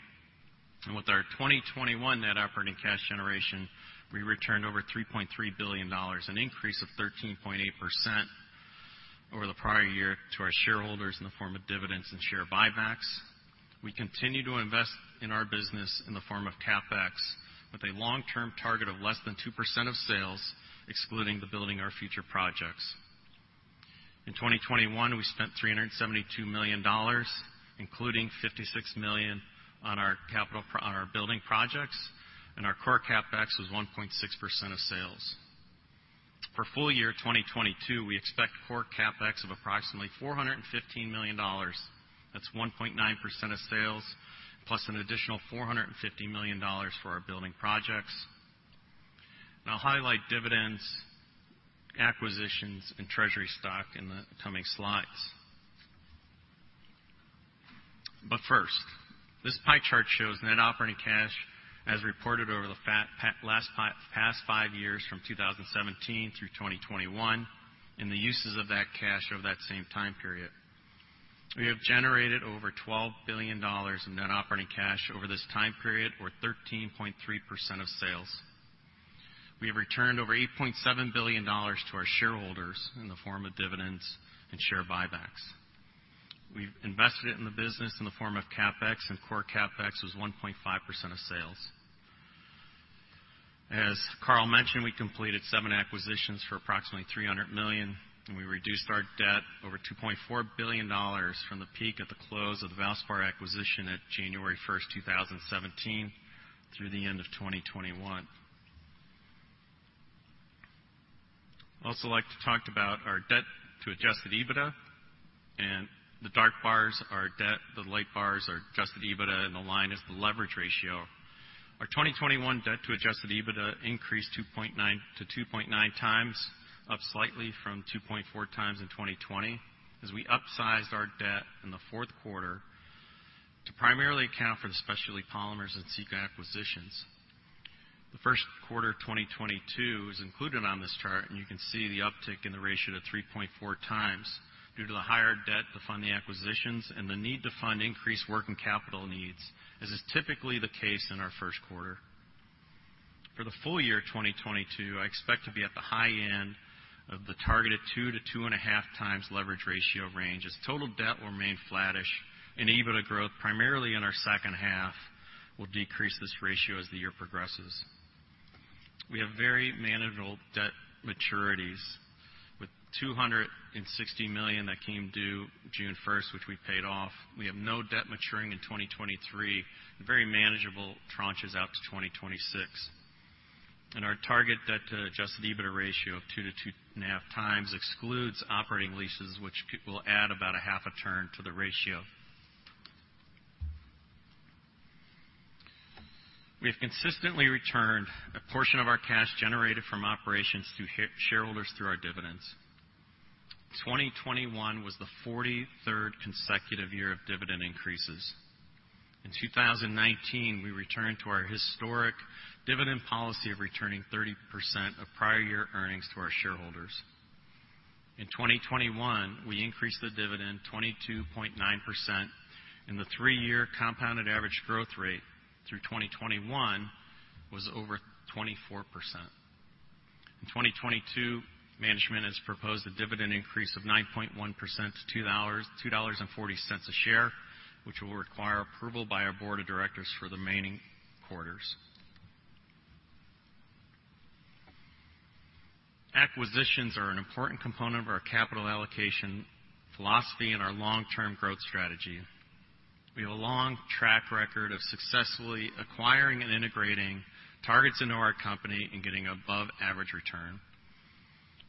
With our 2021 net operating cash generation, we returned over $3.3 billion, an increase of 13.8% over the prior year to our shareholders in the form of dividends and share buybacks. We continue to invest in our business in the form of CapEx with a long-term target of less than 2% of sales, excluding the Building Our Future projects. In 2021, we spent $372 million, including $56 million on our building projects, and our core CapEx was 1.6% of sales. For full year 2022, we expect core CapEx of approximately $415 million. That's 1.9% of sales, plus an additional $450 million for our building projects. I'll highlight dividends, acquisitions, and treasury stock in the coming slides. First, this pie chart shows net operating cash as reported over the past five years from 2017 through 2021, and the uses of that cash over that same time period. We have generated over $12 billion in net operating cash over this time period, or 13.3% of sales. We have returned over $8.7 billion to our shareholders in the form of dividends and share buybacks. We've invested it in the business in the form of CapEx, and core CapEx was 1.5% of sales. As Karl mentioned, we completed seven acquisitions for approximately $300 million, and we reduced our debt over $2.4 billion from the peak at the close of the Valspar acquisition at January 1st, 2017 through the end of 2021. I'd also like to talk about our debt to adjusted EBITDA, and the dark bars are debt, the light bars are adjusted EBITDA, and the line is the leverage ratio. Our 2021 debt to adjusted EBITDA increased 2.9 times, up slightly from 2.4 times in 2020, as we upsized our debt in the fourth quarter to primarily account for the Specialty Polymers and CECA acquisitions. The first quarter of 2022 is included on this chart, and you can see the uptick in the ratio to 3.4x due to the higher debt to fund the acquisitions and the need to fund increased working capital needs, as is typically the case in our first quarter. For the full year 2022, I expect to be at the high end of the targeted 2x-2.5x leverage ratio range as total debt will remain flattish and EBITDA growth primarily in our second half will decrease this ratio as the year progresses. We have very manageable debt maturities with $260 million that came due June 1st, which we paid off. We have no debt maturing in 2023, and very manageable tranches out to 2026. Our target debt to adjusted EBITDA ratio of 2x-2.5 times excludes operating leases, which will add about a half a turn to the ratio. We have consistently returned a portion of our cash generated from operations to shareholders through our dividends. 2021 was the 43rd consecutive year of dividend increases. In 2019, we returned to our historic dividend policy of returning 30% of prior year earnings to our shareholders. In 2021, we increased the dividend 22.9%, and the three-year compounded average growth rate through 2021, was over 24%. In 2022, management has proposed a dividend increase of 9.1% to $2.40 a share, which will require approval by our board of directors for the remaining quarters. Acquisitions are an important component of our capital allocation philosophy and our long-term growth strategy. We have a long track record of successfully acquiring and integrating targets into our company and getting above average return.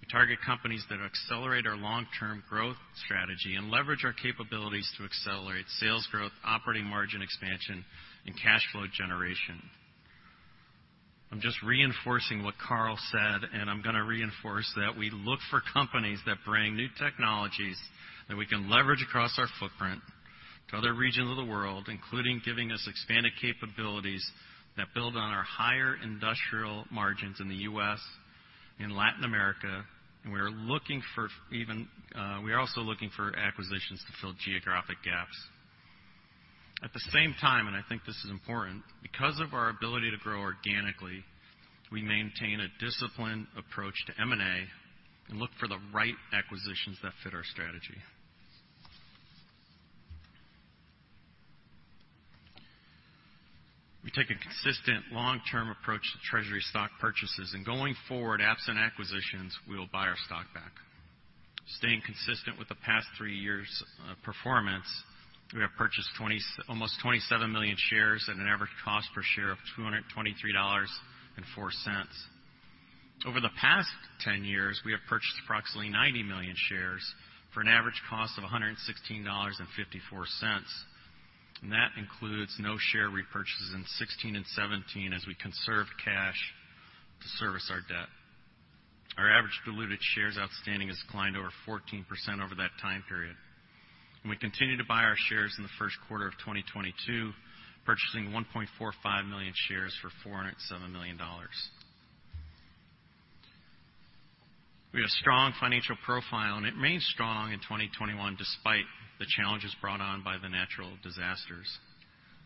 We target companies that accelerate our long-term growth strategy and leverage our capabilities to accelerate sales growth, operating margin expansion, and cash flow generation. I'm just reinforcing what Karl said, and I'm gonna reinforce that we look for companies that bring new technologies that we can leverage across our footprint to other regions of the world, including giving us expanded capabilities that build on our higher industrial margins in the U.S., in Latin America, and we are also looking for acquisitions to fill geographic gaps. At the same time, and I think this is important, because of our ability to grow organically, we maintain a disciplined approach to M&A and look for the right acquisitions that fit our strategy. We take a consistent long-term approach to treasury stock purchases, and going forward, absent acquisitions, we will buy our stock back. Staying consistent with the past three years' performance, we have purchased almost 27 million shares at an average cost per share of $223.04. Over the past ten years, we have purchased approximately 90 million shares for an average cost of $116.54. That includes no share repurchases in 2016 and 2017 as we conserved cash to service our debt. Our average diluted shares outstanding has declined over 14% over that time period. We continued to buy our shares in the first quarter of 2022, purchasing 1.45 million shares for $407 million. We have a strong financial profile, and it remained strong in 2021 despite the challenges brought on by the natural disasters.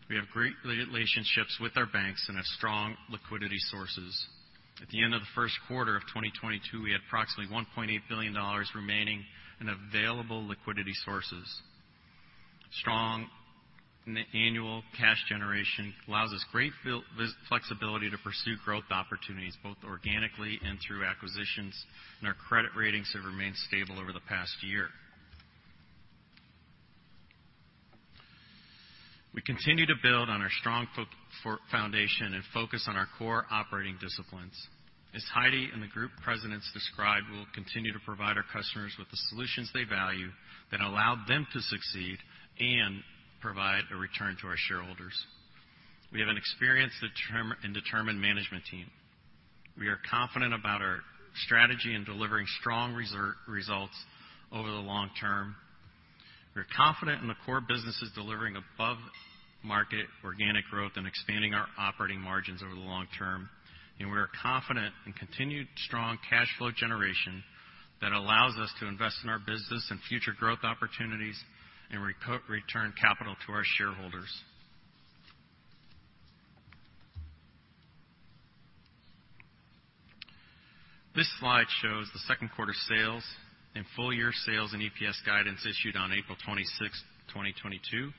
We have great relationships with our banks and have strong liquidity sources. At the end of the first quarter of 2022, we had approximately $1.8 billion remaining in available liquidity sources. Strong annual cash generation allows us great flexibility to pursue growth opportunities, both organically and through acquisitions, and our credit ratings have remained stable over the past year. We continue to build on our strong foundation and focus on our core operating disciplines. As Heidi and the Group Presidents described, we will continue to provide our customers with the solutions they value that allow them to succeed and provide a return to our shareholders. We have an experienced and determined management team. We are confident about our strategy in delivering strong results over the long term. We are confident in the core businesses delivering above-market organic growth and expanding our operating margins over the long term. We are confident in continued strong cash flow generation that allows us to invest in our business and future growth opportunities and return capital to our shareholders. This slide shows the second quarter sales and full year sales and EPS guidance issued on April 26th, 2022.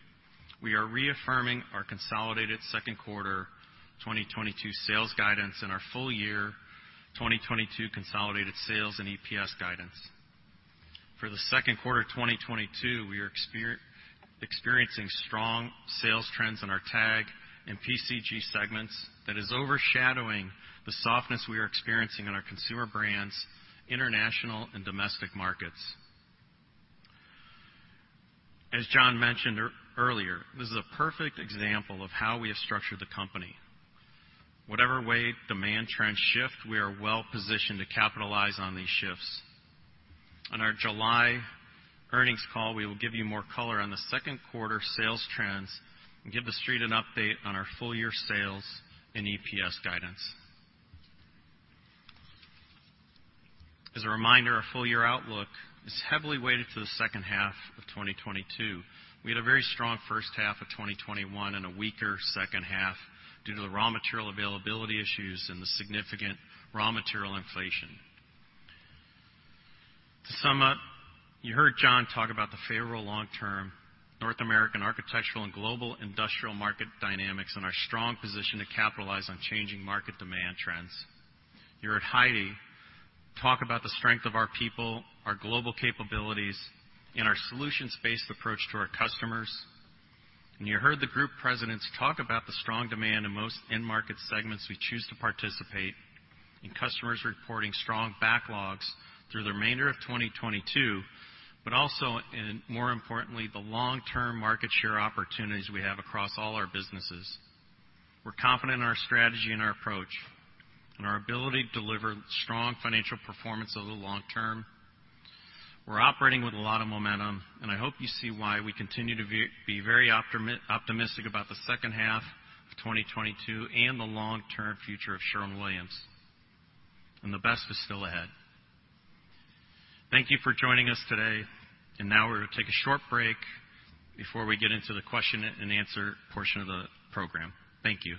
We are reaffirming our consolidated second quarter 2022 sales guidance and our full year 2022 consolidated sales and EPS guidance. For the second quarter 2022, we are experiencing strong sales trends in our TAG and PCG segments that is overshadowing the softness we are experiencing in our consumer brands, international, and domestic markets. As John mentioned earlier, this is a perfect example of how we have structured the company. Whatever way demand trends shift, we are well-positioned to capitalize on these shifts. On our July earnings call, we will give you more color on the second quarter sales trends and give The Street an update on our full year sales and EPS guidance. As a reminder, our full year outlook is heavily weighted to the second half of 2022. We had a very strong first half of 2021 and a weaker second half due to the raw material availability issues and the significant raw material inflation. To sum up, you heard John talk about the favorable long-term North American architectural and global industrial market dynamics and our strong position to capitalize on changing market demand trends. You heard Heidi talk about the strength of our people, our global capabilities, and our solutions-based approach to our customers. You heard the group presidents talk about the strong demand in most end market segments we choose to participate, and customers reporting strong backlogs through the remainder of 2022, but also, and more importantly, the long-term market share opportunities we have across all our businesses. We're confident in our strategy and our approach, and our ability to deliver strong financial performance over the long term. We're operating with a lot of momentum, and I hope you see why we continue to be very optimistic about the second half of 2022 and the long-term future of Sherwin-Williams, and the best is still ahead. Thank you for joining us today. Now we're gonna take a short break before we get into the question and answer portion of the program. Thank you.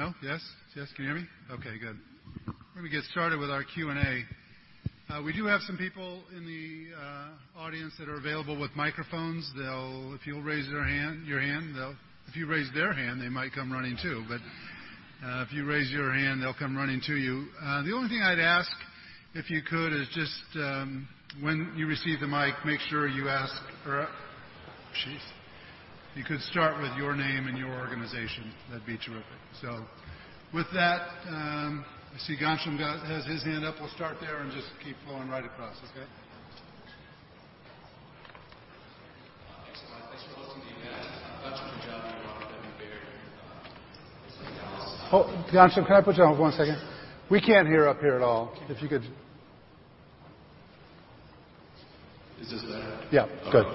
No? Yes? Yes, can you hear me? Okay, good. Let me get started with our Q&A. We do have some people in the audience that are available with microphones. If you raise your hand, they'll come running to you. The only thing I'd ask, if you could, is just when you receive the mic, make sure you start with your name and your organization. That'd be terrific. With that, I see Ghansham has his hand up. We'll start there and just keep flowing right across. Okay? Thanks a lot. Thanks for hosting the event. Ghansham Panjabi with Baird [inaudible] Oh, Ghansham, can I put you on one second? We can't hear up here at all. If you could. Is this better? Yeah, good. All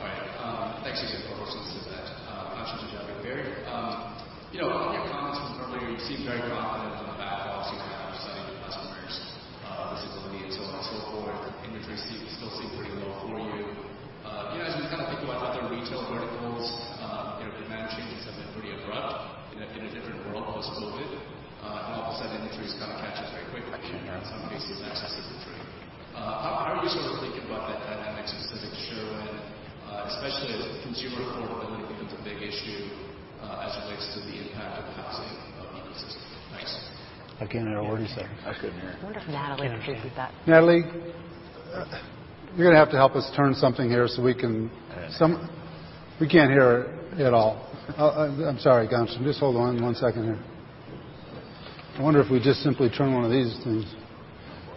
right. Thanks again for hosting this event. Ghansham Panjabi with Baird. You know, on your comments from earlier, you seem very confident on the outsized backlog you have with customers, visibility and so on and so forth. Inventory still seems pretty low for you. You know, as we kinda think about other retail verticals, supply chains have been pretty abrupt in a different world post-COVID. All of a sudden, inventory is down, catches very quickly. In some cases, excessive inventory. How are you sort of thinking about that dynamic specific to Sherwin, especially as consumer affordability becomes a big issue, as it relates to the impact on housing and other segments? Thanks. Again, I already said. I couldn't hear. I wonder if Natalie can repeat that. Natalie, you're gonna have to help us turn something here so we can. Yeah. We can't hear at all. I'm sorry, Ghansham. Just hold on one second here. I wonder if we just simply turn one of these things.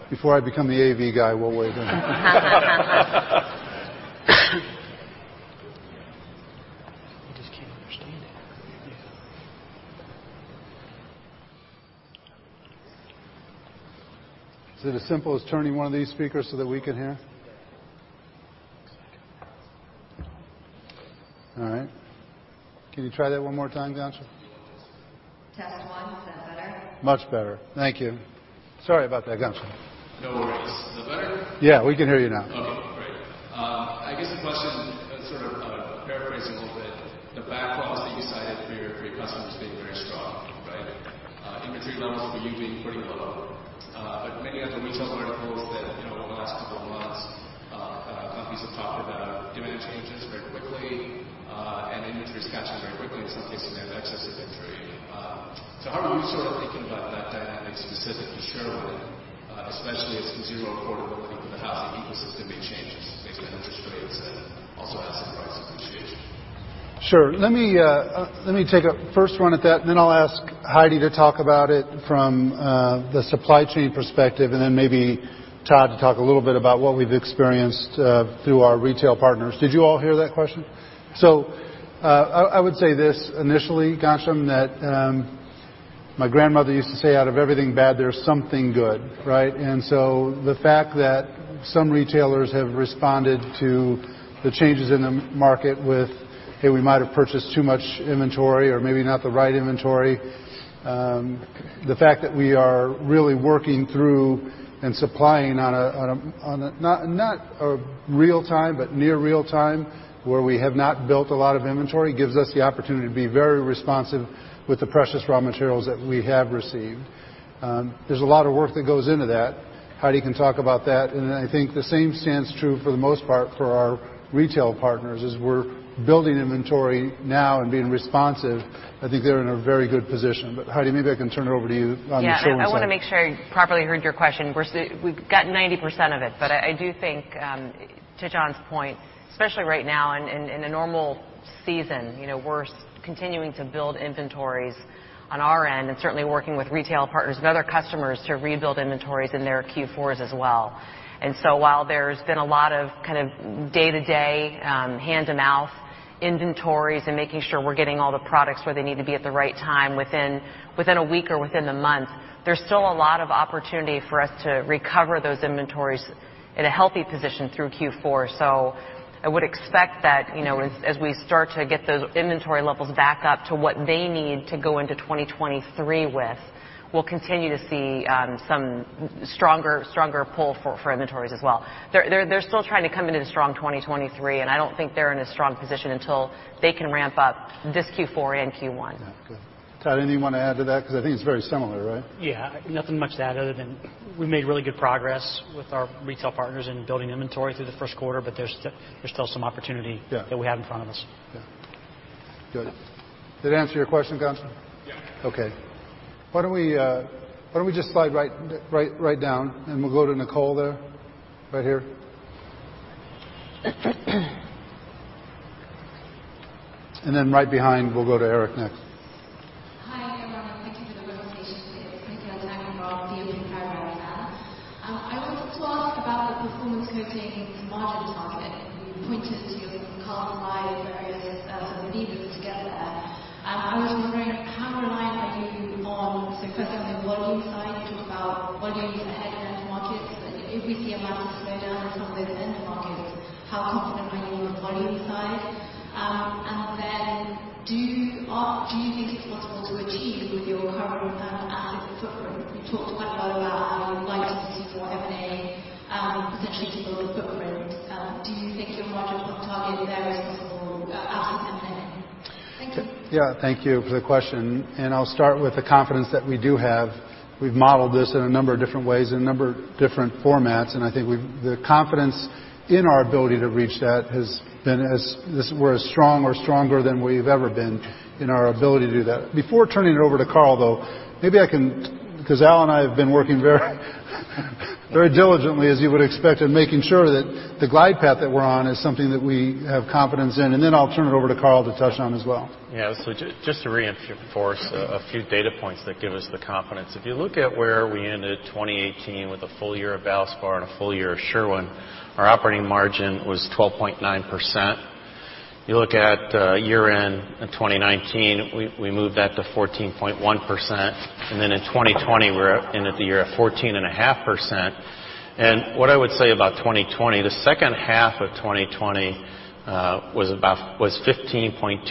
Before I become the AV guy, we'll wait. I just can't understand it. Is it as simple as turning one of these speakers so that we can hear? All right. Can you try that one more time, Ghansham? Test one. Is that better? Much better. Thank you. Sorry about that, Ghansham. No worries. Is that better? Yeah, we can hear you now. Okay, great. I guess the question, sort of, paraphrasing a little bit, the backlogs that you cited for your customers being very strong, right? Inventory levels for you being pretty low. Many of the retailers have told us that, you know, over the last couple of months, companies have talked about demand changes very quickly, and inventories catching up very quickly, in some cases, excess inventory. How are you sort of thinking about that dynamic specific to Sherwin, especially as Q2 reported a pretty good housing ecosystem made changes in the interest rates and also housing price appreciation? Sure. Let me take a first run at that, and then I'll ask Heidi to talk about it from the supply chain perspective, and then maybe Todd to talk a little bit about what we've experienced through our retail partners. Did you all hear that question? I would say this initially, Ghansham, that my grandmother used to say, "Out of everything bad, there's something good," right? The fact that some retailers have responded to the changes in the market with, "Hey, we might have purchased too much inventory or maybe not the right inventory." The fact that we are really working through and supplying on a not real time, but near real time, where we have not built a lot of inventory, gives us the opportunity to be very responsive with the precious raw materials that we have received. There's a lot of work that goes into that. Heidi can talk about that. I think the same stands true for the most part for our retail partners, as we're building inventory now and being responsive. I think they're in a very good position. Heidi, maybe I can turn it over to you on the Sherwin side. Yeah. I wanna make sure I properly heard your question. We're we've got 90% of it. But I do think, to John's point, especially right now in a normal season, you know, we're continuing to build inventories on our end and certainly working with retail partners and other customers to rebuild inventories in their Q4s as well. While there's been a lot of kind of day-to-day, hand-to-mouth inventories and making sure we're getting all the products where they need to be at the right time within a week or within the month, there's still a lot of opportunity for us to recover those inventories in a healthy position through Q4. I would expect that, you know, as we start to get those inventory levels back up to what they need to go into 2023 with, we'll continue to see some stronger pull for inventories as well. They're still trying to come into 2023 strong, and I don't think they're in a strong position until they can ramp up this Q4 and Q1. Yeah. Good. Todd, anything you wanna add to that? 'Cause I think it's very similar, right? Yeah. Nothing much to add other than we made really good progress with our retail partners in building inventory through the first quarter, but there's still some opportunity. Yeah That we have in front of us. Yeah. Good. Did that answer your question, Ghansham? Yeah. Okay. Why don't we just slide right down, and we'll go to Nicole there. Right here. Then right behind, we'll go to Eric next. Hi, everyone, and thank you for the presentation. It's Nicole DeBlase from Morgan Stanley. I wanted to ask about the Performance Coatings margin target. You pointed to Karl and Heidi at various sort of levers to get there. I was just wondering how reliant are you on the first half of the volume side? You talk about volumes ahead in end markets. If we see a massive slowdown in some of those end markets, how confident are you on the volume side? Then do you think it's possible to achieve with your current asset footprint? You talked quite a lot about how you'd like to see more M&A potentially to build footprint. Do you think your margin target there is possible absent M&A? Thank you. Yeah. Thank you for the question, and I'll start with the confidence that we do have. We've modeled this in a number of different ways, in a number of different formats, and I think the confidence in our ability to reach that has been. We're as strong or stronger than we've ever been in our ability to do that. Before turning it over to Karl, though, maybe I can 'cause Al and I have been working very diligently, as you would expect, in making sure that the glide path that we're on is something that we have confidence in. Then I'll turn it over to Karl to touch on as well. Yeah. Just to reinforce a few data points that give us the confidence. If you look at where we ended 2018 with a full year of Valspar and a full year of Sherwin, our operating margin was 12.9%. You look at year-end in 2019, we moved that to 14.1%. In 2020, we ended the year at 14.5%. What I would say about 2020, the second half of 2020, was 15.2%,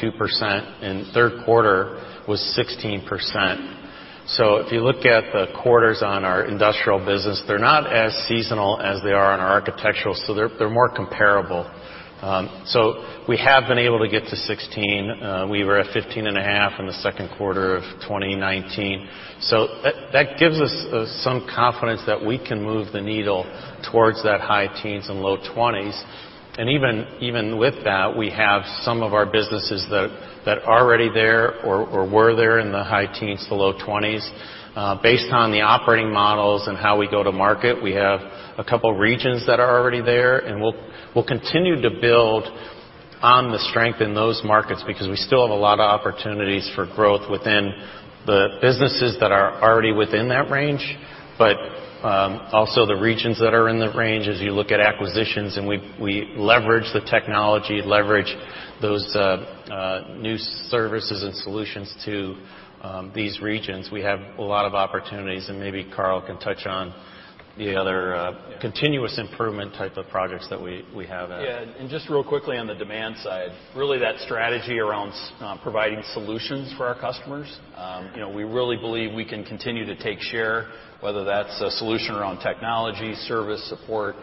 and third quarter was 16%. If you look at the quarters on our industrial business, they're not as seasonal as they are on our architectural, so they're more comparable. We have been able to get to 16%. We were at 15.5 in the second quarter of 2019. That gives us some confidence that we can move the needle towards that high teens and low twenties. Even with that, we have some of our businesses that are already there or were there in the high teens to low twenties. Based on the operating models and how we go to market, we have a couple regions that are already there, and we will continue to build on the strength in those markets, because we still have a lot of opportunities for growth within the businesses that are already within that range, but also the regions that are in the range. As you look at acquisitions and we leverage the technology, leverage those new services and solutions to these regions, we have a lot of opportunities, and maybe Karl can touch on the other continuous improvement type of projects that we have. Yeah, just real quickly on the demand side, really that strategy around providing solutions for our customers, you know, we really believe we can continue to take share, whether that's a solution around technology, service, support.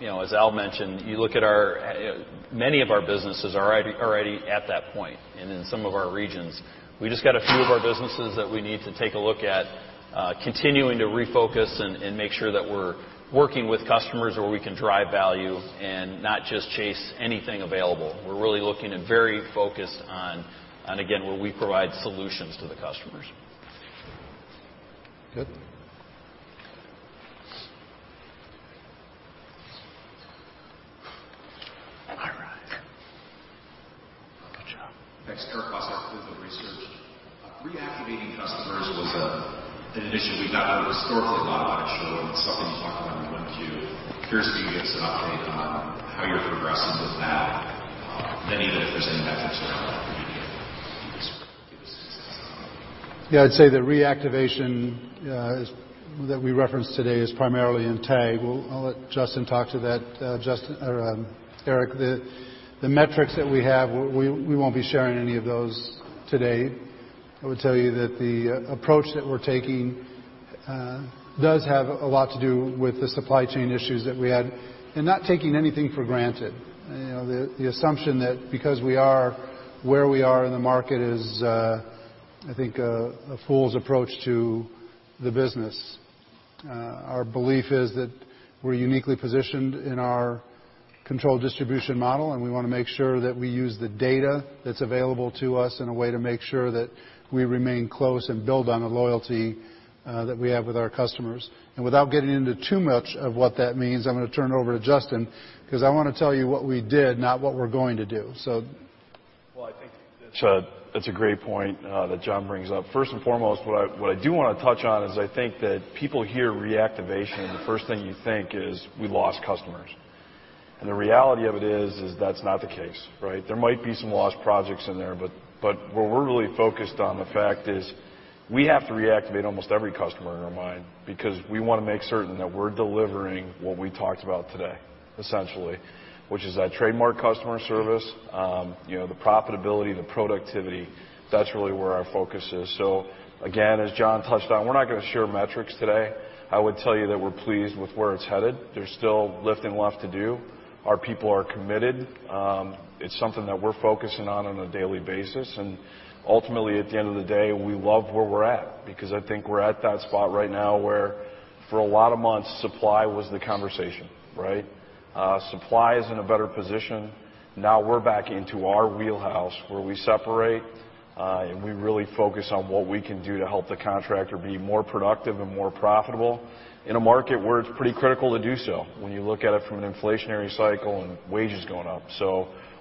You know, as Al mentioned, you look at our many of our businesses are already at that point and in some of our regions. We just got a few of our businesses that we need to take a look at continuing to refocus and make sure that we're working with customers where we can drive value and not just chase anything available. We're really looking and very focused on again, where we provide solutions to the customers. Good. All right. Good job. Next. Eric Bosshard, Cleveland Research Company. Reactivating customers was an addition we've gotten historically a lot about Sherwin, something you talked about in Q1, too. Curious if you could give us an update on how you're progressing with that, and even if there's any metrics around that would be helpful. Yeah, I'd say the reactivation that we referenced today is primarily in TAG. I'll let Justin talk to that. Justin or Eric, the metrics that we have, we won't be sharing any of those today. I would tell you that the approach that we're taking does have a lot to do with the supply chain issues that we had and not taking anything for granted. You know, the assumption that because we are where we are in the market is, I think, a fool's approach to the business. Our belief is that we're uniquely positioned in our controlled distribution model, and we wanna make sure that we use the data that's available to us in a way to make sure that we remain close and build on the loyalty that we have with our customers. Without getting into too much of what that means, I'm gonna turn it over to Justin, 'cause I wanna tell you what we did, not what we're going to do. So. Well, I think that's a great point that John brings up. First and foremost, what I do wanna touch on is I think that people hear reactivation, and the first thing you think is we lost customers. The reality of it is that's not the case, right? There might be some lost projects in there, but what we're really focused on, the fact is we have to reactivate almost every customer in our mind because we wanna make certain that we're delivering what we talked about today, essentially, which is that trademark customer service, you know, the profitability, the productivity. That's really where our focus is. Again, as John touched on, we're not gonna share metrics today. I would tell you that we're pleased with where it's headed. There's still lifting left to do. Our people are committed. It's something that we're focusing on on a daily basis. Ultimately, at the end of the day, we love where we're at because I think we're at that spot right now where for a lot of months, supply was the conversation, right? Supply is in a better position. Now we're back into our wheelhouse where we separate, and we really focus on what we can do to help the contractor be more productive and more profitable in a market where it's pretty critical to do so when you look at it from an inflationary cycle and wages going up.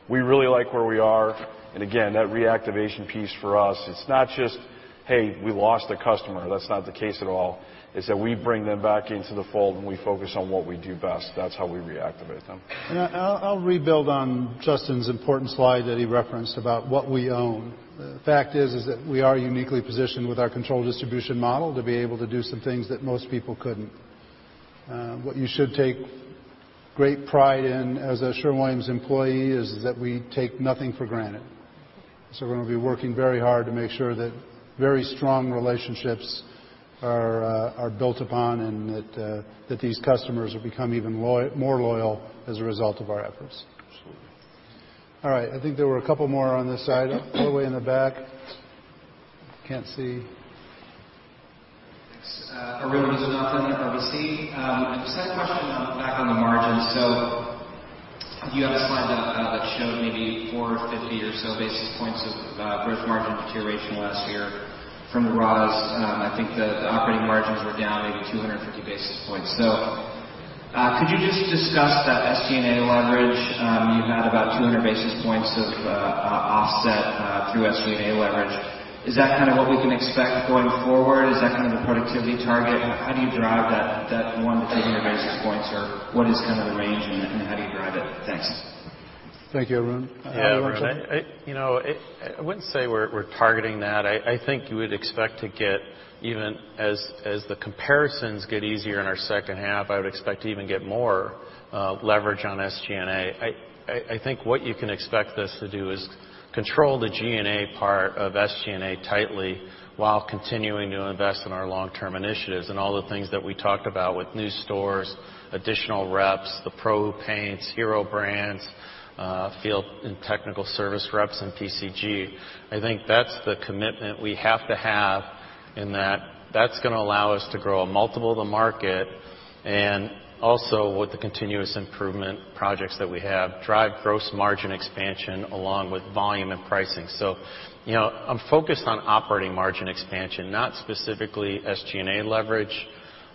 We really like where we are. Again, that reactivation piece for us, it's not just, hey, we lost a customer. That's not the case at all. It's that we bring them back into the fold, and we focus on what we do best. That's how we reactivate them. I'll rebuild on Justin's important slide that he referenced about what we own. The fact is that we are uniquely positioned with our controlled distribution model to be able to do some things that most people couldn't. What you should take great pride in as a Sherwin-Williams employee is that we take nothing for granted. We're gonna be working very hard to make sure that very strong relationships are built upon and that these customers will become even more loyal as a result of our efforts. Absolutely. All right, I think there were a couple more on this side. All the way in the back. Can't see. Thanks. Arun Viswanathan, RBC. I just had a question back on the margins. You had a slide that showed maybe 40 or 50 or so basis points of gross margin deterioration last year from the raw. I think the operating margins were down maybe 250 basis points. Could you just discuss that SG&A leverage? You had about 200 basis points of offset through SG&A leverage. Is that kind of what we can expect going forward? Is that kind of the productivity target? How do you drive that 100-200 basis points, or what is kind of the range, and how do you drive it? Thanks. Thank you, Arun. Yeah, Arun, you know, I wouldn't say we're targeting that. I think you would expect to get even as the comparisons get easier in our second half, I would expect to even get more leverage on SG&A. I think what you can expect this to do is control the G&A part of SG&A tightly while continuing to invest in our long-term initiatives and all the things that we talked about with new stores, additional reps, the pro paints, hero brands, field and technical service reps in PCG. I think that's the commitment we have to have in that. That's gonna allow us to grow a multiple of the market and also with the continuous improvement projects that we have, drive gross margin expansion along with volume and pricing. You know, I'm focused on operating margin expansion, not specifically SG&A leverage,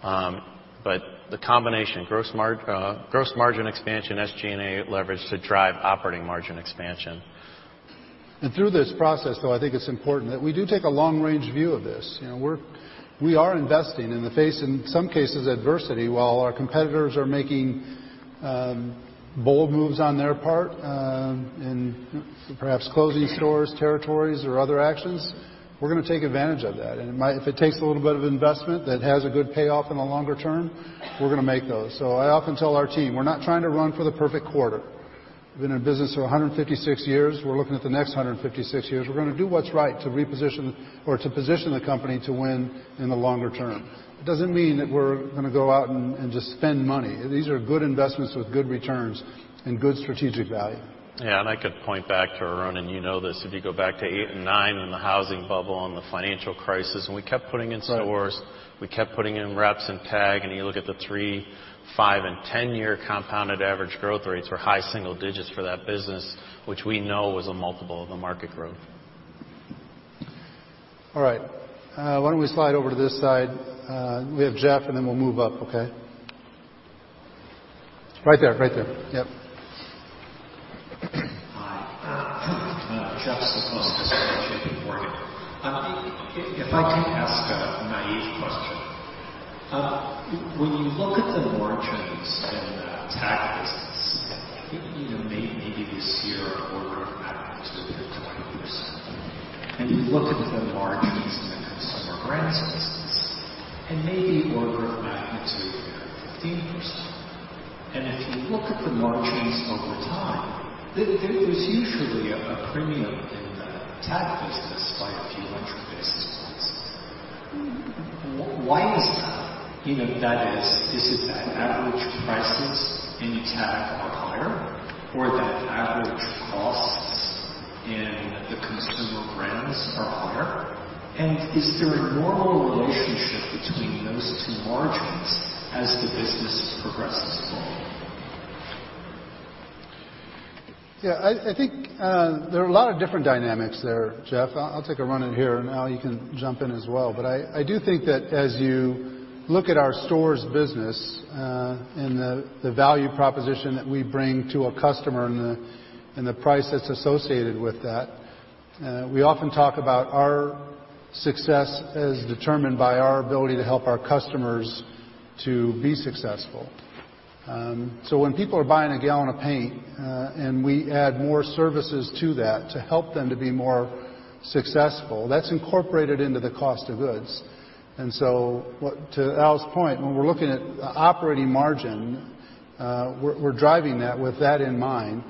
but the combination, gross margin expansion, SG&A leverage to drive operating margin expansion. Through this process, though, I think it's important that we do take a long-range view of this. You know, we are investing in the face of adversity, while our competitors are making bold moves on their part, in perhaps closing stores, territories or other actions. We're gonna take advantage of that. It might. If it takes a little bit of investment that has a good payoff in the longer term, we're gonna make those. I often tell our team, we're not trying to run for the perfect quarter. We've been in business for 156 years. We're looking at the next 156 years. We're gonna do what's right to reposition or to position the company to win in the longer term. It doesn't mean that we're gonna go out and just spend money. These are good investments with good returns and good strategic value. Yeah. I could point back to our own, and you know this. If you go back to 2008 and 2009 in the housing bubble and the financial crisis, and we kept putting in stores- Right. We kept putting in reps in TAG, and you look at the three, five and 10-year compounded average growth rates were high single digits for that business, which we know was a multiple of the market growth. All right. Why don't we slide over to this side? We have Jeff, and then we'll move up, okay? Right there. Yep. Hi, Jeff Zekauskas. If I can ask a naive question. When you look at the margins in the TAG business, I think, you know, maybe it was an order of magnitude 20%. You look at the margins in the consumer brands and maybe an order of magnitude there 15%. If you look at the margins over time, there was usually a premium in the TAG business by a few hundred basis points. Why is that? You know, that is it that average prices in TAG are higher or that average costs in the consumer brands are higher? Is there a normal relationship between those two margins as the business progresses forward? Yeah, I think there are a lot of different dynamics there, Jeff. I'll take a run at it here, and Al, you can jump in as well. I do think that as you look at our stores business, and the value proposition that we bring to a customer and the price that's associated with that, we often talk about our success as determined by our ability to help our customers to be successful. When people are buying a gallon of paint, and we add more services to that to help them to be more successful, that's incorporated into the cost of goods. To Al's point, when we're looking at operating margin, we're driving that with that in mind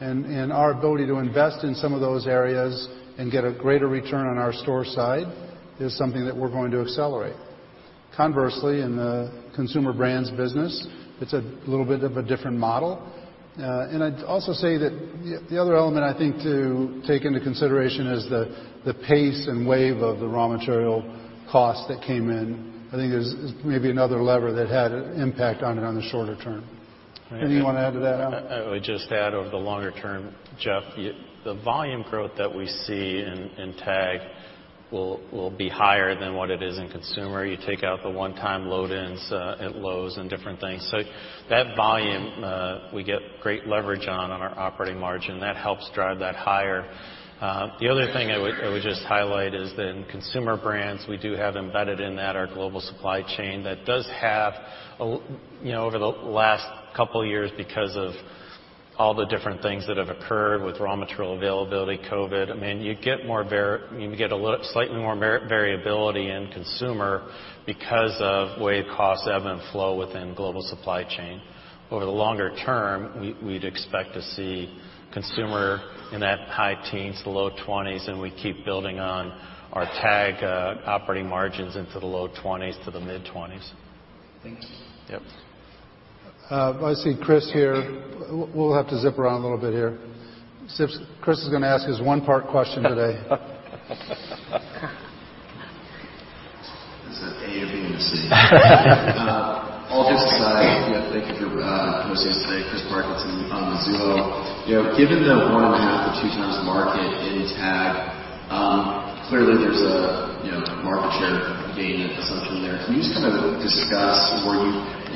and our ability to invest in some of those areas and get a greater return on our store side is something that we're going to accelerate. Conversely, in the consumer brands business, it's a little bit of a different model. I'd also say that the other element I think to take into consideration is the pace and wave of the raw material costs that came in. I think there's maybe another lever that had an impact on it on the shorter term. Anything you wanna add to that, Al? I would just add over the longer term, Jeff, the volume growth that we see in TAG will be higher than what it is in consumer. You take out the one-time load-ins at Lowe's and different things. That volume we get great leverage on our operating margin. That helps drive that higher. The other thing I would just highlight is that in consumer brands, we do have embedded in that our global supply chain that does have, you know, over the last couple of years because of all the different things that have occurred with raw material availability, COVID. I mean, you get a little slightly more variability in consumer because of the way costs ebb and flow within global supply chain. Over the longer term, we'd expect to see consumer in that high-teens to low-twenties, and we keep building on our TAG operating margins into the low-twenties to mid-twenties. Thanks. Yep. I see Chris here. We'll have to zip around a little bit here. Chris is gonna ask his one part question today. Is it A or B or C? All jokes aside. Yeah, thank you for hosting today. Chris Parkinson on Mizuho. You know, given the 1.5x or 2x market in TAG, clearly there's a market share gain assumption there. Can you just kind of discuss where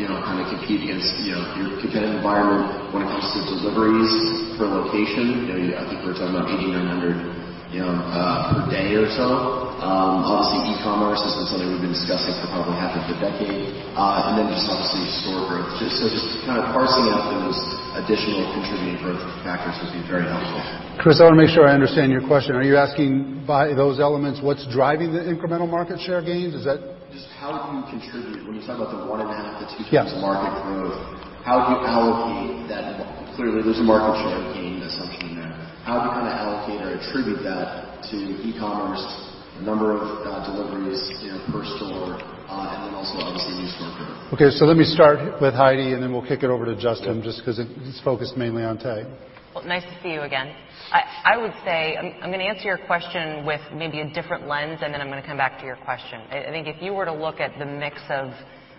you kind of compete against your competitive environment when it comes to deliveries per location? You know, I think we're talking about 80 or 100 per day or so. Obviously, e-commerce, that's been something we've been discussing for probably half of a decade. Then just obviously store growth. Just kind of parsing out those additional contributing growth factors would be very helpful. Chris, I wanna make sure I understand your question. Are you asking by those elements, what's driving the incremental market share gains? Is that? Just how do you contribute when you talk about the 1.5x-2x? Yeah. Market growth, how do you allocate that? Clearly, there's a market share gain assumption there. How do you kinda allocate or attribute that to e-commerce, number of deliveries, you know, per store, and then also obviously new store growth? Okay, let me start with Heidi, and then we'll kick it over to Justin just 'cause it's focused mainly on TAG. Well, nice to see you again. I would say I'm gonna answer your question with maybe a different lens, and then I'm gonna come back to your question. I think if you were to look at the mix of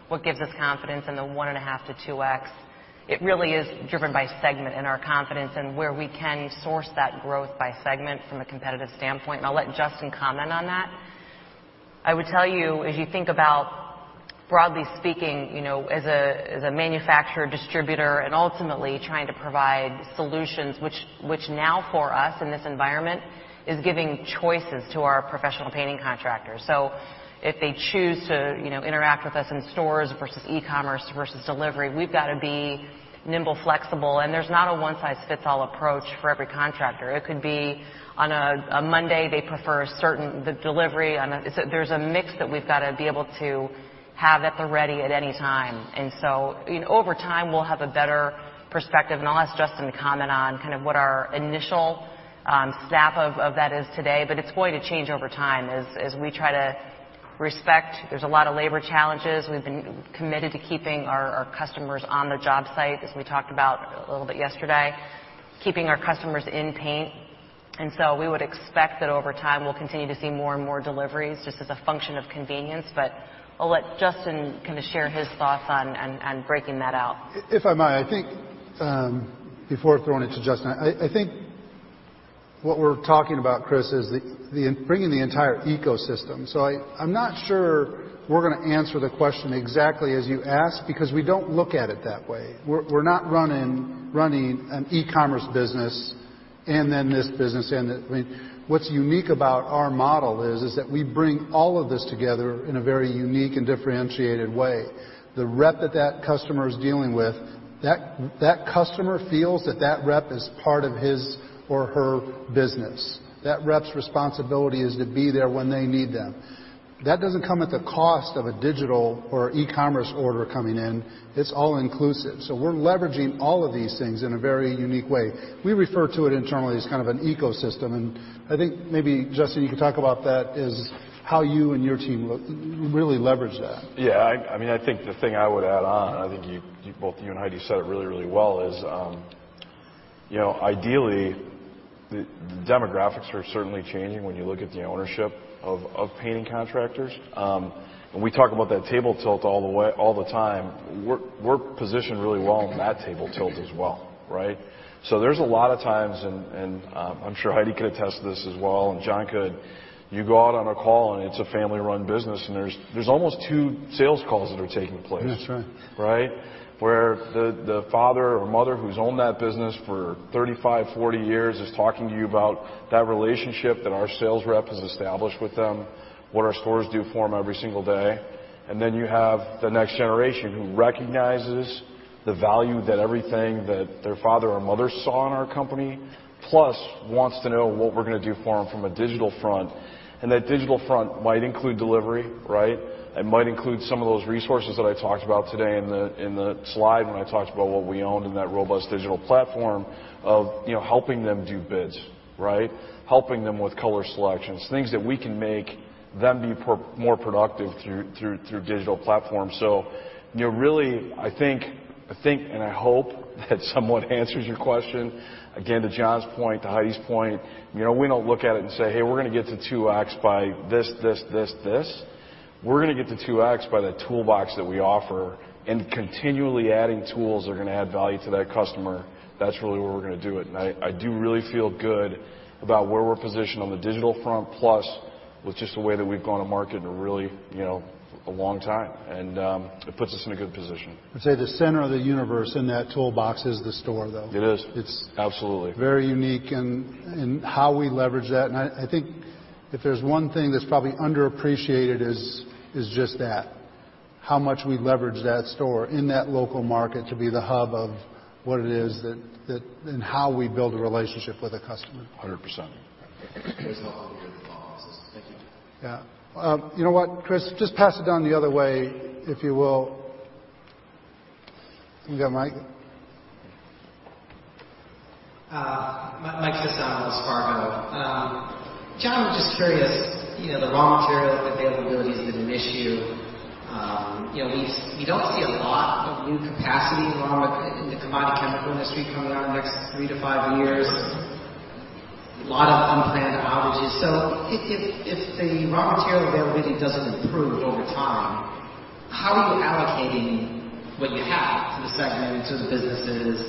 what gives us confidence in the 1.5x-2x, it really is driven by segment and our confidence in where we can source that growth by segment from a competitive standpoint. I'll let Justin comment on that. I would tell you, broadly speaking, you know, as a manufacturer, distributor, and ultimately trying to provide solutions which now for us, in this environment, is giving choices to our professional painting contractors. If they choose to, you know, interact with us in stores versus e-commerce versus delivery, we've gotta be nimble, flexible, and there's not a one-size-fits-all approach for every contractor. It could be on a Monday, they prefer a certain delivery. There's a mix that we've gotta be able to have at the ready at any time. You know, over time, we'll have a better perspective, and I'll ask Justin to comment on kind of what our initial snap of that is today. It's going to change over time as we try to respect. There's a lot of labor challenges. We've been committed to keeping our customers on their job site, as we talked about a little bit yesterday, keeping our customers in paint. We would expect that over time we'll continue to see more and more deliveries just as a function of convenience. I'll let Justin kinda share his thoughts on and breaking that out. If I might, I think, before throwing it to Justin, I think what we're talking about, Chris, is the bringing the entire ecosystem. I'm not sure we're gonna answer the question exactly as you ask, because we don't look at it that way. We're not running an e-commerce business and then this business and that. I mean, what's unique about our model is that we bring all of this together in a very unique and differentiated way. The rep that that customer is dealing with, that customer feels that that rep is part of his or her business. That rep's responsibility is to be there when they need them. That doesn't come at the cost of a digital or e-commerce order coming in. It's all inclusive. We're leveraging all of these things in a very unique way. We refer to it internally as kind of an ecosystem, and I think maybe, Justin, you can talk about that as how you and your team really leverage that. Yeah. I mean, I think the thing I would add on, I think you both and Heidi said it really well, is you know, ideally, the demographics are certainly changing when you look at the ownership of painting contractors. When we talk about that table tilt all the way, all the time, we're positioned really well in that table tilt as well, right? There's a lot of times, and I'm sure Heidi could attest to this as well, and John could, you go out on a call, and it's a family-run business, and there's almost two sales calls that are taking place. That's right. Right? Where the father or mother who's owned that business for 35, 40 years is talking to you about that relationship that our sales rep has established with them, what our stores do for them every single day. You have the next generation who recognizes the value that everything that their father or mother saw in our company, plus wants to know what we're gonna do for them from a digital front, and that digital front might include delivery, right? It might include some of those resources that I talked about today in the slide when I talked about what we own in that robust digital platform of, you know, helping them do bids, right? Helping them with color selections, things that we can make them be more productive through digital platforms. You know, really, I think and I hope that somewhat answers your question. Again, to John's point, to Heidi's point, you know, we don't look at it and say, "Hey, we're gonna get to 2x by this, this." We're gonna get to 2x by the toolbox that we offer and continually adding tools that are gonna add value to that customer. That's really where we're gonna do it. I do really feel good about where we're positioned on the digital front, plus with just the way that we've gone to market in a really, you know, a long time. It puts us in a good position. I'd say the center of the universe in that toolbox is the store, though. It is. It's- Absolutely. Very unique in how we leverage that. I think if there's one thing that's probably underappreciated is just that, how much we leverage that store in that local market to be the hub of what it is that and how we build a relationship with a customer. 100%. [inaudible] Thank you. Yeah. You know what, Chris? Just pass it down the other way, if you will. You got a mic? Mike Sison, Wells Fargo. John, I'm just curious, you know, the raw material availability has been an issue. You know, we don't see a lot of new capacity in the commodity chemical industry coming on in the next three to five years. Lots of unplanned outages. If the raw material availability doesn't improve over time, how are you allocating what you have to the segments or the businesses?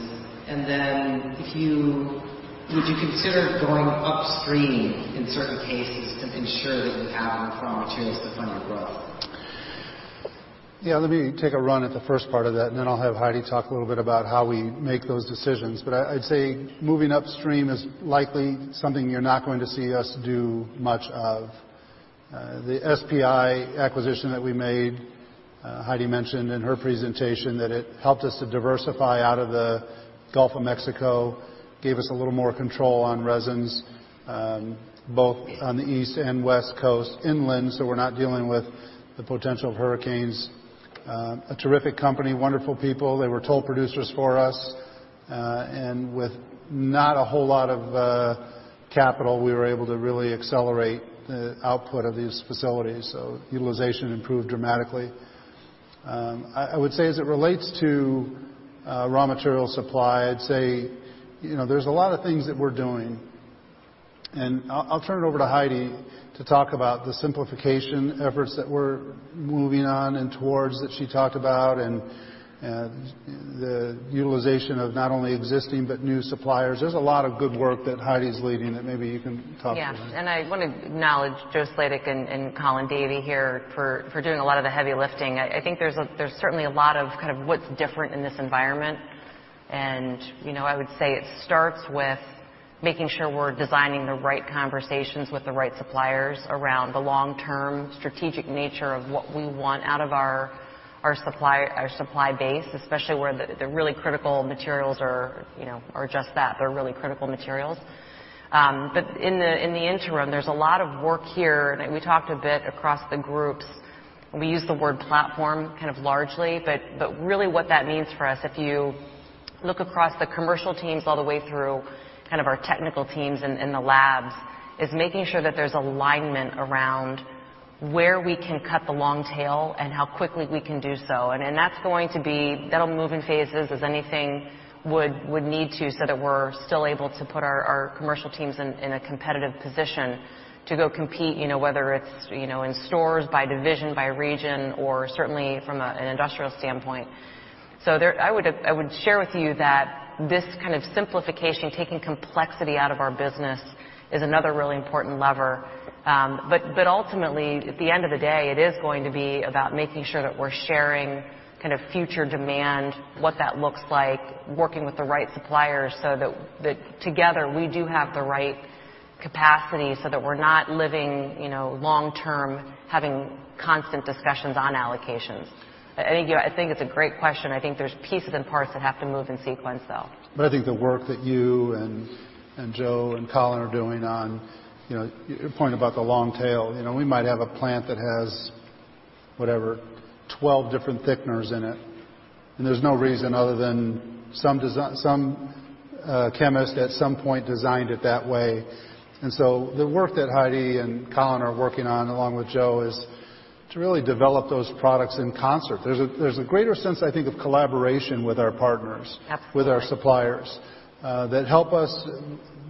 Would you consider going upstream in certain cases to ensure that you have enough raw materials to fund your growth? Yeah, let me take a run at the first part of that, and then I'll have Heidi talk a little bit about how we make those decisions. I'd say moving upstream is likely something you're not going to see us do much of. The SPI acquisition that we made, Heidi mentioned in her presentation that it helped us to diversify out of the Gulf of Mexico, gave us a little more control on resins, both on the east and west coast, inland, so we're not dealing with the potential of hurricanes. A terrific company, wonderful people. They were toll producers for us. With not a whole lot of capital, we were able to really accelerate the output of these facilities. Utilization improved dramatically. I would say as it relates to raw material supply, I'd say, you know, there's a lot of things that we're doing. I'll turn it over to Heidi to talk about the simplification efforts that we're moving on and towards that she talked about and the utilization of not only existing but new suppliers. There's a lot of good work that Heidi's leading that maybe you can talk to that. Yeah. I wanna acknowledge Joe Sladek and Colin Davie here for doing a lot of the heavy lifting. I think there's certainly a lot of kind of what's different in this environment. You know, I would say it starts with making sure we're designing the right conversations with the right suppliers around the long-term strategic nature of what we want out of our supply base, especially where the really critical materials are, you know, just that, they're really critical materials. In the interim, there's a lot of work here, and we talked a bit across the groups. We use the word platform kind of largely, but really what that means for us, if you look across the commercial teams all the way through kind of our technical teams in the labs, is making sure that there's alignment around where we can cut the long tail and how quickly we can do so. That's going to be. That'll move in phases as anything would need to, so that we're still able to put our commercial teams in a competitive position to go compete, you know, whether it's, you know, in stores, by division, by region or certainly from an industrial standpoint. I would share with you that this kind of simplification, taking complexity out of our business is another really important lever. Ultimately, at the end of the day, it is going to be about making sure that we're sharing kind of future demand, what that looks like, working with the right suppliers so that together we do have the right capacity so that we're not living, you know, long term, having constant discussions on allocations. I think, you know, I think it's a great question. I think there's pieces and parts that have to move in sequence, though. I think the work that you and Joe and Colin are doing on, you know, your point about the long tail. You know, we might have a plant that has, whatever, 12 different thickeners in it, and there's no reason other than some chemist at some point designed it that way. The work that Heidi and Colin are working on along with Joe is to really develop those products in concert. There's a greater sense, I think, of collaboration with our partners. Absolutely. With our suppliers that help us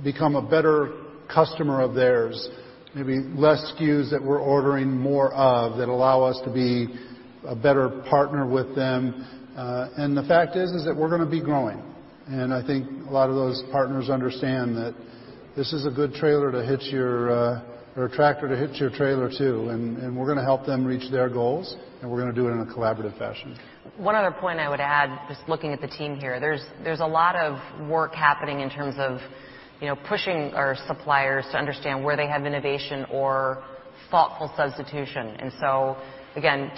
become a better customer of theirs. Maybe less SKUs that we're ordering more of that allow us to be a better partner with them. The fact is that we're gonna be growing. I think a lot of those partners understand that this is a good tractor to hitch your trailer to. We're gonna help them reach their goals, and we're gonna do it in a collaborative fashion. One other point I would add, just looking at the team here. There's a lot of work happening in terms of, you know, pushing our suppliers to understand where they have innovation or thoughtful substitution.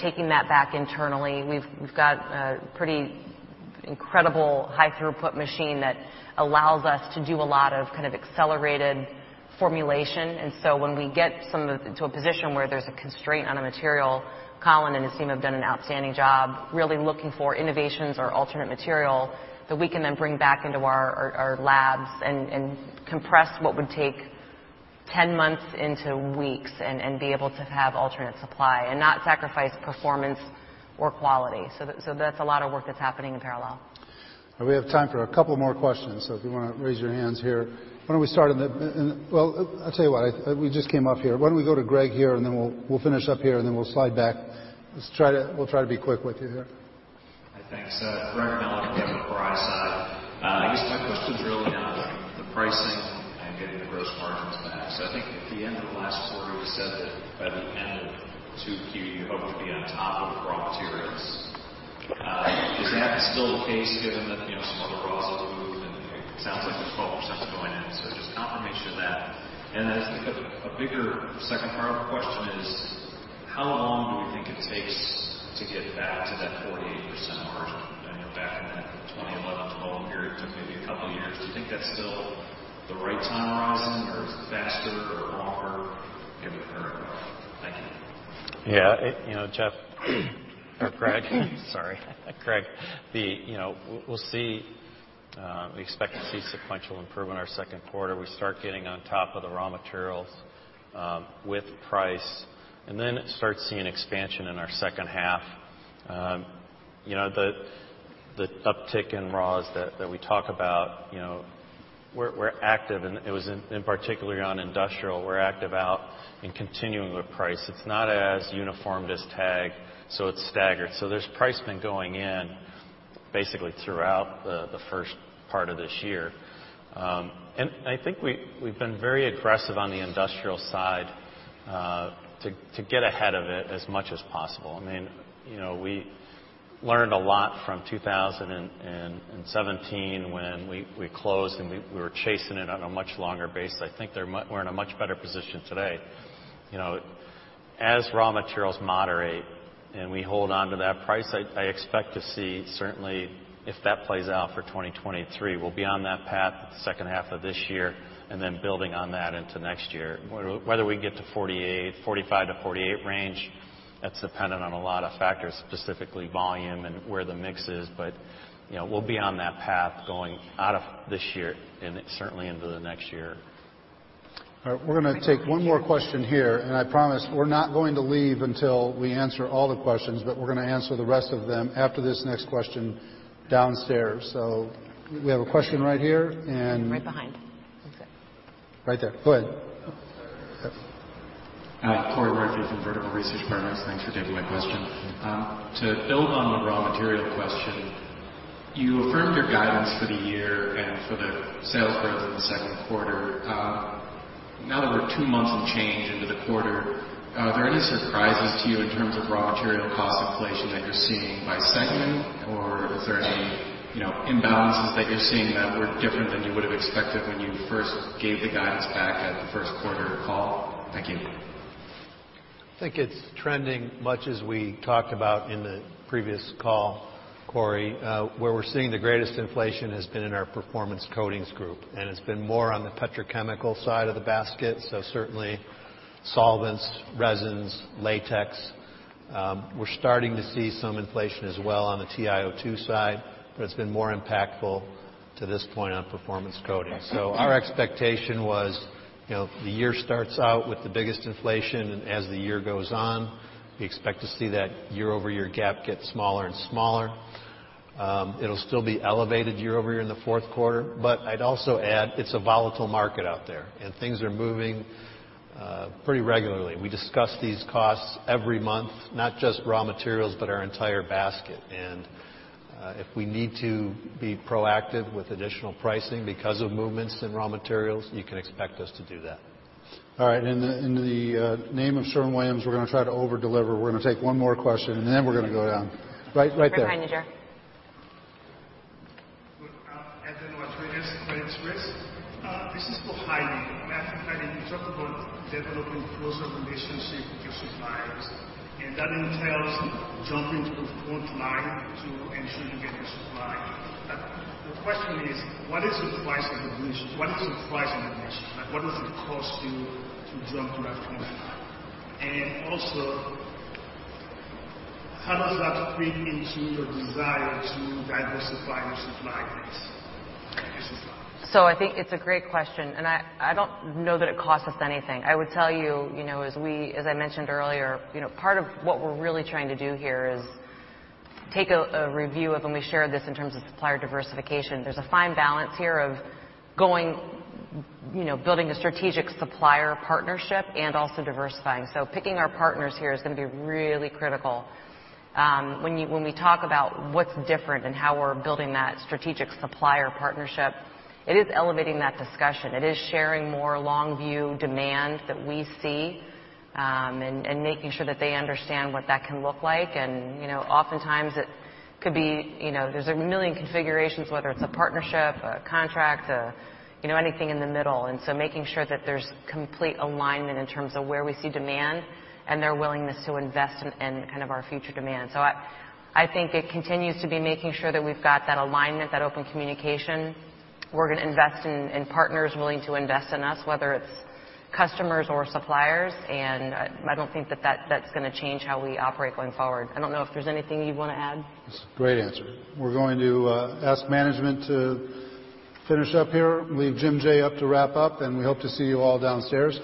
Taking that back internally, we've got a pretty incredible high throughput machine that allows us to do a lot of kind of accelerated formulation. When we get some of it to a position where there's a constraint on a material, Colin and his team have done an outstanding job really looking for innovations or alternate material that we can then bring back into our labs and compress what would take 10 months into weeks and be able to have alternate supply and not sacrifice performance or quality. That's a lot of work that's happening in parallel. We have time for a couple more questions, so if you wanna raise your hands here. Why don't we start. Well, I'll tell you what, we just came off here. Why don't we go to Greg here, and then we'll finish up here, and then we'll slide back. We'll try to be quick with you here. Thanks. Greg Melich on the corporate side. I guess my question is really on the pricing and getting the gross margins back. I think at the end of last quarter, you said that by the end of 2Q, you hope to be on top of raw materials. Is that still the case given that, you know, some other raws have moved and it sounds like the 12% is going in, so just confirmation of that. I think a bigger second part of the question is how long do we think it takes to get back to that 48% margin. I know back in the 2011-2012 period, it took maybe a couple of years. Do you think that's still the right time horizon, or faster or longer given the current environment? Thank you. Yeah. You know, Jeff or Greg. Sorry. Greg, you know, we'll see. We expect to see sequential improvement in our second quarter. We start getting on top of the raw materials with pricing, and then start seeing expansion in our second half. You know, the uptick in raws that we talk about, you know, we're active and it was in particular on industrial. We're active and continuing with pricing. It's not as uniform as TAG, so it's staggered. So pricing has been going in basically throughout the first part of this year. I think we've been very aggressive on the industrial side to get ahead of it as much as possible. I mean, you know, we learned a lot from 2017 when we closed and we were chasing it on a much longer basis. I think we're in a much better position today. You know, as raw materials moderate and we hold on to that price, I expect to see certainly if that plays out for 2023, we'll be on that path second half of this year and then building on that into next year. Whether we can get to 48%, 45%-48% range, that's dependent on a lot of factors, specifically volume and where the mix is. You know, we'll be on that path going out of this year and certainly into the next year. All right, we're gonna take one more question here, and I promise we're not going to leave until we answer all the questions, but we're gonna answer the rest of them after this next question downstairs. We have a question right here. Right behind. That's it. Right there. Go ahead. Cory Murphy from Vertical Research Partners. Thanks for taking my question. To build on the raw material question, you affirmed your guidance for the sales growth in the second quarter, now that we're two months into the quarter, are there any surprises to you in terms of raw material cost inflation that you're seeing by segment? Or is there any, you know, imbalances that you're seeing that were different than you would have expected when you first gave the guidance back at the first quarter call? Thank you. I think it's trending much as we talked about in the previous call, Cory. Where we're seeing the greatest inflation has been in our Performance Coatings Group, and it's been more on the petrochemical side of the basket. Certainly solvents, resins, latex. We're starting to see some inflation as well on the TiO2 side. It's been more impactful to this point on Performance Coatings Group. Our expectation was, you know, the year starts out with the biggest inflation, and as the year goes on, we expect to see that year-over-year gap get smaller and smaller. It'll still be elevated year over year in the fourth quarter, but I'd also add it's a volatile market out there, and things are moving pretty regularly. We discuss these costs every month, not just raw materials, but our entire basket. If we need to be proactive with additional pricing because of movements in raw materials, you can expect us to do that. All right. In the name of Sherwin-Williams, we're gonna try to over deliver. We're gonna take one more question, and then we're gonna go down. Right there. Good. Edlain Rodriguez with Credit Suisse. This is for Heidi. I think, Heidi, you talked about developing closer relationship with your suppliers, and that entails jumping to the frontline to ensure you get your supply. The question is: What is the price of admission? Like, what does it cost you to jump to that point? Also, how does that fit into your desire to diversify your supply base? Thank you so much. I think it's a great question, and I don't know that it costs us anything. I would tell you know, as I mentioned earlier, you know, part of what we're really trying to do here is take a review of when we share this in terms of supplier diversification. There's a fine balance here of going, you know, building a strategic supplier partnership and also diversifying. Picking our partners here is gonna be really critical. When we talk about what's different and how we're building that strategic supplier partnership, it is elevating that discussion. It is sharing more long view demand that we see, and making sure that they understand what that can look like. You know, oftentimes it could be, you know, there's a million configurations, whether it's a partnership, a contract, a, you know, anything in the middle. Making sure that there's complete alignment in terms of where we see demand and their willingness to invest in kind of our future demand. I think it continues to be making sure that we've got that alignment, that open communication. We're gonna invest in partners willing to invest in us, whether it's customers or suppliers. I don't think that that's gonna change how we operate going forward. I don't know if there's anything you'd wanna add. It's a great answer. We're going to ask management to finish up here, leave Jim Jay up to wrap up, and we hope to see you all downstairs.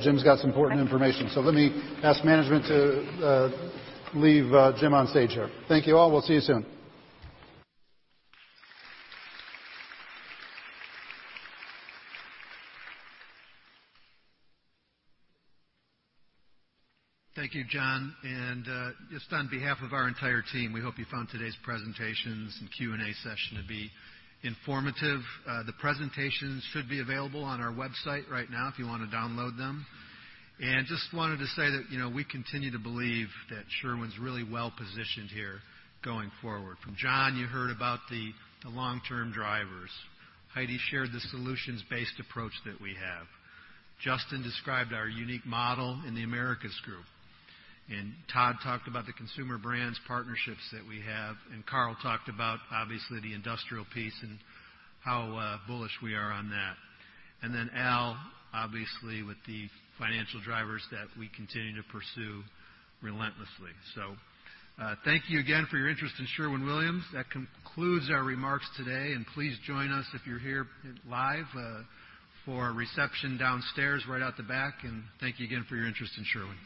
Jim's got some important information. Let me ask management to leave Jim Jay on stage here. Thank you, all. We'll see you soon. Thank you, John. Just on behalf of our entire team, we hope you found today's presentations and Q&A session to be informative. The presentations should be available on our website right now if you wanna download them. Just wanted to say that, you know, we continue to believe that Sherwin-Williams is really well positioned here going forward. From John, you heard about the long-term drivers. Heidi shared the solutions-based approach that we have. Justin described our unique model in the Americas Group. Todd talked about the consumer brands partnerships that we have. Carl talked about, obviously, the industrial piece and how bullish we are on that. Then Al, obviously, with the financial drivers that we continue to pursue relentlessly. Thank you again for your interest in Sherwin-Williams. That concludes our remarks today. Please join us if you're here live, for a reception downstairs right out the back. Thank you again for your interest in Sherwin.